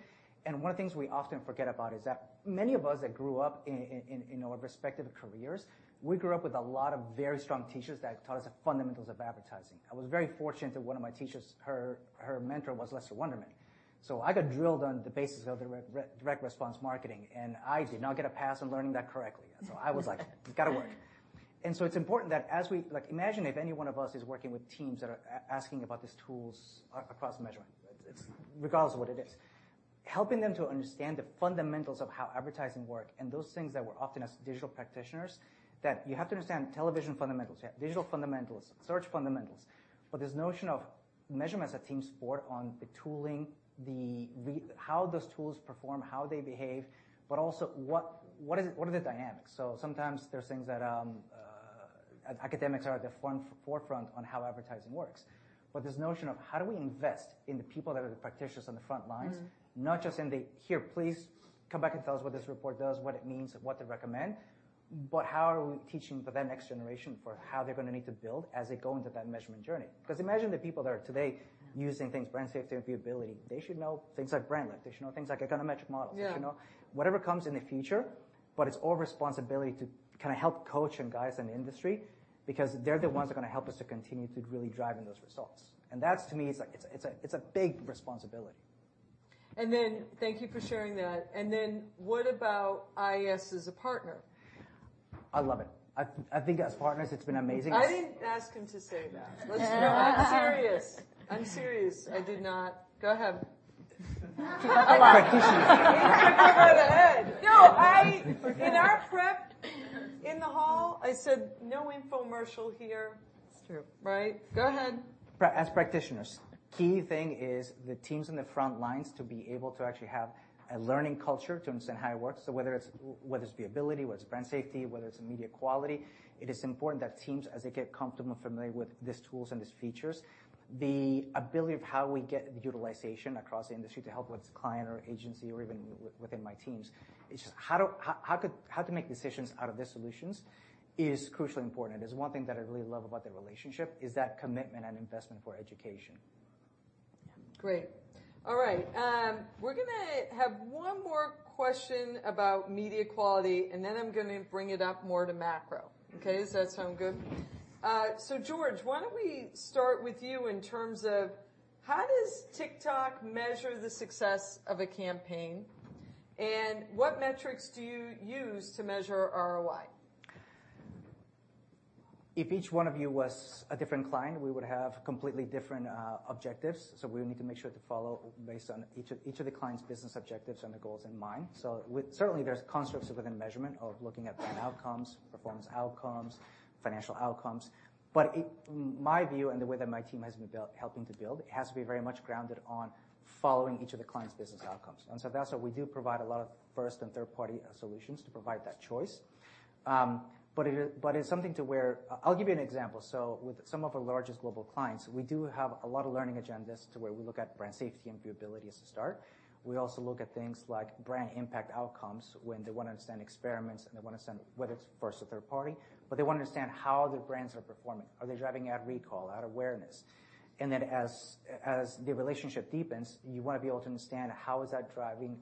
One of the things we often forget about is that many of us that grew up in our respective careers, we grew up with a lot of very strong teachers that taught us the fundamentals of advertising. I was very fortunate that one of my teachers, her mentor was Lester Wunderman. I got drilled on the basics of direct response marketing, and I did not get a pass on learning that correctly. I was like, "You gotta work." It's important that as we like, imagine if any one of us is working with teams that are asking about these tools across measurement. It's. Regardless of what it is. Helping them to understand the fundamentals of how advertising work and those things that we're often as digital practitioners, that you have to understand television fundamentals, you have digital fundamentals, search fundamentals. This notion of measurement as a team sport on the tooling, how those tools perform, how they behave, but also what is, what are the dynamics? Sometimes there's things that academics are at the forefront on how advertising works. This notion of how do we invest in the people that are the practitioners on the front lines. Mm-hmm ... not just in the, "Here, please come back and tell us what this report does, what it means, what to recommend," but how are we teaching for that next generation for how they're gonna need to build as they go into that measurement journey? Imagine the people that are today using things, brand safety and viewability, they should know things like brand lift. They should know things like econometric models. Yeah. They should know whatever comes in the future, but it's our responsibility to kind of help coach and guide as an industry, because they're the ones that are gonna help us to continue to really drive in those results. That, to me, it's a big responsibility. Thank you for sharing that. What about IAS as a partner? I love it. I think as partners, it's been amazing. I didn't ask him to say that. I'm serious. I'm serious. I did not. Go ahead. Practitioners. He took me by the head. No. In our prep in the hall, I said, "No infomercial here. It's true. Right? Go ahead. As practitioners, key thing is the teams on the front lines to be able to actually have a learning culture to understand how it works. Whether it's viewability, whether it's brand safety, whether it's media quality, it is important that teams, as they get comfortable and familiar with these tools and these features, the ability of how we get the utilization across the industry to help whether it's a client or agency or even within my teams, it's just how to make decisions out of these solutions is crucially important. It's one thing that I really love about the relationship is that commitment and investment for education. Yeah. Great. All right, we're gonna have one more question about media quality, and then I'm gonna bring it up more to macro. Okay, does that sound good? Jorge, why don't we start with you in terms of how does TikTok measure the success of a campaign, and what metrics do you use to measure ROI? If each one of you was a different client, we would have completely different objectives. We would need to make sure to follow up based on each of the client's business objectives and the goals in mind. Certainly, there's constructs within measurement of looking at brand outcomes, performance outcomes, financial outcomes. My view and the way that my team has been built, helping to build, it has to be very much grounded on following each of the clients' business outcomes. That's what we do provide a lot of first and third-party solutions to provide that choice. But it's something to where I'll give you an example. With some of our largest global clients, we do have a lot of learning agendas to where we look at brand safety and viewability as a start. We also look at things like brand impact outcomes when they wanna understand experiments. They wanna understand whether it's first or third party, but they wanna understand how their brands are performing. Are they driving ad recall, ad awareness? As the relationship deepens, you wanna be able to understand how is that driving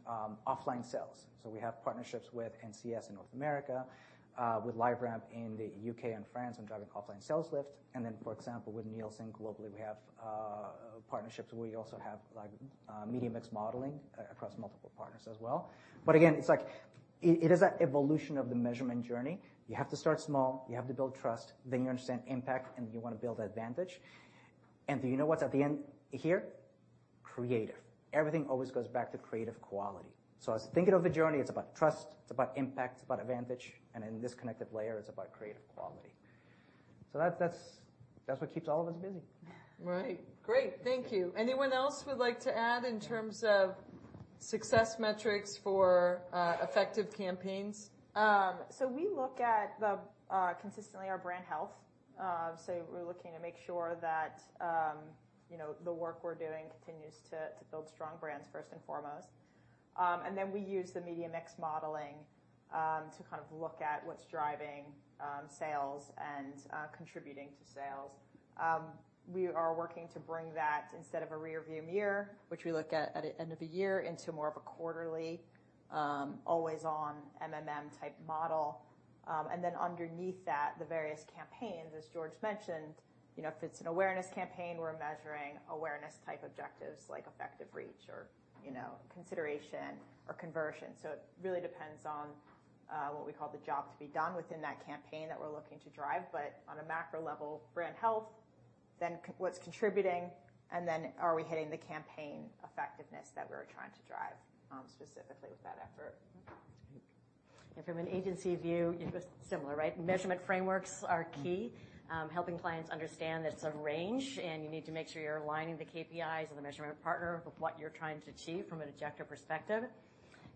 offline sales. We have partnerships with NCSolutions in North America, with LiveRamp in the U.K. and France on driving offline sales lift. For example, with Nielsen globally, we have partnerships where we also have like media mix modeling across multiple partners as well. Again, it's like it is an evolution of the measurement journey. You have to start small, you have to build trust, then you understand impact, and you wanna build advantage. Do you know what's at the end here? Creative. Everything always goes back to creative quality. As thinking of the journey, it's about trust, it's about impact, it's about advantage, and in this connected layer, it's about creative quality. That's what keeps all of us busy. Right. Great, thank you. Anyone else would like to add in terms of success metrics for effective campaigns? We look at the consistently our brand health. We're looking to make sure that, you know, the work we're doing continues to build strong brands first and foremost. We use the media mix modeling to kind of look at what's driving sales and contributing to sales. We are working to bring that instead of a rearview mirror, which we look at at the end of a year, into more of a quarterly, always-on MMM-type model. Underneath that, the various campaigns, as Jorge Ruiz mentioned, you know, if it's an awareness campaign, we're measuring awareness-type objectives like effective reach or, you know, consideration or conversion. It really depends on what we call the job to be done within that campaign that we're looking to drive, but on a macro level, brand health, then what's contributing, and then are we hitting the campaign effectiveness that we're trying to drive specifically with that effort? From an agency view, it was similar, right? Measurement frameworks are key. Helping clients understand that it's a range, and you need to make sure you're aligning the KPIs and the measurement partner with what you're trying to achieve from an objective perspective.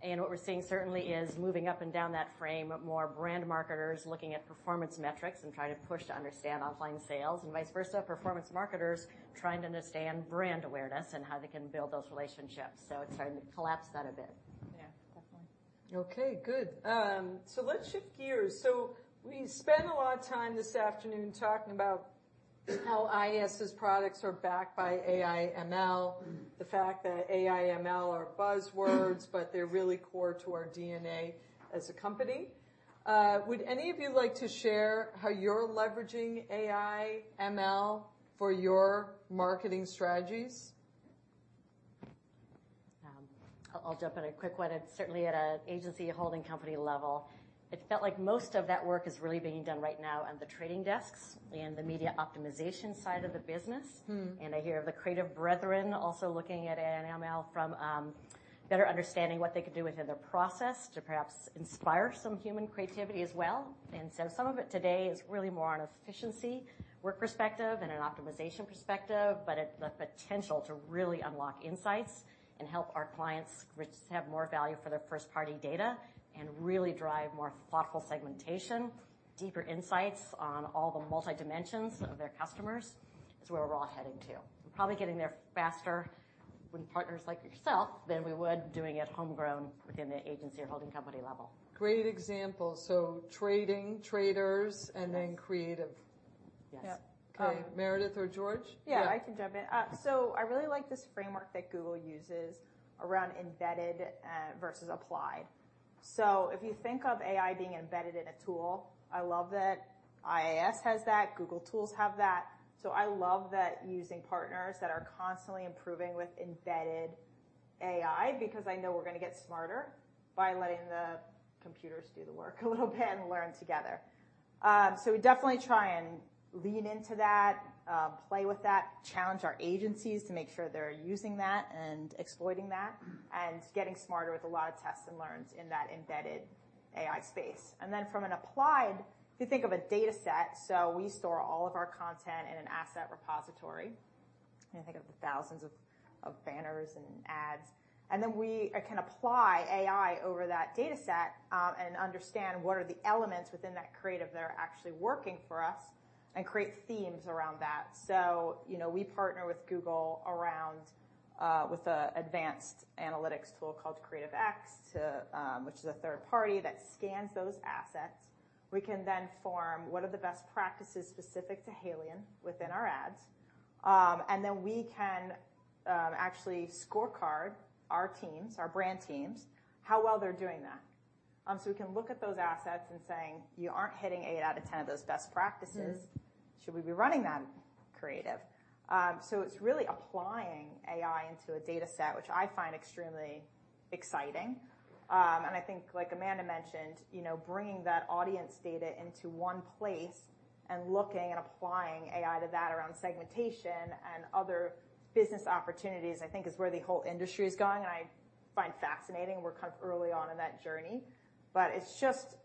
What we're seeing certainly is moving up and down that frame, more brand marketers looking at performance metrics and trying to push to understand offline sales and vice versa, performance marketers trying to understand brand awareness and how they can build those relationships. It's starting to collapse that a bit. Yeah, definitely. Okay, good. Let's shift gears. We spent a lot of time this afternoon talking about how IAS's products are backed by AI, ML, the fact that AI, ML are buzzwords, but they're really core to our DNA as a company. Would any of you like to share how you're leveraging AI, ML for your marketing strategies? I'll jump in a quick one. Certainly at an agency holding company level, it felt like most of that work is really being done right now on the trading desks and the media optimization side of the business. Mm-hmm. I hear the creative brethren also looking at AI and ML from better understanding what they could do within their process to perhaps inspire some human creativity as well. Some of it today is really more on efficiency, work perspective, and an optimization perspective, but the potential to really unlock insights and help our clients have more value for their first-party data and really drive more thoughtful segmentation, deeper insights on all the multi-dimensions of their customers, is where we're all heading to. We're probably getting there faster with partners like yourself than we would doing it homegrown within the agency or holding company level. Great example. trading, traders- Yes. Creative. Yes. Yep. Okay. Meredith or Jorge? I can jump in. I really like this framework that Google uses around embedded versus applied. If you think of AI being embedded in a tool, I love that IAS has that, Google Tools have that. I love that using partners that are constantly improving with embedded AI because I know we're gonna get smarter by letting the computers do the work a little bit and learn together. We definitely try and lean into that, play with that, challenge our agencies to make sure they're using that and exploiting that, and getting smarter with a lot of tests and learns in that embedded AI space. From an applied, if you think of a data set, so we store all of our content in an asset repository. You think of the thousands of banners and ads, and then we can apply AI over that data set, and understand what are the elements within that creative that are actually working for us and create themes around that. You know, we partner with Google around with an advanced analytics tool called CreativeX, to which is a third party that scans those assets. We can then form what are the best practices specific to Haleon within our ads. And then we can actually scorecard our teams, our brand teams, how well they're doing that. We can look at those assets and saying, "You aren't hitting eight out of 10 of those best practices. Should we be running that creative?" It's really applying AI into a data set, which I find extremely exciting. I think, like Amanda mentioned, you know, bringing that audience data into one place and looking and applying AI to that around segmentation and other business opportunities, I think is where the whole industry is going, and I find fascinating. We're kind of early on in that journey. It's just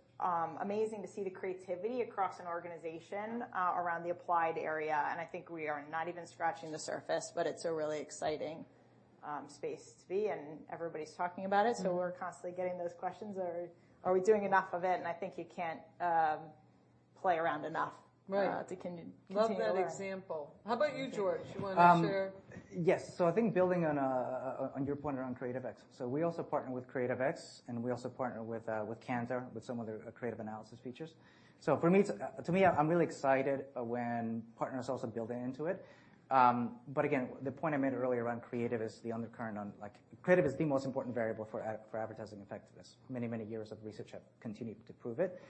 amazing to see the creativity across an organization around the applied AI, and I think we are not even scratching the surface, but it's a really exciting space to be, and everybody's talking about it. We're constantly getting those questions: Are we doing enough of it? I think you can't play around enough. Right. to continue our- Love that example. How about you, Jorge? You want to share? Yes. I think building on your point around CreativeX. We also partner with CreativeX, and we also partner with Kantar, with some of their creative analysis features. To me, I'm really excited when partners are also building into it. Again, the point I made earlier around creative is the undercurrent on. Like, creative is the most important variable for advertising effectiveness. Many, many years of research have continued to prove it.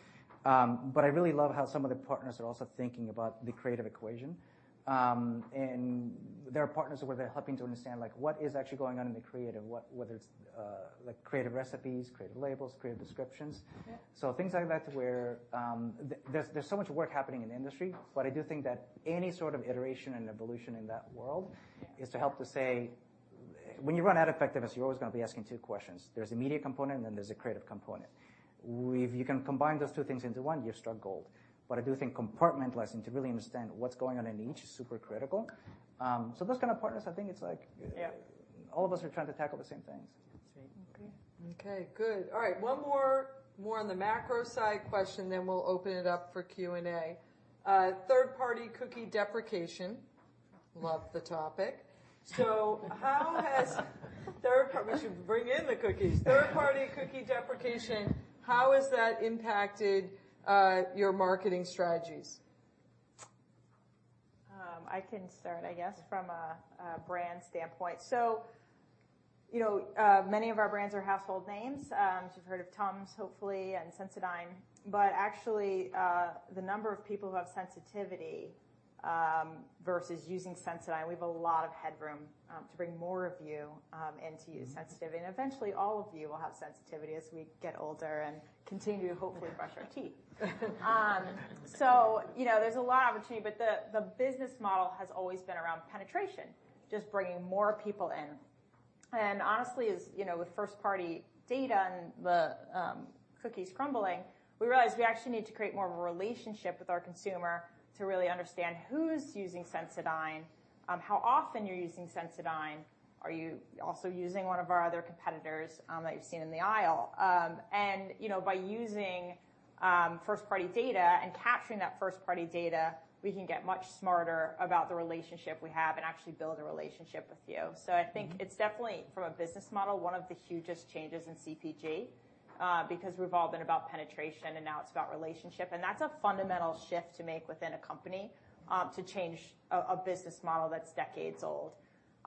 I really love how some of the partners are also thinking about the creative equation. There are partners where they're helping to understand, like, what is actually going on in the creative, whether it's, like, creative recipes, creative labels, creative descriptions. Yeah. Things like that where, there's so much work happening in the industry, but I do think that any sort of iteration and evolution in that world is to help to say, when you run ad effectiveness, you're always going to be asking two questions: There's a media component, and then there's a creative component. If you can combine those two things into one, you've struck gold. I do think compartmentalizing to really understand what's going on in each is super critical. Those kind of partners, I think it's like. Yeah All of us are trying to tackle the same things. That's great. Okay. Okay, good. All right, one more on the macro side question, then we'll open it up for Q&A. Third-party cookie deprecation. Love the topic. We should bring in the cookies. Third-party cookie deprecation, how has that impacted your marketing strategies? I can start, I guess, from a brand standpoint. You know, many of our brands are household names. So you've heard of Tums, hopefully, and Sensodyne. Actually, the number of people who have sensitivity versus using Sensodyne, we have a lot of headroom to bring more of you in, to use Sensitivity. Eventually, all of you will have sensitivity as we get older and continue to hopefully brush our teeth. You know, there's a lot of opportunity, but the business model has always been around penetration, just bringing more people in. Honestly, as you know, with first-party data and the cookies crumbling, we realized we actually need to create more of a relationship with our consumer to really understand who's using Sensodyne, how often you're using Sensodyne. Are you also using one of our other competitors, that you've seen in the aisle? You know, by using first-party data and capturing that first-party data, we can get much smarter about the relationship we have and actually build a relationship with you. I think it's definitely, from a business model, one of the hugest changes in CPG, because we've all been about penetration, and now it's about relationship. That's a fundamental shift to make within a company, to change a business model that's decades old.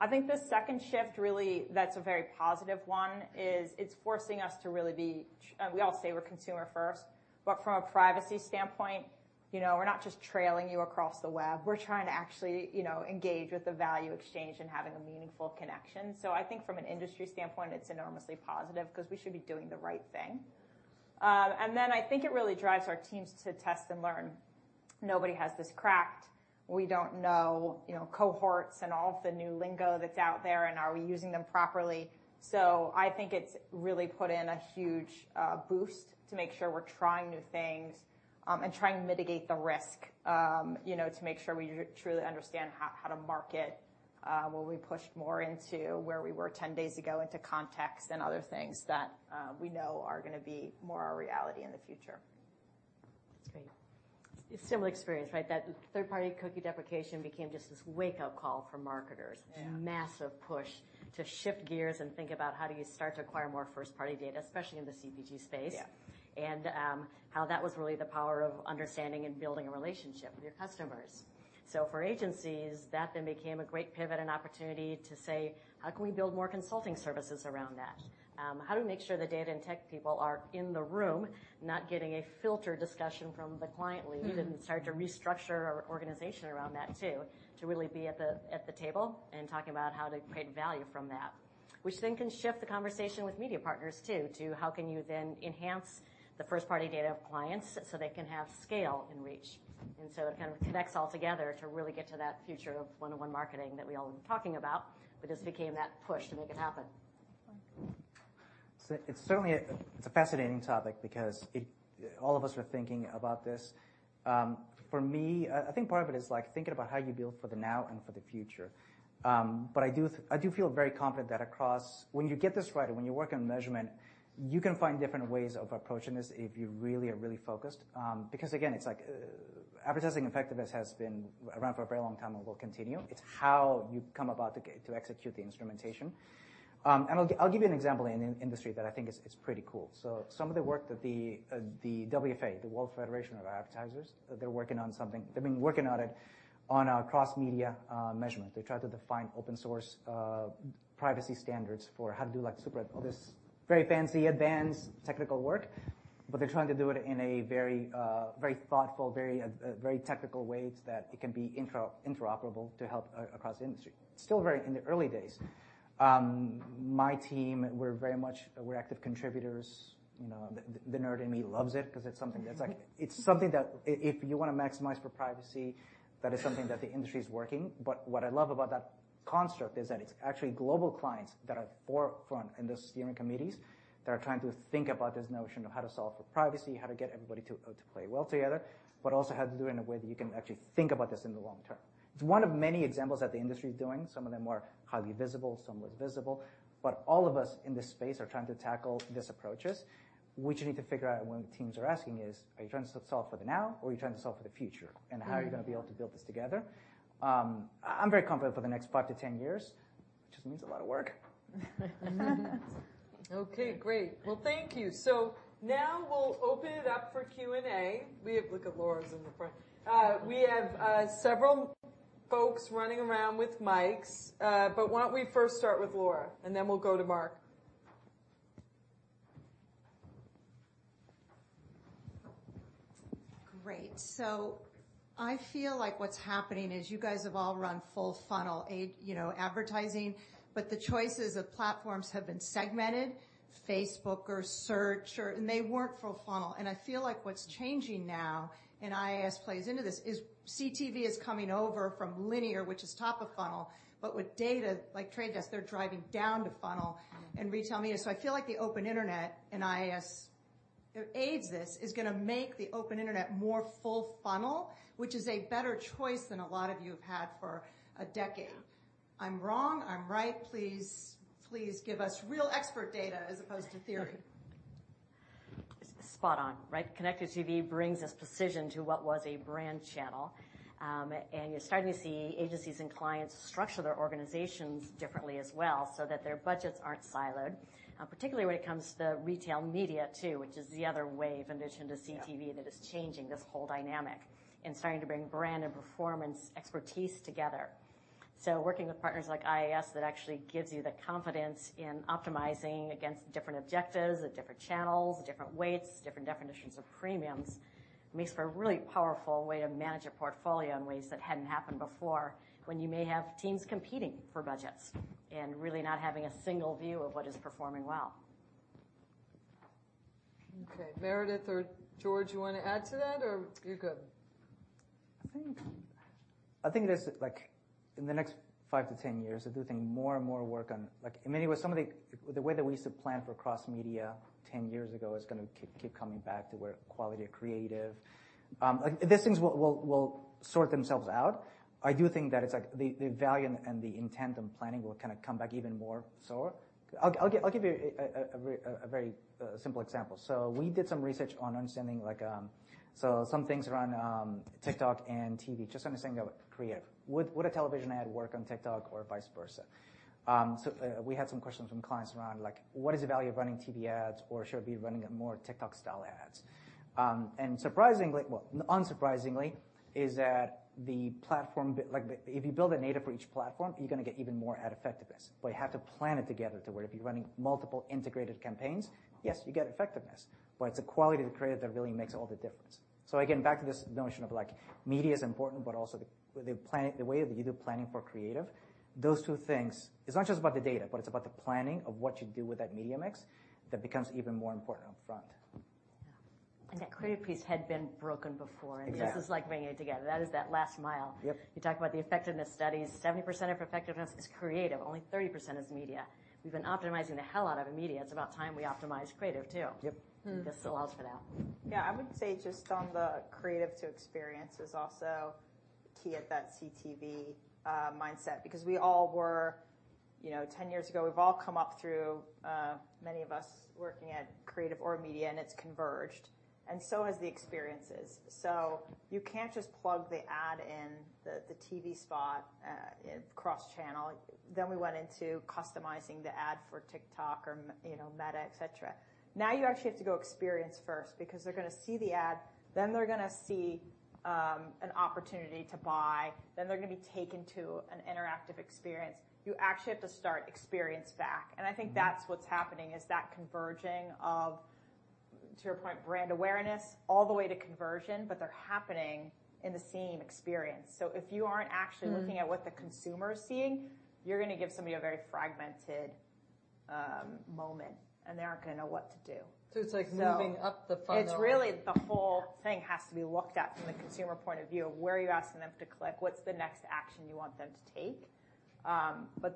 The second shift, really, that's a very positive one, is it's forcing us to really be. We all say we're consumer first, but from a privacy standpoint, you know, we're not just trailing you across the web. We're trying to actually, you know, engage with the value exchange and having a meaningful connection. I think from an industry standpoint, it's enormously positive because we should be doing the right thing. Then I think it really drives our teams to test and learn. Nobody has this cracked. We don't know, you know, cohorts and all of the new lingo that's out there, and are we using them properly. I think it's really put in a huge boost to make sure we're trying new things, and trying to mitigate the risk, you know, to make sure we truly understand how to market, where we pushed more into where we were 10 days ago, into Context and other things that we know are gonna be more our reality in the future. That's great. It's similar experience, right? That third-party cookie deprecation became just this wake-up call for marketers. Yeah. Massive push to shift gears and think about how do you start to acquire more first-party data, especially in the CPG space. Yeah. How that was really the power of understanding and building a relationship with your customers. For agencies, that then became a great pivot and opportunity to say: How can we build more consulting services around that? How do we make sure the data and tech people are in the room, not getting a filtered discussion from the client lead, and start to restructure our organization around that, too, to really be at the table and talking about how to create value from that? Which then can shift the conversation with media partners, too, to how can you then enhance the first-party data of clients so they can have scale and reach. It kind of connects all together to really get to that future of one-on-one marketing that we all been talking about, but this became that push to make it happen. Right. It's certainly a fascinating topic because it, all of us are thinking about this. For me, I think part of it is like thinking about how you build for the now and for the future. I do feel very confident that across. When you get this right and when you work on measurement, you can find different ways of approaching this if you really are really focused. Again, it's like, advertising effectiveness has been around for a very long time and will continue. It's how you come about to execute the instrumentation. I'll give you an example in the industry that I think is pretty cool. Some of the work that the WFA, the World Federation of Advertisers, they're working on something. They've been working on it on a cross-media measurement. They try to define open source privacy standards for how to do, like, super... All this very fancy, advanced technical work. They're trying to do it in a very thoughtful, very technical way that it can be interoperable to help across the industry. Still very in the early days. My team, we're very much. We're active contributors. You know, the nerd in me loves it 'cause it's something that's like. It's something that if you wanna maximize for privacy, that is something that the industry is working. What I love about that construct is that it's actually global clients that are forefront in the steering committees, that are trying to think about this notion of how to solve for privacy, how to get everybody to play well together, but also how to do it in a way that you can actually think about this in the long term. It's one of many examples that the industry is doing. Some of them are highly visible, some less visible, but all of us in this space are trying to tackle these approaches, which you need to figure out when teams are asking is: Are you trying to solve for the now, or are you trying to solve for the future? How are you gonna be able to build this together? I'm very confident for the next five to 10 years, which just means a lot of work. Okay, great. Well, thank you. Now we'll open it up for Q&A. Laura's in the front. We have several folks running around with mics. Why don't we first start with Laura, and then we'll go to Mark. Great. I feel like what's happening is you guys have all run full funnel aid, you know, advertising, but the choices of platforms have been segmented, Facebook or Search or... They weren't full funnel. I feel like what's changing now, and IAS plays into this, is CTV is coming over from linear, which is top of funnel, but with data like Trade Desk, they're driving down the funnel and retail media. I feel like the open internet and IAS, it aids this, is gonna make the open internet more full funnel, which is a better choice than a lot of you have had for a decade. I'm wrong? I'm right? Please, please give us real expert data as opposed to theory. Spot on, right? Connected TV brings this precision to what was a brand channel. You're starting to see agencies and clients structure their organizations differently as well, so that their budgets aren't siloed, particularly when it comes to retail media, too, which is the other wave in addition to CTV. Yeah ...that is changing this whole dynamic and starting to bring brand and performance expertise together. Working with partners like IAS, that actually gives you the confidence in optimizing against different objectives, the different channels, different weights, different definitions of premiums, makes for a really powerful way to manage a portfolio in ways that hadn't happened before, when you may have teams competing for budgets and really not having a single view of what is performing well. Okay, Meredith or Jorge, you wanna add to that, or you're good? I think, I think it is like in the next 5-10 years, I do think more and more work on... Like, in many ways, the way that we used to plan for cross-media 10 years ago is gonna keep coming back to where quality or creative. Like, these things will sort themselves out. I do think that it's like the value and the intent and planning will kinda come back even more so. I'll give you a very simple example. We did some research on understanding, like, some things around TikTok and TV, just understanding the creative. Would a television ad work on TikTok or vice versa? We had some questions from clients around, like: What is the value of running TV ads, or should we be running a more TikTok-style ads? Unsurprisingly, is that the platform, like, if you build a native for each platform, you're gonna get even more ad effectiveness, but you have to plan it together to where if you're running multiple integrated campaigns, yes, you get effectiveness, but it's the quality of the creative that really makes all the difference. Again, back to this notion of, like, media is important, but also the planning, the way that you do planning for creative. Those two things, it's not just about the data, but it's about the planning of what you do with that media mix that becomes even more important up front. Yeah. That creative piece had been broken before. Yeah. This is like bringing it together. That is that last mile. Yep. You talked about the effectiveness studies. 70% of effectiveness is creative, only 30% is media. We've been optimizing the hell out of the media. It's about time we optimize creative, too. Yep. Mm-hmm. This allows for that. I would say just on the creative to experience is also key at that CTV mindset, because we all were... You know, 10 years ago, we've all come up through many of us working at creative or media, and it's converged, and so has the experiences. You can't just plug the ad in the TV spot across channel. We went into customizing the ad for TikTok or you know, Meta, et cetera. You actually have to go experience first, because they're gonna see the ad, then they're gonna see an opportunity to buy, then they're gonna be taken to an interactive experience. You actually have to start experience back, and I think that's what's happening, is that converging of, to your point, brand awareness all the way to conversion, but they're happening in the same experience. if you aren't. Mm-hmm ...looking at what the consumer is seeing, you're gonna give somebody a very fragmented, moment, and they aren't gonna know what to do. It's like moving up the funnel. It's really the whole thing has to be looked at from the consumer point of view, of where are you asking them to click? What's the next action you want them to take?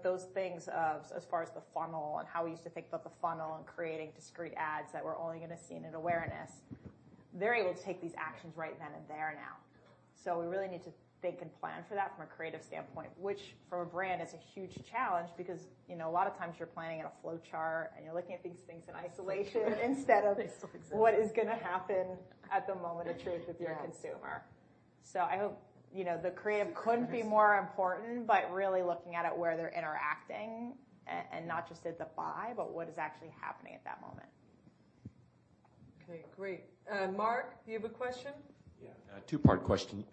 Those things of, as far as the funnel and how we used to think about the funnel and creating discrete ads that were only gonna seen an awareness, they're able to take these actions right then and there now. We really need to think and plan for that from a creative standpoint, which, for a brand, is a huge challenge because, you know, a lot of times you're planning in a flowchart and you're looking at these things in isolation instead of. Still exists. ...what is gonna happen at the moment of truth with your consumer. Yeah. I hope... You know, the creative couldn't be more important, but really looking at it where they're interacting and not just at the buy, but what is actually happening at that moment. Okay, great. Mark, you have a question? Yeah, a two-part question.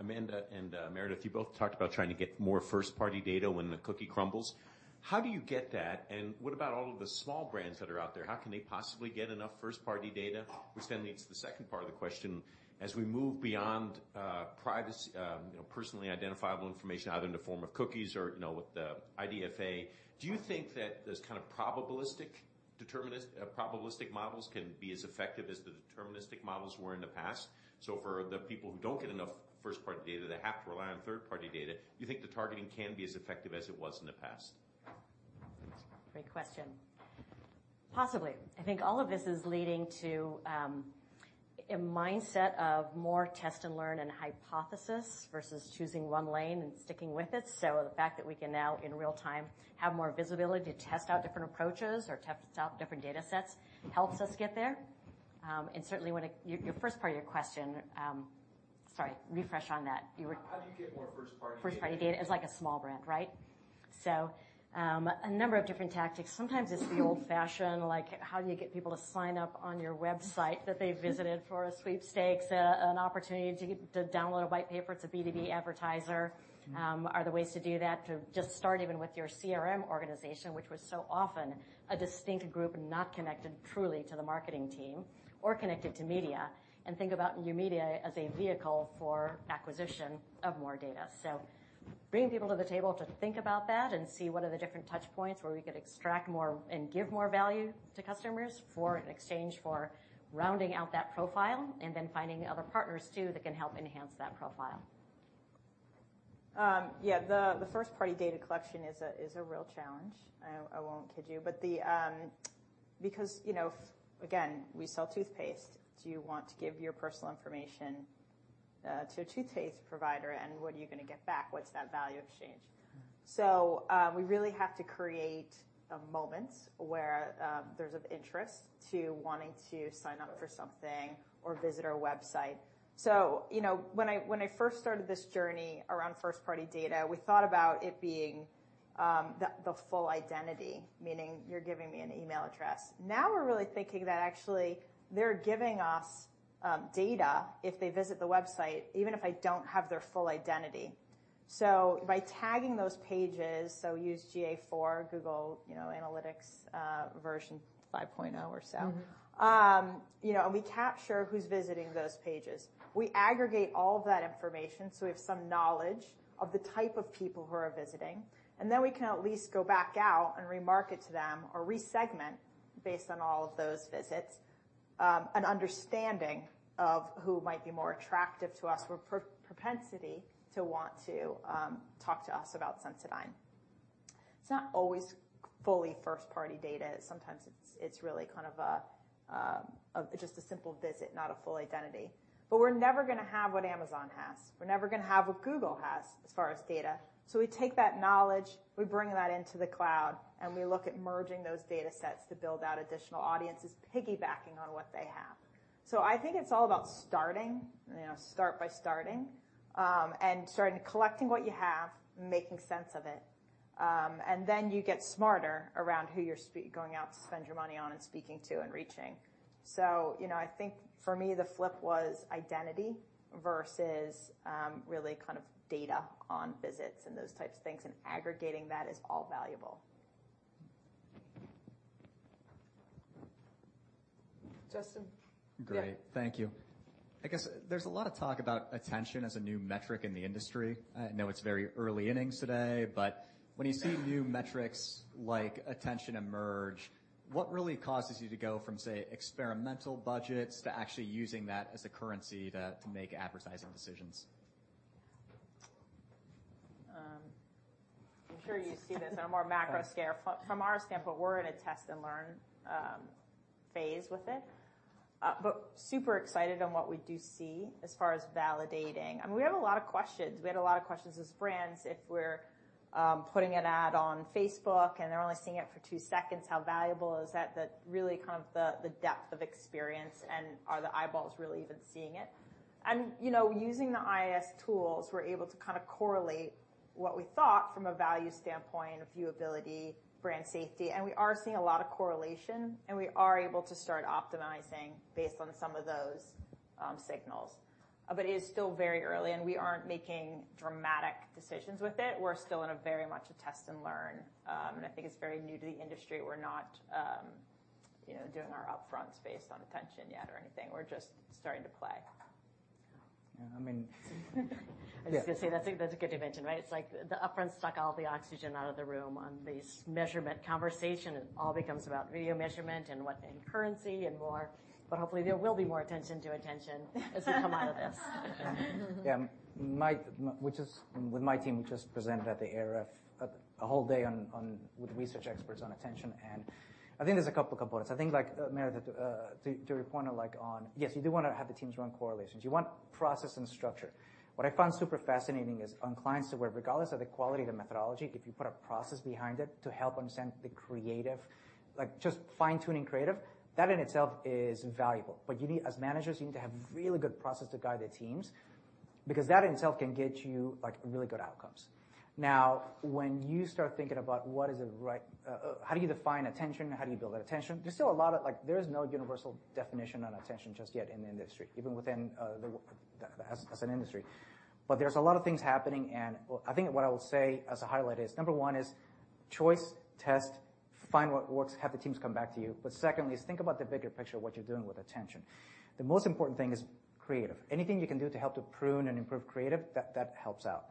Amanda and Meredith, you both talked about trying to get more first-party data when the cookie crumbles. How do you get that, and what about all of the small brands that are out there? How can they possibly get enough first-party data? Which then leads to the second part of the question: as we move beyond privacy, you know, personally identifiable information, either in the form of cookies or, you know, with the IDFA, do you think that this kind of probabilistic models can be as effective as the deterministic models were in the past? For the people who don't get enough first-party data, they have to rely on third-party data, do you think the targeting can be as effective as it was in the past? Great question. Possibly. I think all of this is leading to, a mindset of more test and learn and hypothesis versus choosing one lane and sticking with it. The fact that we can now, in real time, have more visibility to test out different approaches or test out different data sets helps us get there. Certainly, Your first part of your question, sorry, refresh on that. You were. How do you get more first-party data? First-party data. It's like a small brand, right? A number of different tactics. Sometimes it's the old-fashioned, like, how do you get people to sign up on your website that they visited for a sweepstakes, an opportunity to download a white paper? It's a B2B advertiser. Are the ways to do that, to just start even with your CRM organization, which was so often a distinct group, not connected truly to the marketing team or connected to media, and think about new media as a vehicle for acquisition of more data. Bringing people to the table to think about that and see what are the different touchpoints where we could extract more and give more value to customers for in exchange for rounding out that profile, and then finding other partners too that can help enhance that profile. Yeah, the first-party data collection is a real challenge. I won't kid you. You know, again, we sell toothpaste. Do you want to give your personal information to a toothpaste provider, and what are you gonna get back? What's that value exchange? We really have to create moments where there's of interest to wanting to sign up for something or visit our website. You know, when I first started this journey around first-party data, we thought about it being the full identity, meaning you're giving me an email address. Now, we're really thinking that actually they're giving us data if they visit the website, even if I don't have their full identity. By tagging those pages, so use GA4, Google, you know, Analytics, version 5.0 or so. Mm-hmm. You know, we capture who's visiting those pages. We aggregate all of that information, so we have some knowledge of the type of people who are visiting, and then we can at least go back out and remarket to them or re-segment based on all of those visits, an understanding of who might be more attractive to us or pro-propensity to want to talk to us about Sensodyne. It's not always fully first-party data. Sometimes it's really kind of a just a simple visit, not a full identity. We're never gonna have what Amazon has. We're never gonna have what Google has as far as data, we take that knowledge, we bring that into the cloud, and we look at merging those data sets to build out additional audiences, piggybacking on what they have. I think it's all about starting, you know, start by starting, and starting collecting what you have, making sense of it. Then you get smarter around who you're going out to spend your money on and speaking to and reaching. You know, I think for me, the flip was identity versus really kind of data on visits and those types of things, and aggregating that is all valuable. Justin. Great. Thank you. I guess there's a lot of talk about attention as a new metric in the industry. I know it's very early innings today, but when you see new metrics like attention emerge, what really causes you to go from, say, experimental budgets to actually using that as a currency to make advertising decisions? I'm sure you see this on a more macro scale. Yeah. From our standpoint, we're in a test-and-learn phase with it, but super excited on what we do see as far as validating. I mean, we have a lot of questions. We had a lot of questions as brands if we're putting an ad on Facebook, and they're only seeing it for two seconds, how valuable is that really kind of the depth of experience, and are the eyeballs really even seeing it? You know, using the IAS tools, we're able to kind of correlate what we thought from a value standpoint, viewability, brand safety, and we are seeing a lot of correlation, and we are able to start optimizing based on some of those signals. It is still very early, and we aren't making dramatic decisions with it. We're still in a very much a test and learn. I think it's very new to the industry. We're not, you know, doing our upfronts based on attention yet or anything. We're just starting to play. Yeah. I was just gonna say, I think that's a good dimension, right? It's like the upfronts suck all the oxygen out of the room on this measurement conversation. It all becomes about video measurement and currency and more, hopefully there will be more attention as we come out of this. Yeah. Which is, with my team, we just presented at the ARF a whole day on with research experts on attention. I think there's a couple components. I think, like, Meredith, to your point of like, Yes, you do wanna have the teams run correlations. You want process and structure. What I find super fascinating is on clients that where regardless of the quality of the methodology, if you put a process behind it to help understand the creative, like just fine-tuning creative, that in itself is valuable. As managers, you need to have really good process to guide the teams. ...Because that in itself can get you, like, really good outcomes. When you start thinking about what is the right, how do you define attention? How do you build that attention? There's still a lot of, like, there is no universal definition on attention just yet in the industry, even within, as an industry. There's a lot of things happening, and I think what I will say as a highlight is, number one is choice, test, find what works, have the teams come back to you. Secondly, is think about the bigger picture of what you're doing with attention. The most important thing is creative. Anything you can do to help to prune and improve creative, that helps out.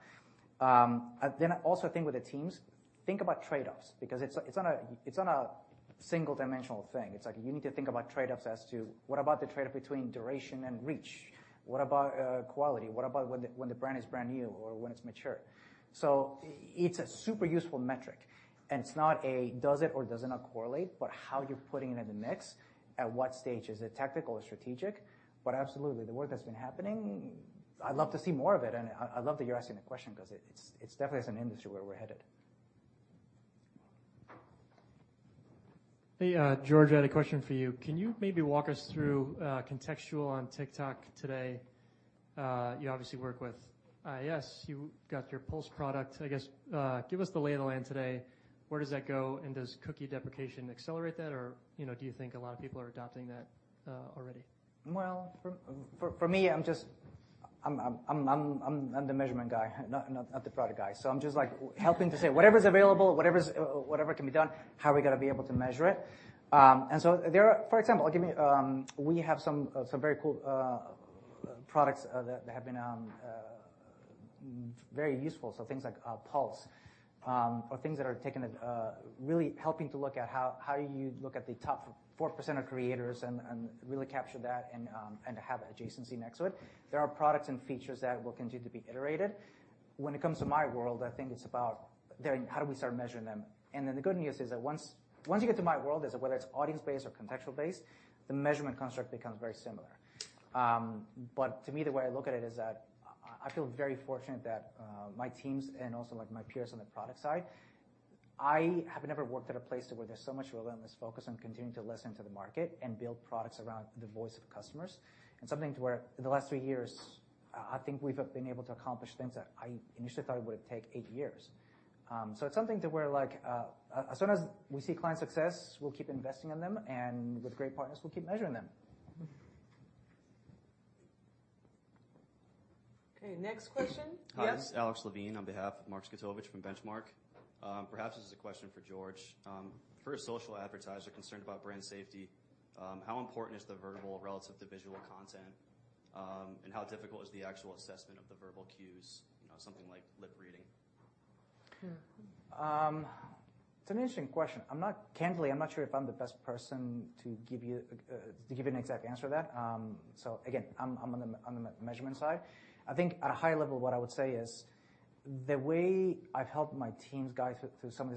Also, I think with the teams, think about trade-offs, because it's not a, it's not a single dimensional thing. It's like you need to think about trade-offs as to what about the trade-off between duration and reach? What about, quality? What about when the brand is brand new or when it's mature? It's a super useful metric, and it's not a does it or does it not correlate, but how you're putting it in the mix, at what stage? Is it tactical or strategic? Absolutely, the work that's been happening, I'd love to see more of it, and I'd love that you're asking the question because it's definitely as an industry where we're headed. Hey, Jorge, I had a question for you. Can you maybe walk us through contextual on TikTok today? You obviously work with IAS, you got your Pulse product. I guess, give us the lay of the land today. Where does that go, and does cookie deprecation accelerate that, or, you know, do you think a lot of people are adopting that already? Well, for me, I'm just, I'm the measurement guy, not the product guy. I'm just, like, helping to say whatever's available, whatever can be done, how are we gonna be able to measure it? There are. For example, give me, we have some very cool products that have been very useful. things like Pulse or things that are really helping to look at how you look at the top 4% of creators and really capture that and have adjacency next to it. There are products and features that will continue to be iterated. When it comes to my world, I think it's about then how do we start measuring them? The good news is that once you get to my world, is whether it's audience-based or contextual-based, the measurement construct becomes very similar. To me, the way I look at it is that I feel very fortunate that my teams and also like my peers on the product side, I have never worked at a place where there's so much relentless focus on continuing to listen to the market and build products around the voice of customers. Something to where the last three years, I think we've been able to accomplish things that I initially thought it would take eight years. It's something to where like, as soon as we see client success, we'll keep investing in them, and with great partners, we'll keep measuring them. Okay, next question. Yes. Hi, this is Alex Levine on behalf of Mark Zgutowicz from Benchmark. Perhaps this is a question for Jorge Ruiz. For a social advertiser concerned about brand safety, how important is the vertical relative to visual content? How difficult is the actual assessment of the verbal cues, you know, something like lip reading? It's an interesting question. Candidly, I'm not sure if I'm the best person to give you to give you an exact answer to that. Again, I'm on the measurement side. I think at a high level, what I would say is the way I've helped my teams guide through some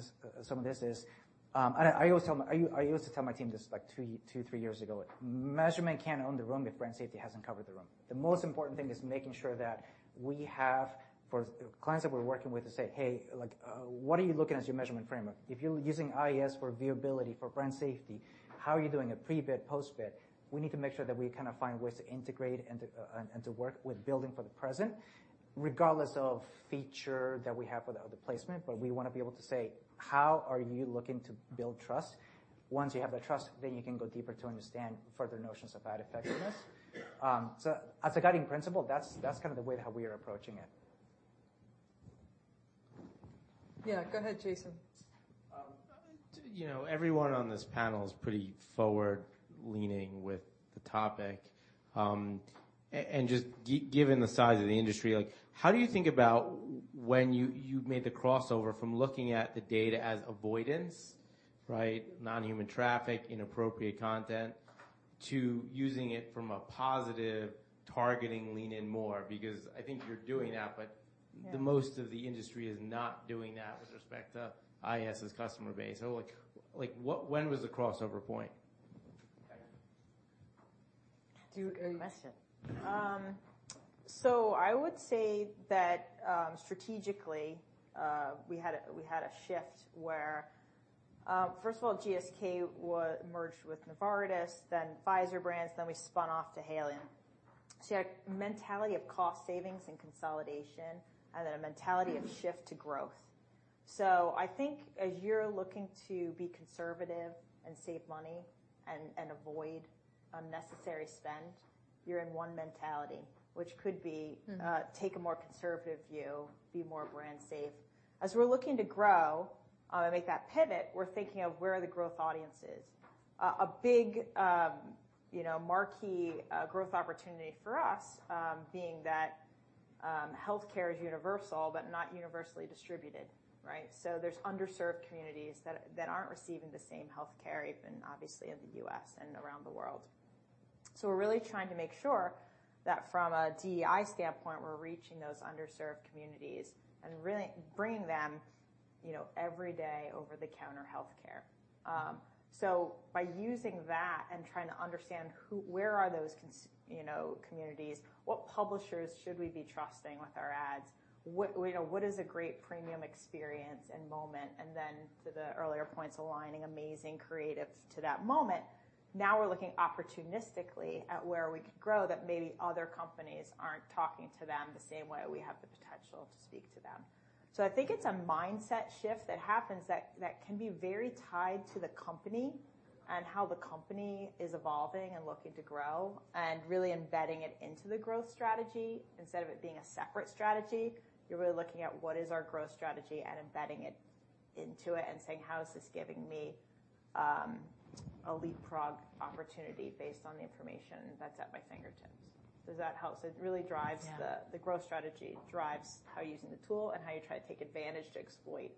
of this is, I also used to tell my team this, like 2, 3 years ago, "Measurement can't own the room if brand safety hasn't covered the room." The most important thing is making sure that we have, for clients that we're working with, to say, "Hey, like, what are you looking as your measurement framework? If you're using IAS for viewability, for brand safety, how are you doing a pre-bid, post-bid?" We need to make sure that we kinda find ways to integrate and to, and to work with building for the present, regardless of feature that we have for the other placement. We want to be able to say, "How are you looking to build trust?" Once you have the trust, then you can go deeper to understand further notions about effectiveness. As a guiding principle, that's kind of the way how we are approaching it. Yeah, go ahead, Jason. You know, everyone on this panel is pretty forward-leaning with the topic. Given the size of the industry, like, how do you think about when you made the crossover from looking at the data as avoidance, right, non-human traffic, inappropriate content, to using it from a positive targeting lean in more? Because I think you're doing that. Yeah. The most of the industry is not doing that with respect to IAS's customer base. When was the crossover point? Do you- Good question. I would say that strategically, we had a shift where first of all, GSK was merged with Novartis, then Pfizer brands, then we spun off to Haleon. You had mentality of cost savings and consolidation, and then a mentality of shift to growth. I think as you're looking to be conservative and save money and avoid unnecessary spend, you're in one mentality, which could be... Mm-hmm. take a more conservative view, be more brand safe. As we're looking to grow, make that pivot, we're thinking of where are the growth audiences. A big, you know, marquee growth opportunity for us, being that healthcare is universal but not universally distributed, right? There's underserved communities that aren't receiving the same healthcare, even obviously in the U.S. and around the world. We're really trying to make sure that from a DEI standpoint, we're reaching those underserved communities and really bringing them, you know, every day over-the-counter healthcare. By using that and trying to understand where are those, you know, communities, what publishers should we be trusting with our ads? What, you know, what is a great premium experience and moment? Then to the earlier points, aligning amazing creative to that moment. We're looking opportunistically at where we could grow, that maybe other companies aren't talking to them the same way we have the potential to speak to them. I think it's a mindset shift that happens that can be very tied to the company and how the company is evolving and looking to grow and really embedding it into the growth strategy. Instead of it being a separate strategy, you're really looking at what is our growth strategy and embedding it into it and saying: How is this giving me a leapfrog opportunity based on the information that's at my fingertips? Does that help? It really drives the- Yeah. The growth strategy, drives how you're using the tool, and how you try to take advantage to exploit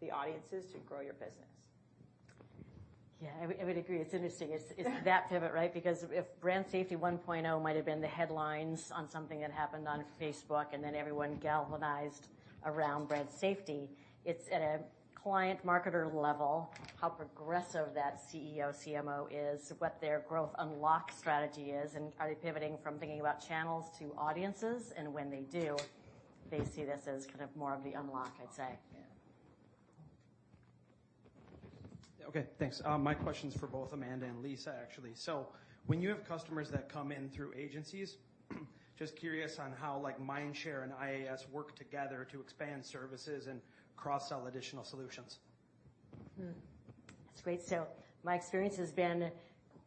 the audiences to grow your business. I would agree. It's interesting. It's that pivot, right? If brand safety 1.0 might have been the headlines on something that happened on Facebook, and then everyone galvanized around brand safety. It's at a client marketer level, how progressive that CEO, CMO is, what their growth unlock strategy is, and are they pivoting from thinking about channels to audiences? When they do, they see this as kind of more of the unlock, I'd say. Yeah. Okay, thanks. My question is for both Amanda and Lisa, actually. When you have customers that come in through agencies, just curious on how, like, Mindshare and IAS work together to expand services and cross-sell additional solutions? That's great. My experience has been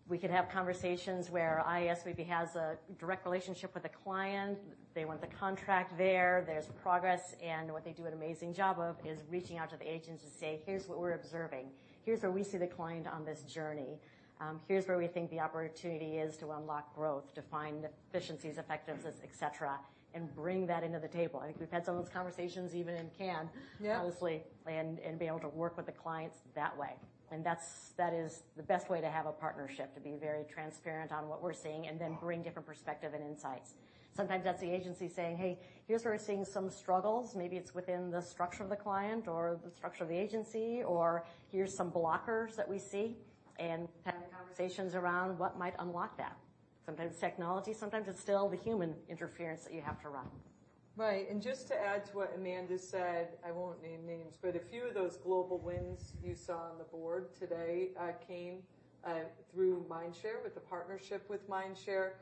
we could have conversations where IAS maybe has a direct relationship with a client. They want the contract there's progress, and what they do an amazing job of is reaching out to the agents to say: Here's what we're observing. Here's where we see the client on this journey. Here's where we think the opportunity is to unlock growth, to find efficiencies, effectiveness, et cetera, and bring that into the table. I think we've had some of those conversations even in Cannes. Yeah... closely and be able to work with the clients that way. That is the best way to have a partnership, to be very transparent on what we're seeing and then bring different perspective and insights. Sometimes that's the agency saying: Hey, here's where we're seeing some struggles. Maybe it's within the structure of the client or the structure of the agency, or here's some blockers that we see, and having conversations around what might unlock that. Sometimes technology, sometimes it's still the human interference that you have to run. Right. Just to add to what Amanda said, I won't name names, but a few of those global wins you saw on the board today, came through Mindshare, with the partnership with Mindshare,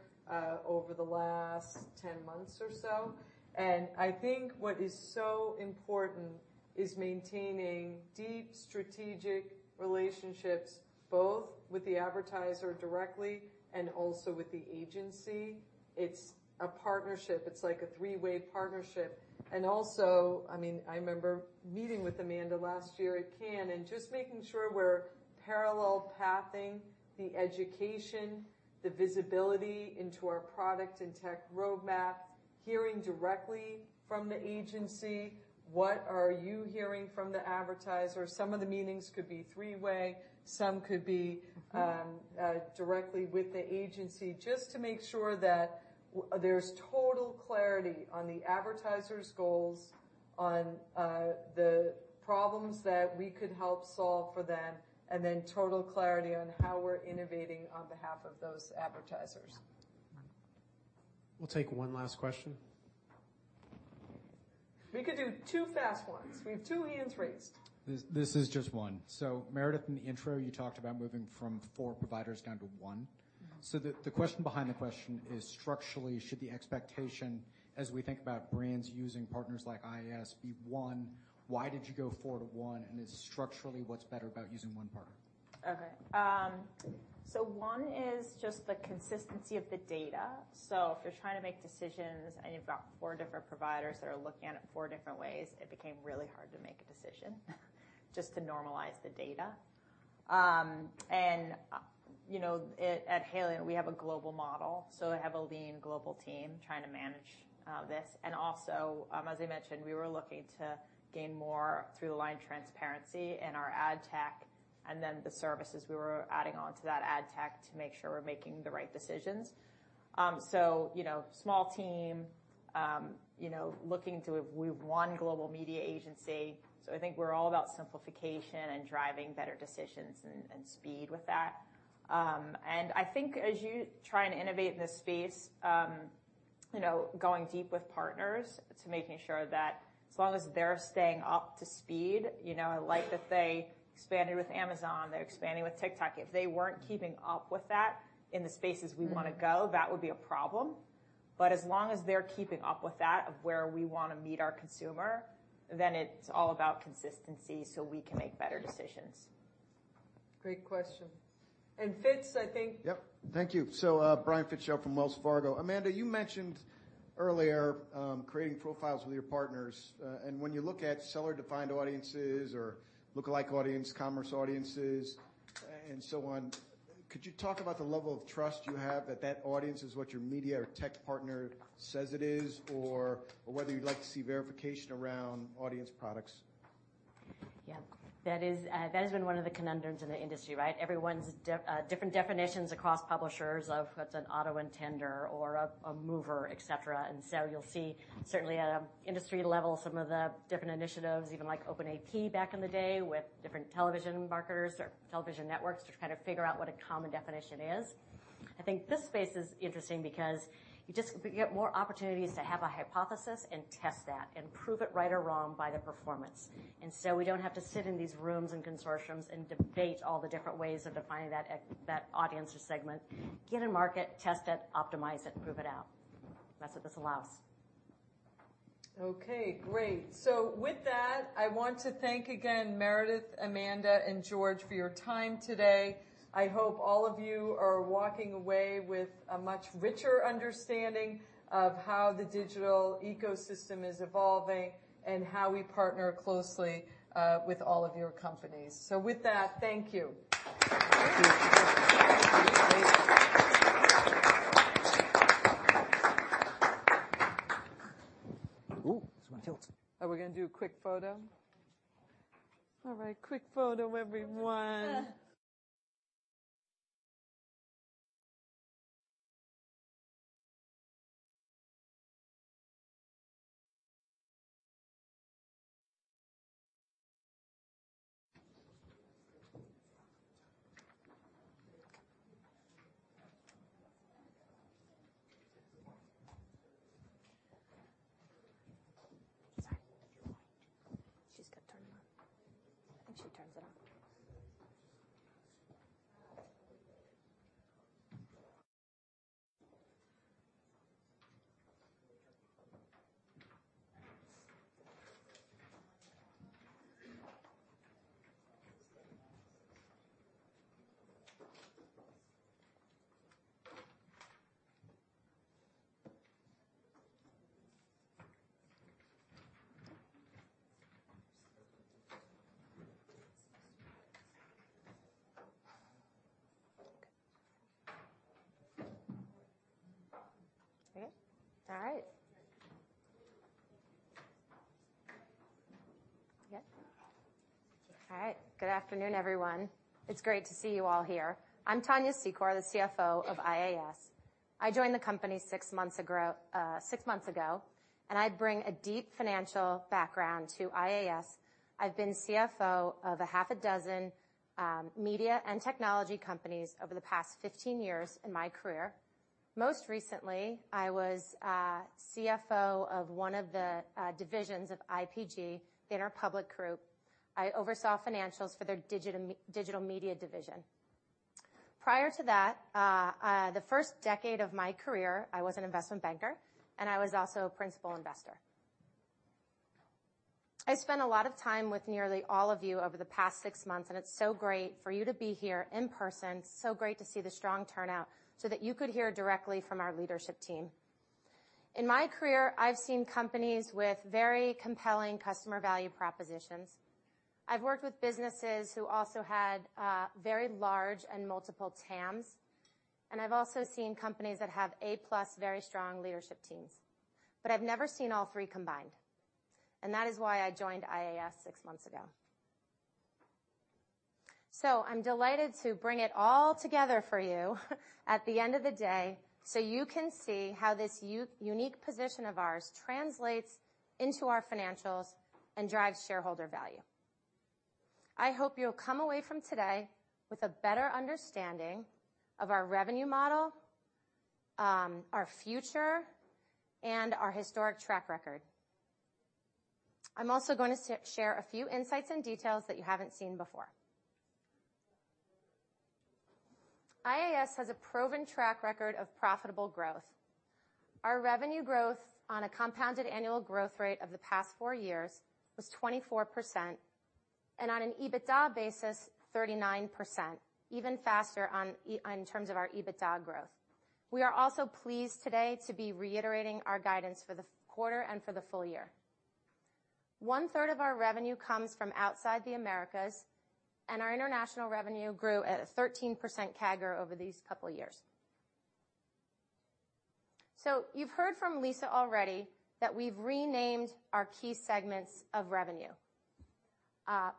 over the last 10 months or so. I think what is so important is maintaining deep strategic relationships, both with the advertiser directly and also with the agency. It's a partnership. It's like a three-way partnership. Also, I mean, I remember meeting with Amanda last year at Cannes and just making sure we're parallel pathing the education, the visibility into our product and tech roadmap, hearing directly from the agency. What are you hearing from the advertiser? Some of the meetings could be three-way, some could be. Mm-hmm directly with the agency, just to make sure that there's total clarity on the advertiser's goals, on the problems that we could help solve for them, and then total clarity on how we're innovating on behalf of those advertisers. Yeah. We'll take one last question. We could do two fast ones. We have two hands raised. This is just one. Meredith, in the intro, you talked about moving from 4 providers down to 1. Mm-hmm. The question behind the question is, structurally, should the expectation as we think about brands using partners like IAS be 1? Why did you go 4 to 1, and then structurally, what's better about using 1 partner? Okay, one is just the consistency of the data. If you're trying to make decisions and you've got four different providers that are looking at it four different ways, it became really hard to make a decision, just to normalize the data. You know, at Haleon, we have a global model, I have a lean global team trying to manage this. Also, as I mentioned, we were looking to gain more through-line transparency in our ad tech, and then the services we were adding on to that ad tech to make sure we're making the right decisions. So, you know, small team, you know, looking to we've one global media agency, I think we're all about simplification and driving better decisions and speed with that. I think as you try and innovate in this space, you know, going deep with partners to making sure that as long as they're staying up to speed... You know, they expanded with Amazon, they're expanding with TikTok. If they weren't keeping up with that in the spaces we want to go, that would be a problem. As long as they're keeping up with that, of where we want to meet our consumer, then it's all about consistency, so we can make better decisions. Great question. Fitz, I think... Yep. Thank you. Brian Fitzgerald from Wells Fargo. Amanda, you mentioned earlier, creating profiles with your partners, and when you look at seller-defined audiences or look-alike audience, commerce audiences, and so on, could you talk about the level of trust you have that that audience is what your media or tech partner says it is, or whether you'd like to see verification around audience products? Yeah, that is, that has been one of the conundrums in the industry, right? Everyone's different definitions across publishers of what's an auto intender or a mover, et cetera. You'll see certainly at a industry level, some of the different initiatives, even like OpenAP back in the day, with different television marketers or television networks, to try to figure out what a common definition is. I think this space is interesting because you get more opportunities to have a hypothesis and test that and prove it right or wrong by the performance. We don't have to sit in these rooms and consortiums and debate all the different ways of defining that audience or segment. Get in market, test it, optimize it, and prove it out. That's what this allows. Okay, great. With that, I want to thank again, Meredith, Amanda, and Jorge, for your time today. I hope all of you are walking away with a much richer understanding of how the digital ecosystem is evolving and how we partner closely with all of your companies. With that, thank you. Ooh, this one tilts. Are we gonna do a quick photo? All right, quick photo, everyone. Sorry. She's got to turn it on. I think she turns it on. Okay. All right. Yeah. All right. Good afternoon, everyone. It's great to see you all here. I'm Tania Secor, the CFO of IAS. I joined the company six months ago, and I bring a deep financial background to IAS. I've been CFO of a half a dozen media and technology companies over the past 15 years in my career. Most recently, I was CFO of one of the divisions of IPG, the Interpublic Group. I oversaw financials for their digital media division. Prior to that, the first decade of my career, I was an investment banker, and I was also a principal investor. I spent a lot of time with nearly all of you over the past 6 months, and it's so great for you to be here in person, so great to see the strong turnout so that you could hear directly from our leadership team. In my career, I've seen companies with very compelling customer value propositions. I've worked with businesses who also had very large and multiple TAMs. I've also seen companies that have A-plus, very strong leadership teams, but I've never seen all 3 combined. That is why I joined IAS 6 months ago. I'm delighted to bring it all together for you at the end of the day, so you can see how this unique position of ours translates into our financials and drives shareholder value. I hope you'll come away from today with a better understanding of our revenue model, our future, and our historic track record. I'm also going to share a few insights and details that you haven't seen before. IAS has a proven track record of profitable growth. Our revenue growth on a compounded annual growth rate of the past 4 years was 24%, and on an EBITDA basis, 39%, even faster in terms of our EBITDA growth. We are also pleased today to be reiterating our guidance for the quarter and for the full year. One-third of our revenue comes from outside the Americas, and our international revenue grew at a 13% CAGR over these couple years. You've heard from Lisa already that we've renamed our key segments of revenue.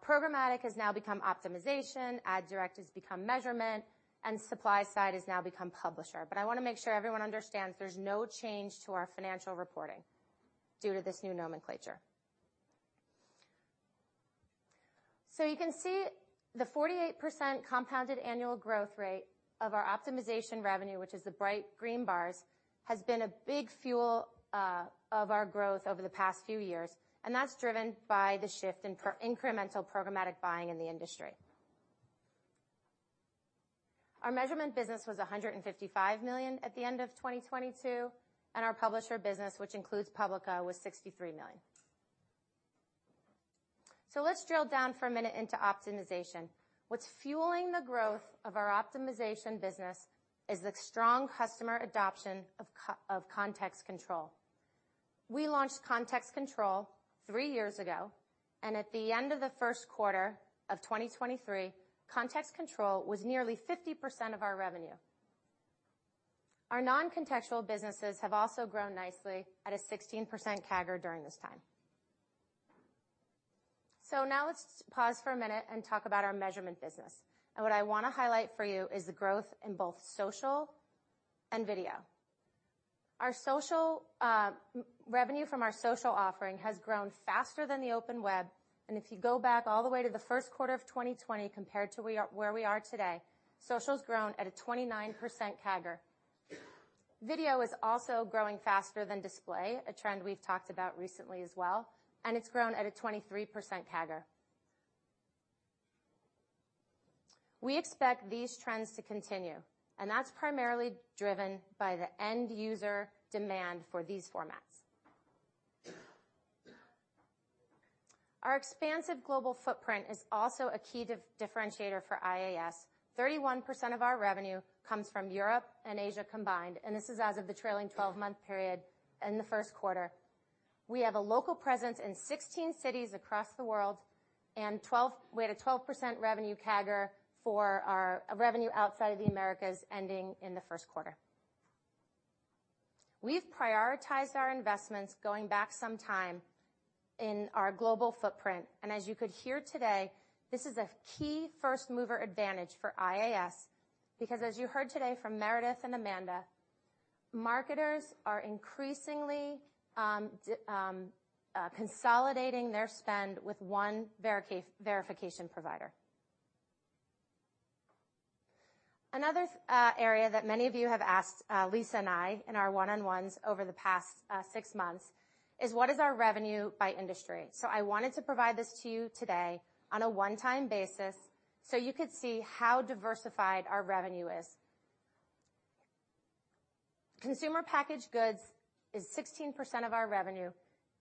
Programmatic has now become Optimization, Ad Direct has become Measurement, and Supply Side has now become Publisher. I want to make sure everyone understands there's no change to our financial reporting due to this new nomenclature. You can see the 48% compounded annual growth rate of our Optimization revenue, which is the bright green bars, has been a big fuel of our growth over the past few years, and that's driven by the shift in incremental programmatic buying in the industry. Our Measurement business was $155 million at the end of 2022, and our Publisher business, which includes Publica, was $63 million. Let's drill down for a minute into Optimization. What's fueling the growth of our Optimization business is the strong customer adoption of Context Control. We launched Context Control 3 years ago. At the end of the 1st quarter of 2023, Context Control was nearly 50% of our revenue. Our non-contextual businesses have also grown nicely at a 16% CAGR during this time. Now let's pause for a minute and talk about our measurement business. What I want to highlight for you is the growth in both social and video. Our social revenue from our social offering has grown faster than the open web. If you go back all the way to the 1st quarter of 2020 compared to where we are today, social's grown at a 29% CAGR. Video is also growing faster than display, a trend we've talked about recently as well. It's grown at a 23% CAGR. We expect these trends to continue, and that's primarily driven by the end-user demand for these formats. Our expansive global footprint is also a key differentiator for IAS. 31% of our revenue comes from Europe and Asia combined, and this is as of the trailing twelve-month period in the first quarter. We have a local presence in 16 cities across the world, we had a 12% revenue CAGR for our revenue outside of the Americas ending in the first quarter. We've prioritized our investments going back some time in our global footprint. As you could hear today, this is a key first-mover advantage for IAS, because as you heard today from Meredith and Amanda, marketers are increasingly consolidating their spend with one verification provider. Another area that many of you have asked Lisa and I in our one-on-ones over the past six months, is what is our revenue by industry? I wanted to provide this to you today on a one-time basis, so you could see how diversified our revenue is. Consumer packaged goods is 16% of our revenue,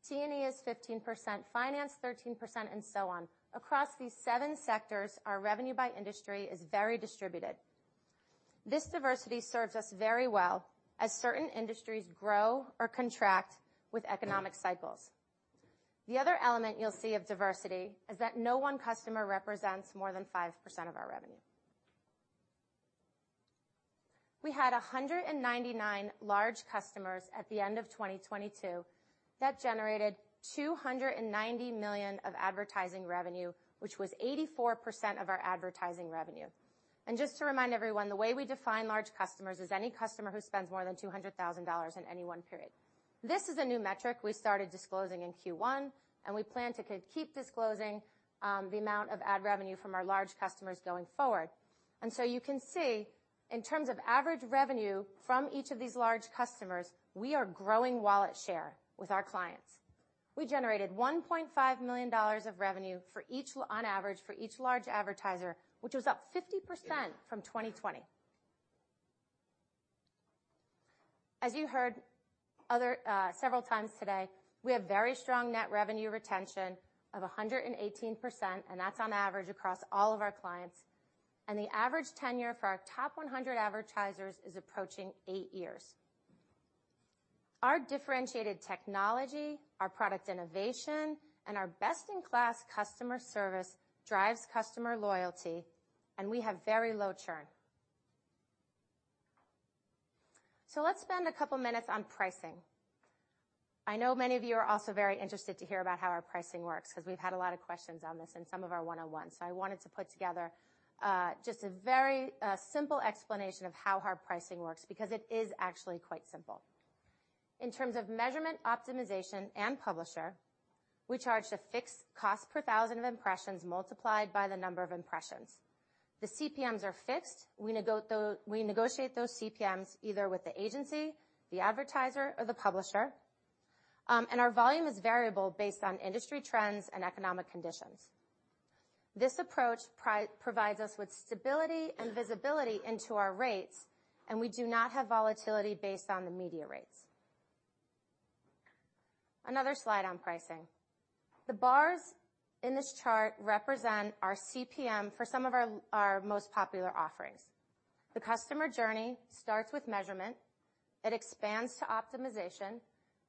T&E is 15%, finance, 13%, and so on. Across these seven sectors, our revenue by industry is very distributed. This diversity serves us very well as certain industries grow or contract with economic cycles. The other element you'll see of diversity is that no one customer represents more than 5% of our revenue. We had 199 large customers at the end of 2022. That generated $290 million of advertising revenue, which was 84% of our advertising revenue. Just to remind everyone, the way we define large customers is any customer who spends more than $200,000 in any one period. This is a new metric we started disclosing in Q1, and we plan to keep disclosing the amount of ad revenue from our large customers going forward. You can see, in terms of average revenue from each of these large customers, we are growing wallet share with our clients. We generated $1.5 million of revenue on average, for each large advertiser, which was up 50% from 2020. As you heard other several times today, we have very strong net revenue retention of 118%, and that's on average across all of our clients, and the average tenure for our top 100 advertisers is approaching eight years. Our differentiated technology, our product innovation, and our best-in-class customer service drives customer loyalty, and we have very low churn. Let's spend a couple minutes on pricing. I know many of you are also very interested to hear about how our pricing works, because we've had a lot of questions on this in some of our one-on-ones, so I wanted to put together just a very simple explanation of how our pricing works, because it is actually quite simple. In terms of measurement, optimization, and publisher, we charge a fixed cost per 1,000 impressions multiplied by the number of impressions. The CPMs are fixed. We negotiate those CPMs either with the agency, the advertiser, or the publisher, and our volume is variable based on industry trends and economic conditions. This approach provides us with stability and visibility into our rates, and we do not have volatility based on the media rates. Another slide on pricing. The bars in this chart represent our CPM for some of our most popular offerings. The customer journey starts with measurement, it expands to optimization,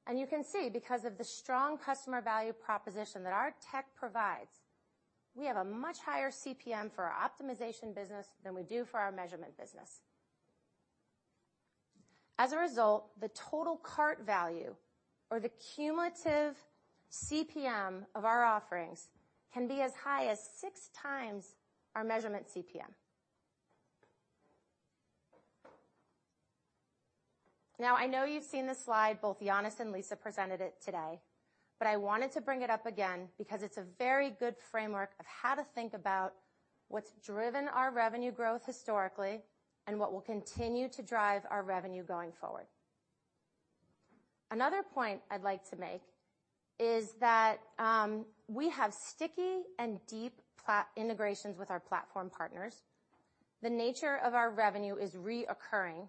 and you can see, because of the strong customer value proposition that our tech provides, we have a much higher CPM for our optimization business than we do for our measurement business. As a result, the total cart value or the cumulative CPM of our offerings can be as high as six times our measurement CPM. I know you've seen this slide, both Yannis and Lisa presented it today, I wanted to bring it up again because it's a very good framework of how to think about what's driven our revenue growth historically and what will continue to drive our revenue going forward. Another point I'd like to make is that we have sticky and deep integrations with our platform partners. The nature of our revenue is recurring,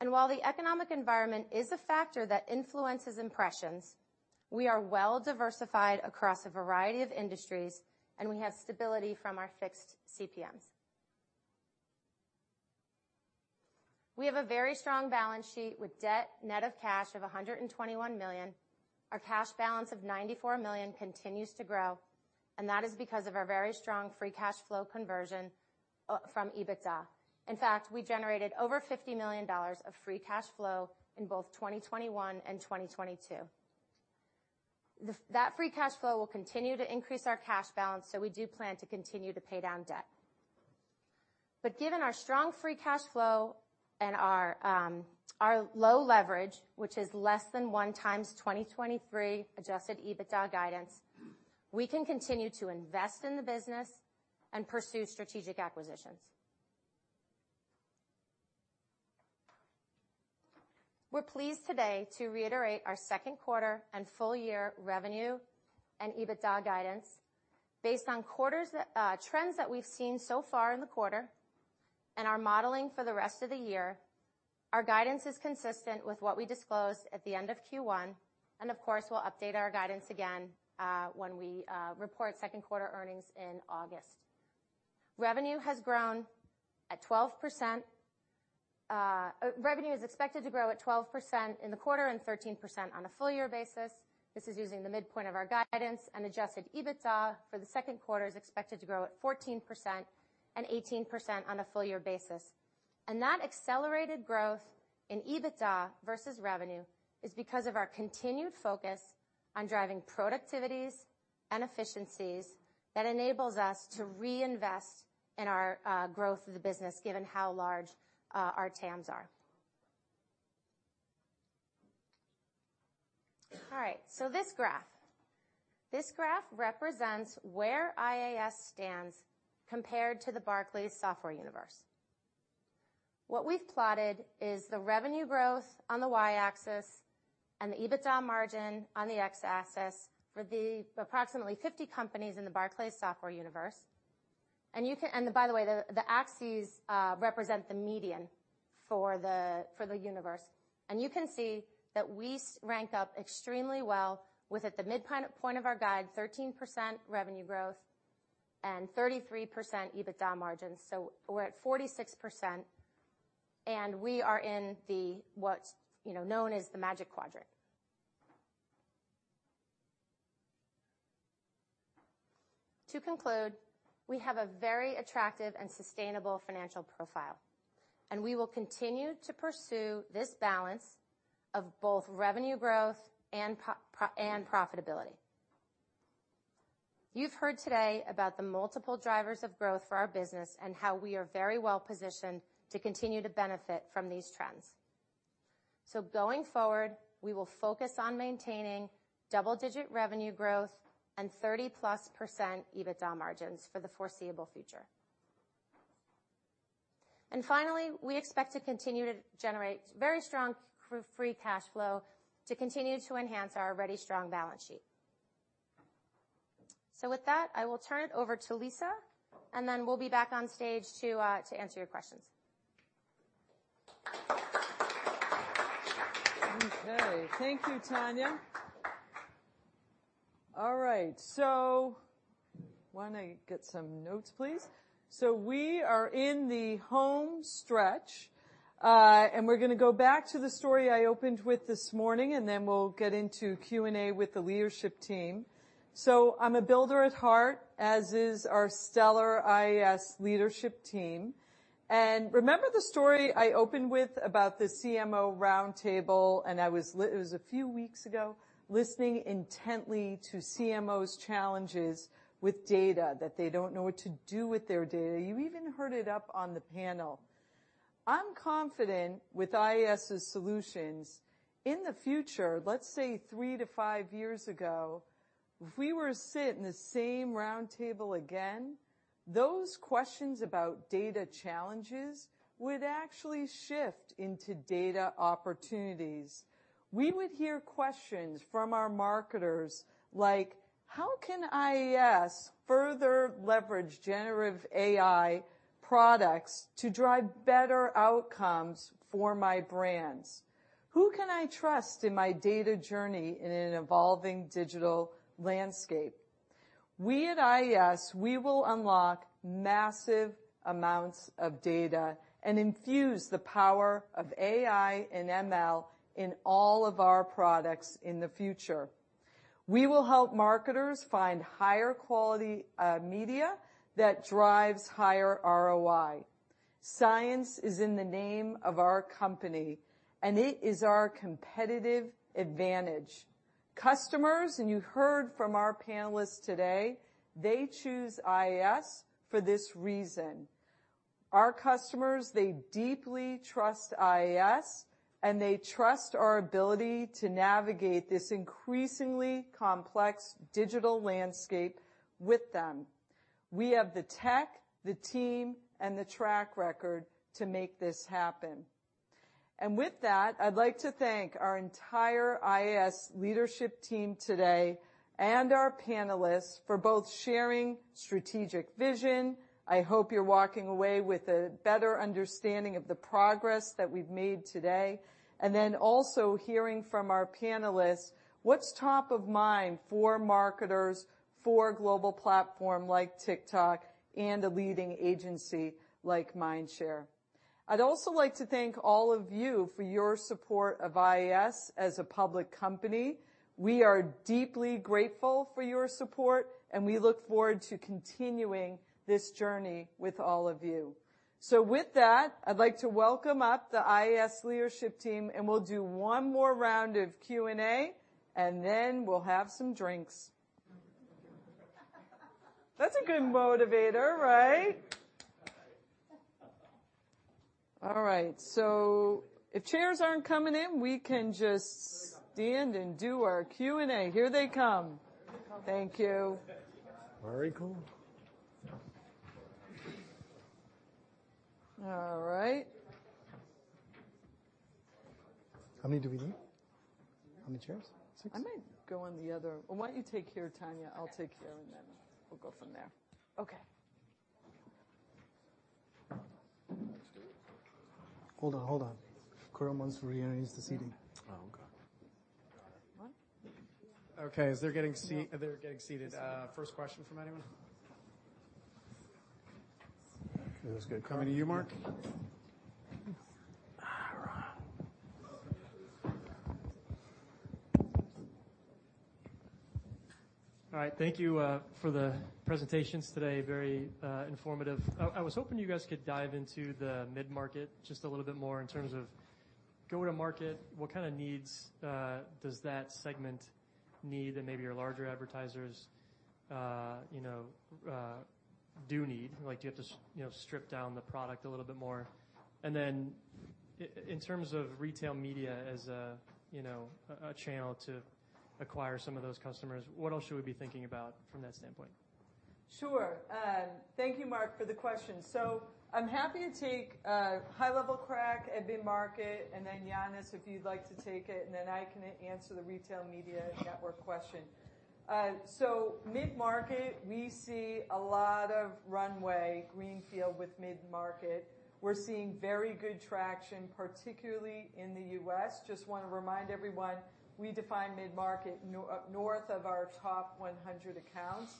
and while the economic environment is a factor that influences impressions, we are well diversified across a variety of industries, and we have stability from our fixed CPMs. We have a very strong balance sheet with debt, net of cash of $121 million. Our cash balance of $94 million continues to grow. That is because of our very strong free cash flow conversion from EBITDA. In fact, we generated over $50 million of free cash flow in both 2021 and 2022. That free cash flow will continue to increase our cash balance, we do plan to continue to pay down debt. Given our strong free cash flow and our low leverage, which is less than 1 times 2023 adjusted EBITDA guidance, we can continue to invest in the business and pursue strategic acquisitions. We're pleased today to reiterate our second quarter and full year revenue and EBITDA guidance based on quarters, trends that we've seen so far in the quarter and our modeling for the rest of the year. Our guidance is consistent with what we disclosed at the end of Q1, of course, we'll update our guidance again when we report second quarter earnings in August. Revenue has grown at 12%. Revenue is expected to grow at 12% in the quarter and 13% on a full year basis. This is using the midpoint of our guidance, adjusted EBITDA for the second quarter is expected to grow at 14% and 18% on a full year basis. That accelerated growth in EBITDA versus revenue is because of our continued focus on driving productivities and efficiencies that enables us to reinvest in our growth of the business, given how large our TAMs are. This graph. This graph represents where IAS stands compared to the Barclays software universe. What we've plotted is the revenue growth on the Y-axis and the EBITDA margin on the X-axis for the approximately 50 companies in the Barclays software universe. You can... By the way, the axes represent the median for the, for the universe, and you can see that we rank up extremely well with, at the midpoint of our guide, 13% revenue growth and 33% EBITDA margins. We're at 46%, and we are in the what's, you know, known as the Magic Quadrant. To conclude, we have a very attractive and sustainable financial profile, and we will continue to pursue this balance of both revenue growth and profitability. You've heard today about the multiple drivers of growth for our business and how we are very well positioned to continue to benefit from these trends. Going forward, we will focus on maintaining double-digit revenue growth and 30-plus % EBITDA margins for the foreseeable future. Finally, we expect to continue to generate very strong free cash flow to continue to enhance our already strong balance sheet. With that, I will turn it over to Lisa, and then we'll be back on stage to answer your questions. Okay. Thank you, Tania. All right, why don't I get some notes, please? We are in the home stretch, and we're gonna go back to the story I opened with this morning, and then we'll get into Q&A with the leadership team. I'm a builder at heart, as is our stellar IAS leadership team. Remember the story I opened with about the CMO roundtable, and It was a few weeks ago, listening intently to CMOs' challenges with data, that they don't know what to do with their data. You even heard it up on the panel. I'm confident with IAS' solutions in the future, let's say 3 to 5 years ago, if we were sit in the same roundtable again, those questions about data challenges would actually shift into data opportunities. We would hear questions from our marketers like: How can IAS further leverage generative AI products to drive better outcomes for my brands? Who can I trust in my data journey in an evolving digital landscape? We at IAS, we will unlock massive amounts of data and infuse the power of AI and ML in all of our products in the future. We will help marketers find higher quality, media that drives higher ROI. Science is in the name of our company, and it is our competitive advantage. Customers, and you heard from our panelists today, they choose IAS for this reason. Our customers, they deeply trust IAS, and they trust our ability to navigate this increasingly complex digital landscape with them. We have the tech, the team, and the track record to make this happen. With that, I'd like to thank our entire IAS leadership team today and our panelists for both sharing strategic vision. I hope you're walking away with a better understanding of the progress that we've made today, and then also hearing from our panelists what's top of mind for marketers for a global platform like TikTok and a leading agency like Mindshare. I'd also like to thank all of you for your support of IAS as a public company. We are deeply grateful for your support, and we look forward to continuing this journey with all of you. With that, I'd like to welcome up the IAS leadership team, and we'll do one more round of Q&A, and then we'll have some drinks. That's a good motivator, right? All right, if chairs aren't coming in, we can just stand and do our Q&A. Here they come. Thank you. Very cool. All right. How many do we need? How many chairs? Six. I might go on the other. Why don't you take here, Tanya? I'll take here, and then we'll go from there. Okay. Hold on, hold on. Khorum wants everybody to use the seating. Oh, okay. What? Okay, as they're getting seated, first question from anyone? Looks good. Coming to you, Mark. All right. All right, thank you for the presentations today. Very informative. I was hoping you guys could dive into the mid-market just a little bit more in terms of go-to-market. What kind of needs does that segment need that maybe your larger advertisers, you know, do need? Like, do you have to, you know, strip down the product a little bit more? Then in terms of retail media as a, you know, a channel to acquire some of those customers, what else should we be thinking about from that standpoint? Sure. Thank you, Mark, for the question. I'm happy to take a high-level crack at mid-market, and then, Yannis, if you'd like to take it, and then I can answer the retail media network question. Mid-market, we see a lot of runway, greenfield, with mid-market. We're seeing very good traction, particularly in the U.S. Just want to remind everyone, we define mid-market north of our top 100 accounts.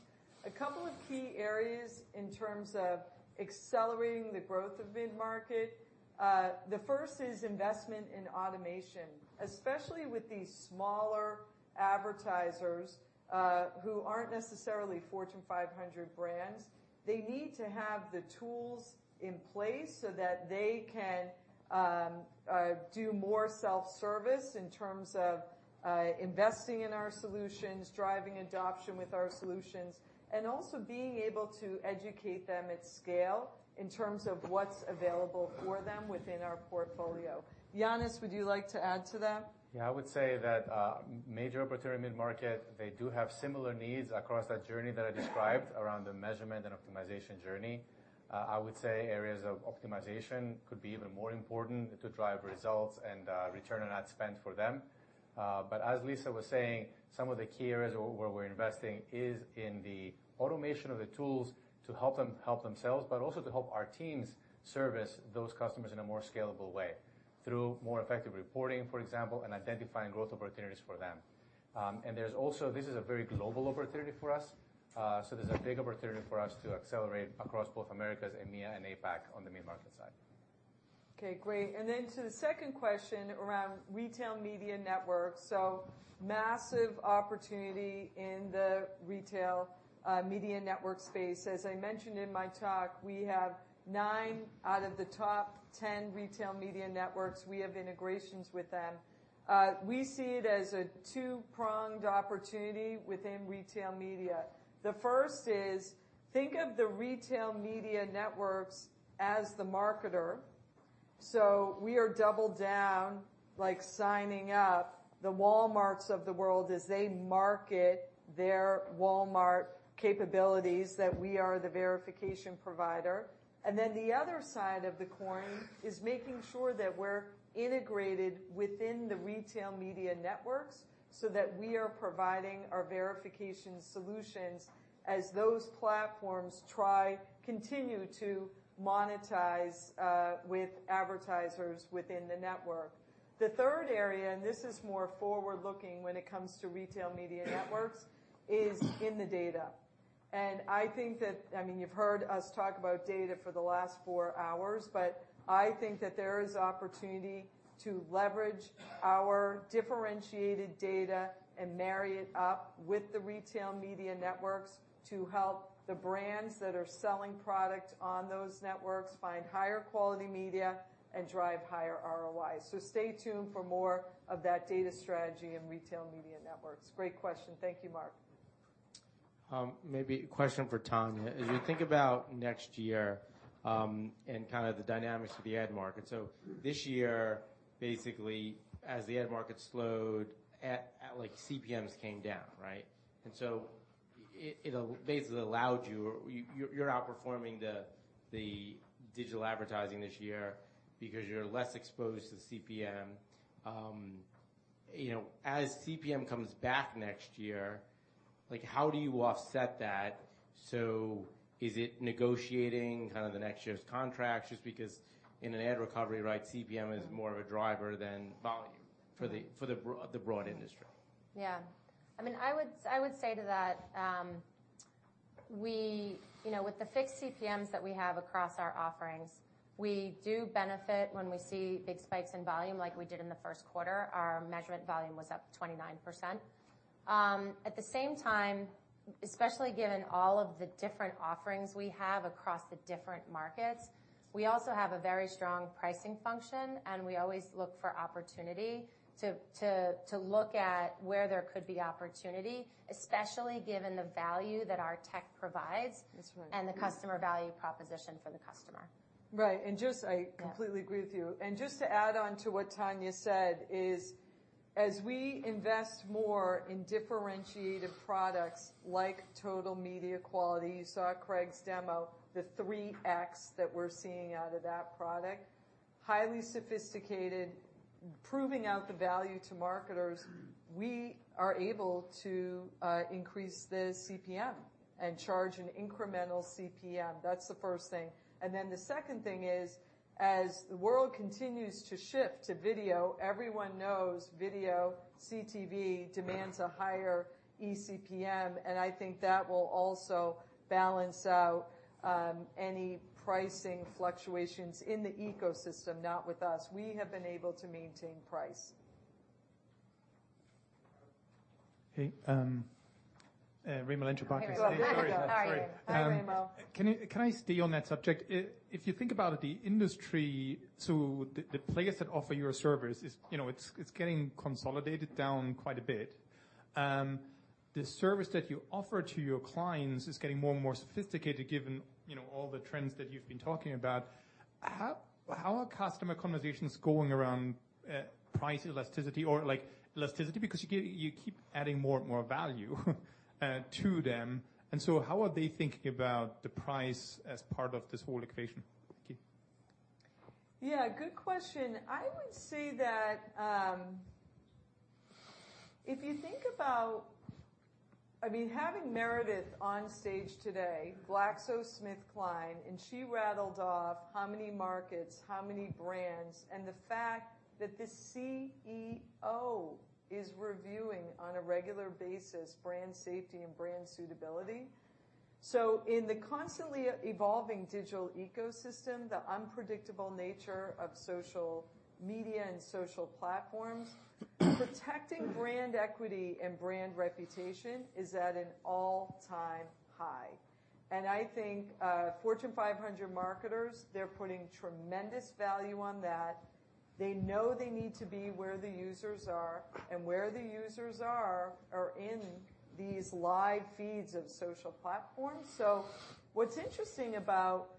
A couple of key areas in terms of accelerating the growth of mid-market. The first is investment in automation, especially with these smaller advertisers, who aren't necessarily Fortune 500 brands. They need to have the tools in place so that they can do more self-service in terms of investing in our solutions, driving adoption with our solutions, and also being able to educate them at scale in terms of what's available for them within our portfolio. Yannis, would you like to add to that? Yeah, I would say that major opportunity mid-market, they do have similar needs across that journey that I described around the measurement and optimization journey. I would say areas of optimization could be even more important to drive results and return on ad spend for them. As Lisa was saying, some of the key areas where we're investing is in the automation of the tools to help them help themselves, but also to help our teams service those customers in a more scalable way, through more effective reporting, for example, and identifying growth opportunities for them. There's also. This is a very global opportunity for us. There's a big opportunity for us to accelerate across both Americas, EMEA, and APAC on the mid-market side. Okay, great. Then to the second question around retail media networks. Massive opportunity in the retail media network space. As I mentioned in my talk, we have 9 out of the top 10 retail media networks, we have integrations with them. We see it as a two-pronged opportunity within retail media. The first is, think of the retail media networks as the marketer. We are double down, like signing up the Walmarts of the world as they market their Walmart capabilities, that we are the verification provider. Then the other side of the coin is making sure that we're integrated within the retail media networks, so that we are providing our verification solutions as those platforms continue to monetize with advertisers within the network. The third area, and this is more forward-looking when it comes to retail media networks, is in the data. I mean, you've heard us talk about data for the last four hours, but I think that there is opportunity to leverage our differentiated data and marry it up with the retail media networks, to help the brands that are selling product on those networks find higher quality media and drive higher ROIs. Stay tuned for more of that data strategy and retail media networks. Great question. Thank you, Mark. Maybe a question for Tania. As you think about next year, and kind of the dynamics of the ad market. This year, basically, as the ad market slowed, like, CPMs came down, right? It, it basically allowed you... You're, you're outperforming the digital advertising this year because you're less exposed to the CPM. You know, as CPM comes back next year, like, how do you offset that? Is it negotiating kind of the next year's contracts? Just because in an ad recovery, right, CPM is more of a driver than volume for the broad industry. I mean, I would say to that, we, you know, with the fixed CPMs that we have across our offerings, we do benefit when we see big spikes in volume, like we did in the first quarter. Our measurement volume was up 29%. At the same time, especially given all of the different offerings we have across the different markets, we also have a very strong pricing function, and we always look for opportunity to look at where there could be opportunity, especially given the value that our tech provides- That's right. The customer value proposition for the customer. Right. I completely agree with you. To add on to what Tania said is, as we invest more in differentiated products like Total Media Quality, you saw Craig's demo, the 3x that we're seeing out of that product, highly sophisticated, proving out the value to marketers, we are able to increase the CPM and charge an incremental CPM. That's the first thing. Then the second thing is, as the world continues to shift to video, everyone knows video, CTV demands a higher eCPM, and I think that will also balance out any pricing fluctuations in the ecosystem, not with us. We have been able to maintain price. Hey, Raimo Lenschow, Barclays. Hi, Raimo. Hi, Raimo. Can I, can I stay on that subject? If you think about the industry, the players that offer your service is, you know, it's getting consolidated down quite a bit. The service that you offer to your clients is getting more and more sophisticated, given, you know, all the trends that you've been talking about. How, how are customer conversations going around price elasticity or, like, elasticity? Because you keep adding more and more value to them, how are they thinking about the price as part of this whole equation? Thank you. Yeah, good question. I would say that, if you think about I mean, having Meredith on stage today, GlaxoSmithKline, and she rattled off how many markets, how many brands, and the fact that the CEO is reviewing on a regular basis brand safety and brand suitability. In the constantly evolving digital ecosystem, the unpredictable nature of social media and social platforms, protecting brand equity and brand reputation is at an all-time high. I think Fortune 500 marketers, they're putting tremendous value on that. They know they need to be where the users are, and where the users are in these live feeds of social platforms. What's interesting about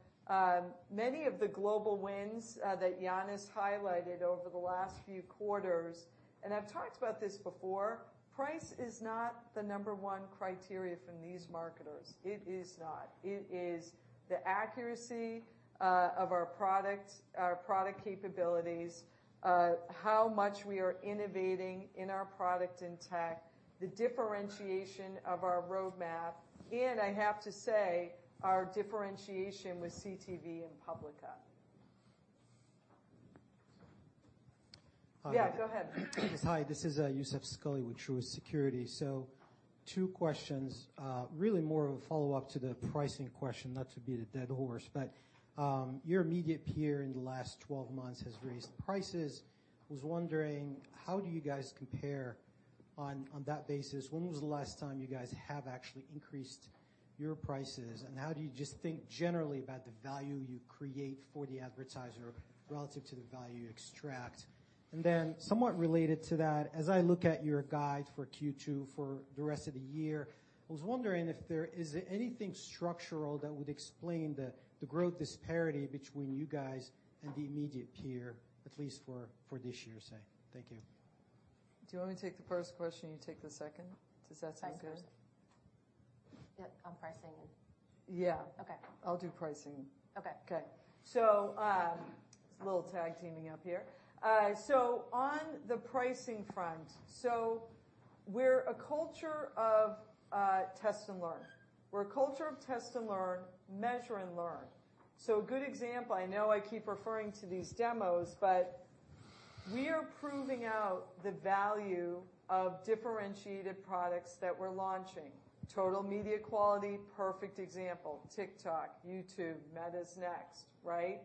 many of the global wins that Yannis highlighted over the last few quarters, and I've talked about this before, price is not the number 1 criteria from these marketers. It is not. It is the accuracy of our product, our product capabilities, how much we are innovating in our product in tech, the differentiation of our roadmap, and I have to say, our differentiation with CTV and Publicis. Yeah, go ahead. Hi, this is Youssef Squali with Truist Securities. 2 questions. really more of a follow-up to the pricing question, not to beat a dead horse, but your immediate peer in the last 12 months has raised prices. I was wondering: How do you guys compare on that basis? When was the last time you guys have actually increased your prices, and how do you just think generally about the value you create for the advertiser relative to the value you extract? somewhat related to that, as I look at your guide for Q2, for the rest of the year, I was wondering is there anything structural that would explain the growth disparity between you guys and the immediate peer, at least for this year, say? Thank you. Do you want me to take the first question, you take the second? Does that sound good? Yep, on pricing and-. Yeah. Okay. I'll do pricing. Okay. Okay. A little tag teaming up here. On the pricing front, we're a culture of test and learn. We're a culture of test and learn, measure and learn. A good example, I know I keep referring to these demos, but we are proving out the value of differentiated products that we're launching. Total Media Quality, perfect example, TikTok, YouTube, Meta's next, right?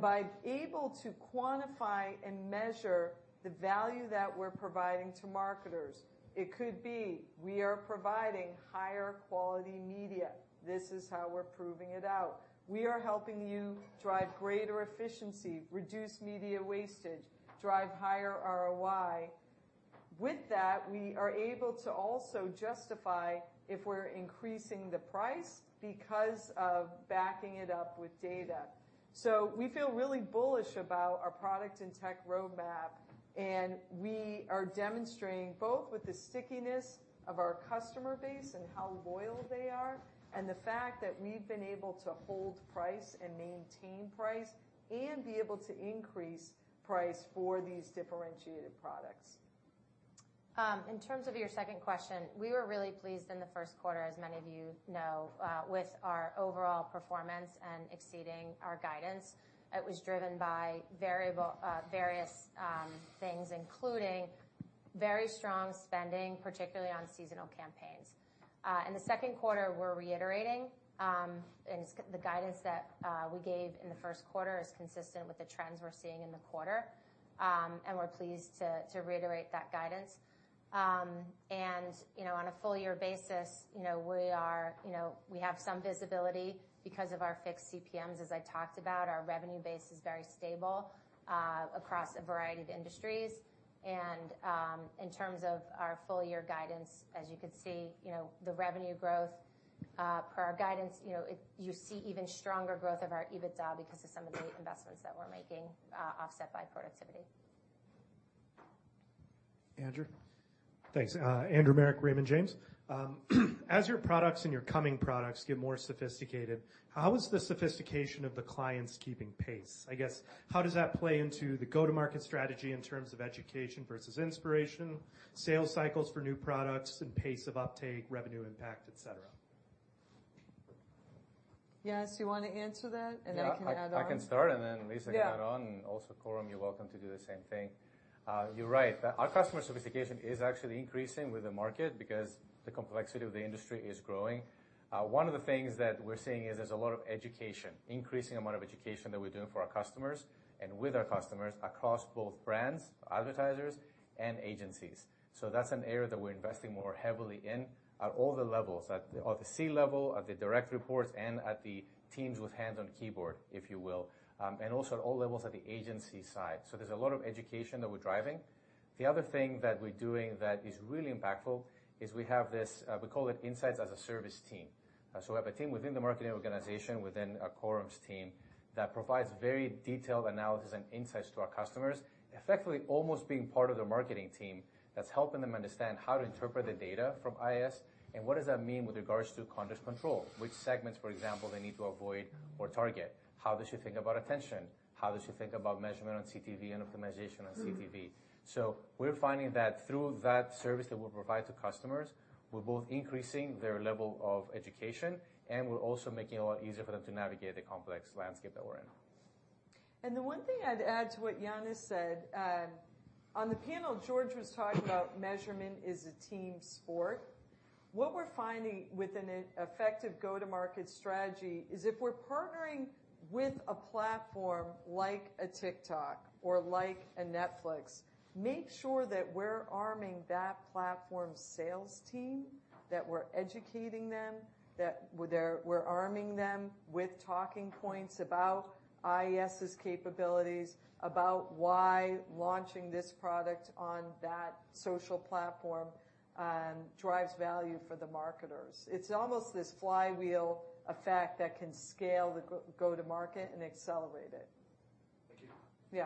By able to quantify and measure the value that we're providing to marketers, it could be we are providing higher quality media. This is how we're proving it out. We are helping you drive greater efficiency, reduce media wastage, drive higher ROI. With that, we are able to also justify if we're increasing the price because of backing it up with data. We feel really bullish about our product and tech roadmap, and we are demonstrating, both with the stickiness of our customer base and how loyal they are, and the fact that we've been able to hold price and maintain price and be able to increase price for these differentiated products. In terms of your second question, we were really pleased in the first quarter, as many of you know, with our overall performance and exceeding our guidance. It was driven by various things, including very strong spending, particularly on seasonal campaigns. In the second quarter, we're reiterating, and the guidance that we gave in the first quarter is consistent with the trends we're seeing in the quarter. And we're pleased to reiterate that guidance. And, you know, on a full year basis, you know, we are, you know, we have some visibility because of our fixed CPMs. As I talked about, our revenue base is very stable, across a variety of industries. In terms of our full year guidance, as you can see, you know, the revenue growth, per our guidance, you know, you see even stronger growth of our EBITDA because of some of the investments that we're making, offset by productivity. Andrew? Thanks. Andrew Marok, Raymond James. As your products and your coming products get more sophisticated, how is the sophistication of the clients keeping pace? I guess, how does that play into the go-to-market strategy in terms of education versus inspiration, sales cycles for new products, and pace of uptake, revenue impact, et cetera? Yes, you want to answer that? Then I can add on. Yeah, I can start, and then Lisa- Yeah can add on. Also, Khorum, you're welcome to do the same thing. You're right. Our customer sophistication is actually increasing with the market because the complexity of the industry is growing. One of the things that we're seeing is there's a lot of education, increasing amount of education that we're doing for our customers and with our customers across both brands, advertisers, and agencies. That's an area that we're investing more heavily in at all the levels, at the C level, at the direct reports, and at the teams with hands on the keyboard, if you will. Also at all levels at the agency side. There's a lot of education that we're driving. The other thing that we're doing that is really impactful is we have this, we call it Insights as a Service team. We have a team within the marketing organization, within Khorum's team, that provides very detailed analysis and insights to our customers, effectively almost being part of the marketing team that's helping them understand how to interpret the data from IAS and what does that mean with regards to Context Control. Which segments, for example, they need to avoid or target? How they should think about attention? How they should think about measurement on CTV and optimization on CTV? Mm. We're finding that through that service that we provide to customers, we're both increasing their level of education, and we're also making it a lot easier for them to navigate the complex landscape that we're in. The one thing I'd add to what Yannis said, on the panel, Jorge was talking about measurement is a team sport. What we're finding with an effective go-to-market strategy is if we're partnering with a platform like a TikTok or like a Netflix, make sure that we're arming that platform's sales team, that we're educating them, that we're arming them with talking points about IAS's capabilities, about why launching this product on that social platform, drives value for the marketers. It's almost this flywheel effect that can scale the go to market and accelerate it. Thank you.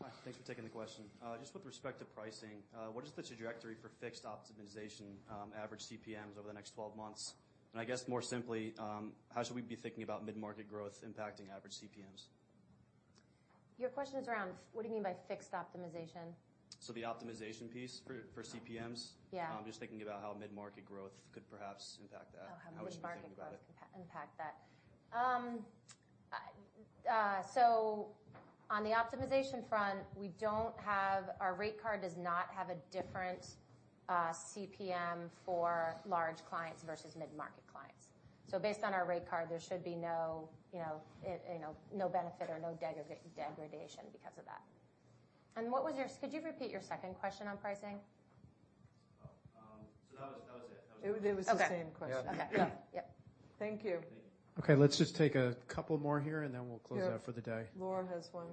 Yeah. Hi, thanks for taking the question. Just with respect to pricing, what is the trajectory for fixed optimization, average CPMs over the next 12 months? I guess more simply, how should we be thinking about mid-market growth impacting average CPMs? Your question is around. What do you mean by fixed optimization? The optimization piece for CPMs. Yeah. Just thinking about how mid-market growth could perhaps impact that. Oh, how mid-market- How would you think about it? growth can impact that. On the optimization front, our rate card does not have a different CPM for large clients versus mid-market clients. Based on our rate card, there should be no benefit or no degradation because of that. Could you repeat your second question on pricing? that was it. It was the same question. Okay. Yeah. Yep. Thank you. Thank you. Okay, let's just take a couple more here, and then we'll close out for the day. Yeah. Laura has one.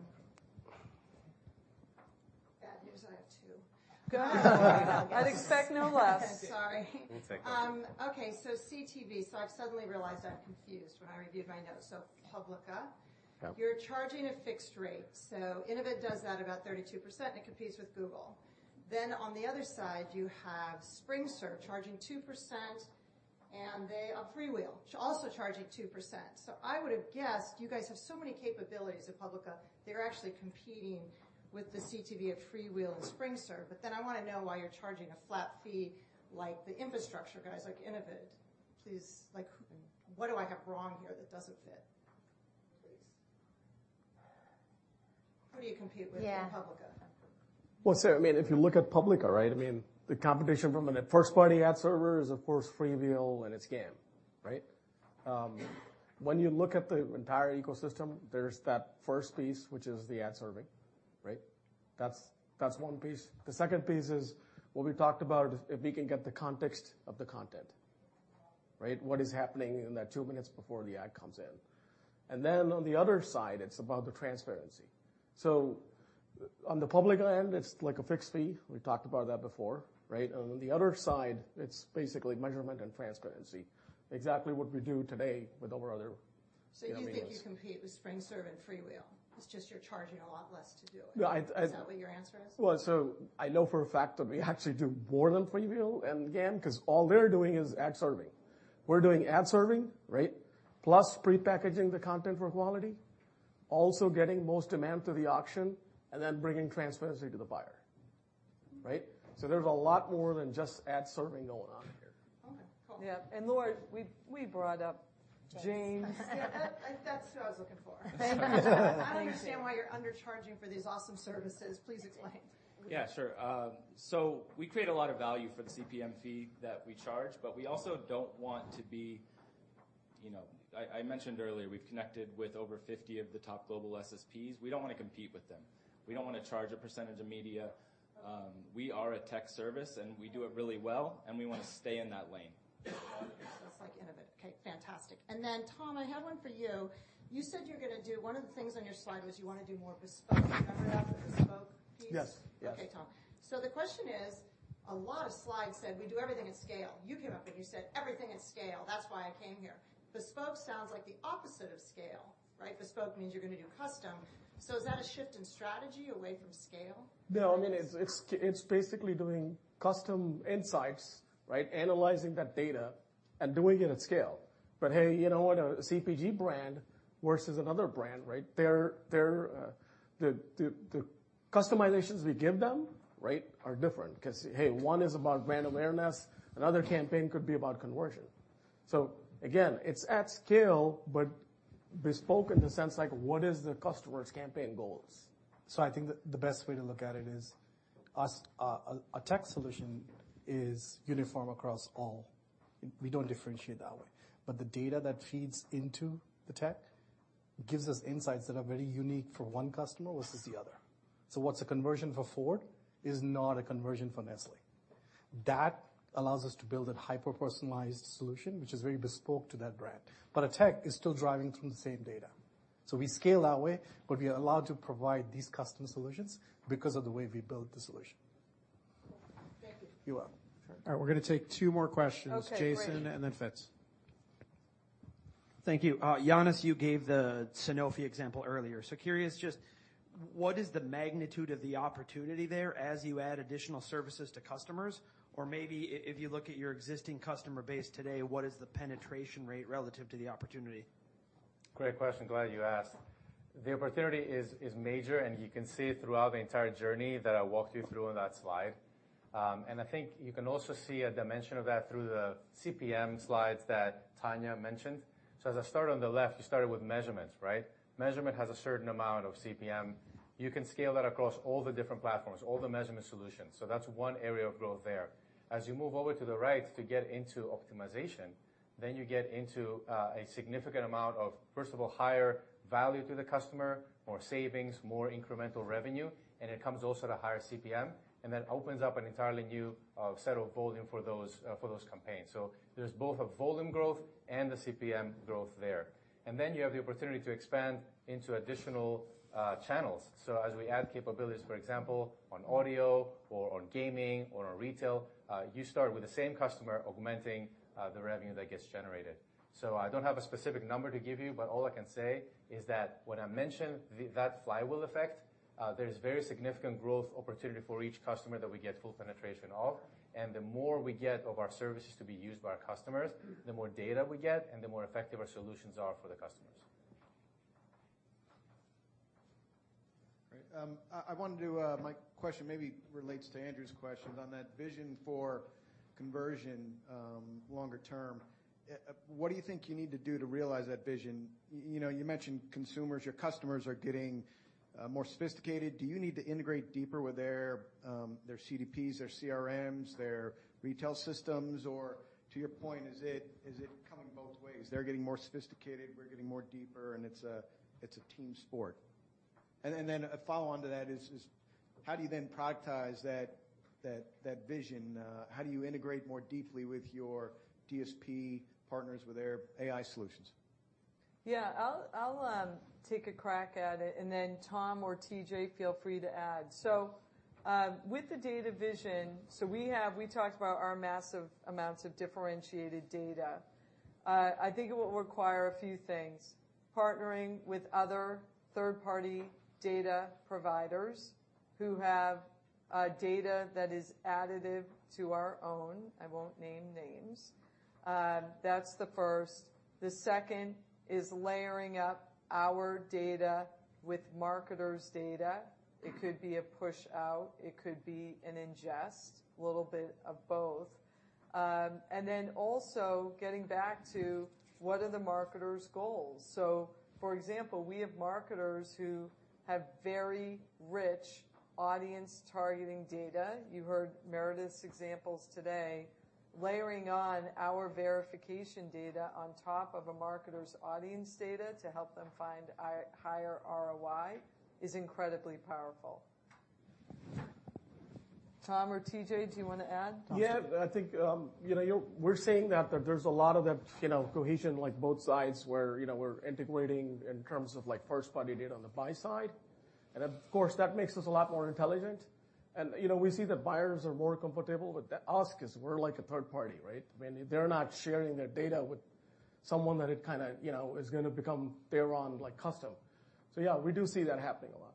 Bad news, I have 2. God! I'd expect no less. Sorry. One second. Okay, so CTV, so I've suddenly realized I'm confused when I reviewed my notes. Yeah. you're charging a fixed rate, Innovid does that about 32%, and it competes with Google. On the other side, you have SpringServe charging 2%, and FreeWheel, also charging 2%. I would have guessed you guys have so many capabilities at Publica, they're actually competing with the CTV of FreeWheel and SpringServe. I want to know why you're charging a flat fee like the infrastructure guys, like Innovid. Please, like, what do I have wrong here that doesn't fit? Please. Who do you compete with? Yeah. at Publica? If you look at Publica, the competition from a first-party ad server is, of course, FreeWheel and it's GAM. When you look at the entire ecosystem, there's that first piece, which is the ad serving. That's 1 piece. The second piece is what we talked about, if we can get the context of the content. What is happening in that 2 minutes before the ad comes in. On the other side, it's about the transparency. On the Publica end, it's like a fixed fee. We talked about that before. On the other side, it's basically measurement and transparency, exactly what we do today with our other- You think you compete with SpringServe and FreeWheel. It's just you're charging a lot less to do it. Yeah, I. Is that what your answer is? Well, I know for a fact that we actually do more than FreeWheel and GAM, because all they're doing is ad serving. We're doing ad serving, right? Plus prepackaging the content for quality, also getting most demand to the auction, and then bringing transparency to the buyer, right? There's a lot more than just ad serving going on here. Yeah, Lord, we brought up James. Yeah, that's who I was looking for. I don't understand why you're undercharging for these awesome services. Please explain. Sure. We create a lot of value for the CPM fee that we charge, but we also don't want to be, you know. I mentioned earlier, we've connected with over 50 of the top global SSPs. We don't want to compete with them. We don't want to charge a percentage of media. We are a tech service, and we do it really well, and we want to stay in that lane. It's, like, innovative. Okay, fantastic. Tom, I had one for you. You said you're going to do one of the things on your slide was you want to do more bespoke. Remember that, the bespoke piece? Yes, yes. Okay, Tom. The question is, a lot of slides said, "We do everything at scale." You came up, and you said, "Everything at scale. That's why I came here." Bespoke sounds like the opposite of scale, right? Bespoke means you're going to do custom. Is that a shift in strategy away from scale? No, I mean, it's basically doing custom insights, right? Analyzing that data and doing it at scale. Hey, you know what? A CPG brand versus another brand, right? They're the customizations we give them, right, are different. Because, hey, one is about brand awareness, another campaign could be about conversion. Again, it's at scale, but bespoke in the sense like, what is the customer's campaign goals? I think the best way to look at it is a tech solution is uniform across all. We don't differentiate that way. The data that feeds into the tech gives us insights that are very unique for one customer versus the other. What's a conversion for Ford is not a conversion for Nestlé. That allows us to build a hyper-personalized solution, which is very bespoke to that brand. The tech is still driving from the same data, so we scale that way, but we are allowed to provide these custom solutions because of the way we built the solution. Cool. Thank you. You're welcome. All right, we're gonna take 2 more questions. Okay, great. Jason and then Fitz. Thank you. Yannis, you gave the Sanofi example earlier. Curious, just what is the magnitude of the opportunity there as you add additional services to customers? Or maybe if you look at your existing customer base today, what is the penetration rate relative to the opportunity? Great question. Glad you asked. The opportunity is major. You can see it throughout the entire journey that I walked you through on that slide. I think you can also see a dimension of that through the CPM slides that Tania mentioned. As I start on the left, you started with measurements, right? Measurement has a certain amount of CPM. You can scale that across all the different platforms, all the measurement solutions. That's one area of growth there. As you move over to the right to get into optimization, then you get into a significant amount of, first of all, higher value to the customer, more savings, more incremental revenue, and it comes also at a higher CPM, and then opens up an entirely new set of volume for those for those campaigns. There's both a volume growth and a CPM growth there. Then you have the opportunity to expand into additional channels. As we add capabilities, for example, on audio or on gaming or on retail, you start with the same customer augmenting the revenue that gets generated. I don't have a specific number to give you, but all I can say is that when I mention that flywheel effect, there is very significant growth opportunity for each customer that we get full penetration of, and the more we get of our services to be used by our customers, the more data we get and the more effective our solutions are for the customers. Great. My question maybe relates to Andrew's question on that vision for conversion longer term. What do you think you need to do to realize that vision? You know, you mentioned consumers, your customers are getting more sophisticated. Do you need to integrate deeper with their CDPs, their CRMs, their retail systems? To your point, is it coming both ways? They're getting more sophisticated, we're getting more deeper, and it's a team sport. A follow-on to that is how do you then productize that vision? How do you integrate more deeply with your DSP partners, with their AI solutions? I'll take a crack at it, and then Tom or TJ, feel free to add. With the data vision, we talked about our massive amounts of differentiated data. I think it will require a few things, partnering with other third-party data providers who have data that is additive to our own. I won't name names. That's the first. The second is layering up our data with marketers' data. It could be a push out, it could be an ingest, a little bit of both. Also getting back to what are the marketers' goals? For example, we have marketers who have very rich audience targeting data. You heard Meredith's examples today. Layering on our verification data on top of a marketer's audience data to help them find higher ROI is incredibly powerful. Tom or TJ, do you want to add? Yeah, I think, you know, we're seeing that there's a lot of the, you know, cohesion, like both sides, where, you know, we're integrating in terms of like, first-party data on the buy side. Of course, that makes us a lot more intelligent. You know, we see that buyers are more comfortable with that. Us, 'cause we're like a third party, right? I mean, they're not sharing their data with someone that it kinda, you know, is gonna become their own, like, custom. Yeah, we do see that happening a lot.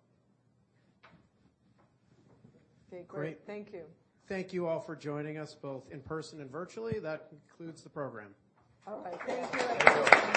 Okay, great. Great. Thank you. Thank you all for joining us, both in person and virtually. That concludes the program. All right. Thank you.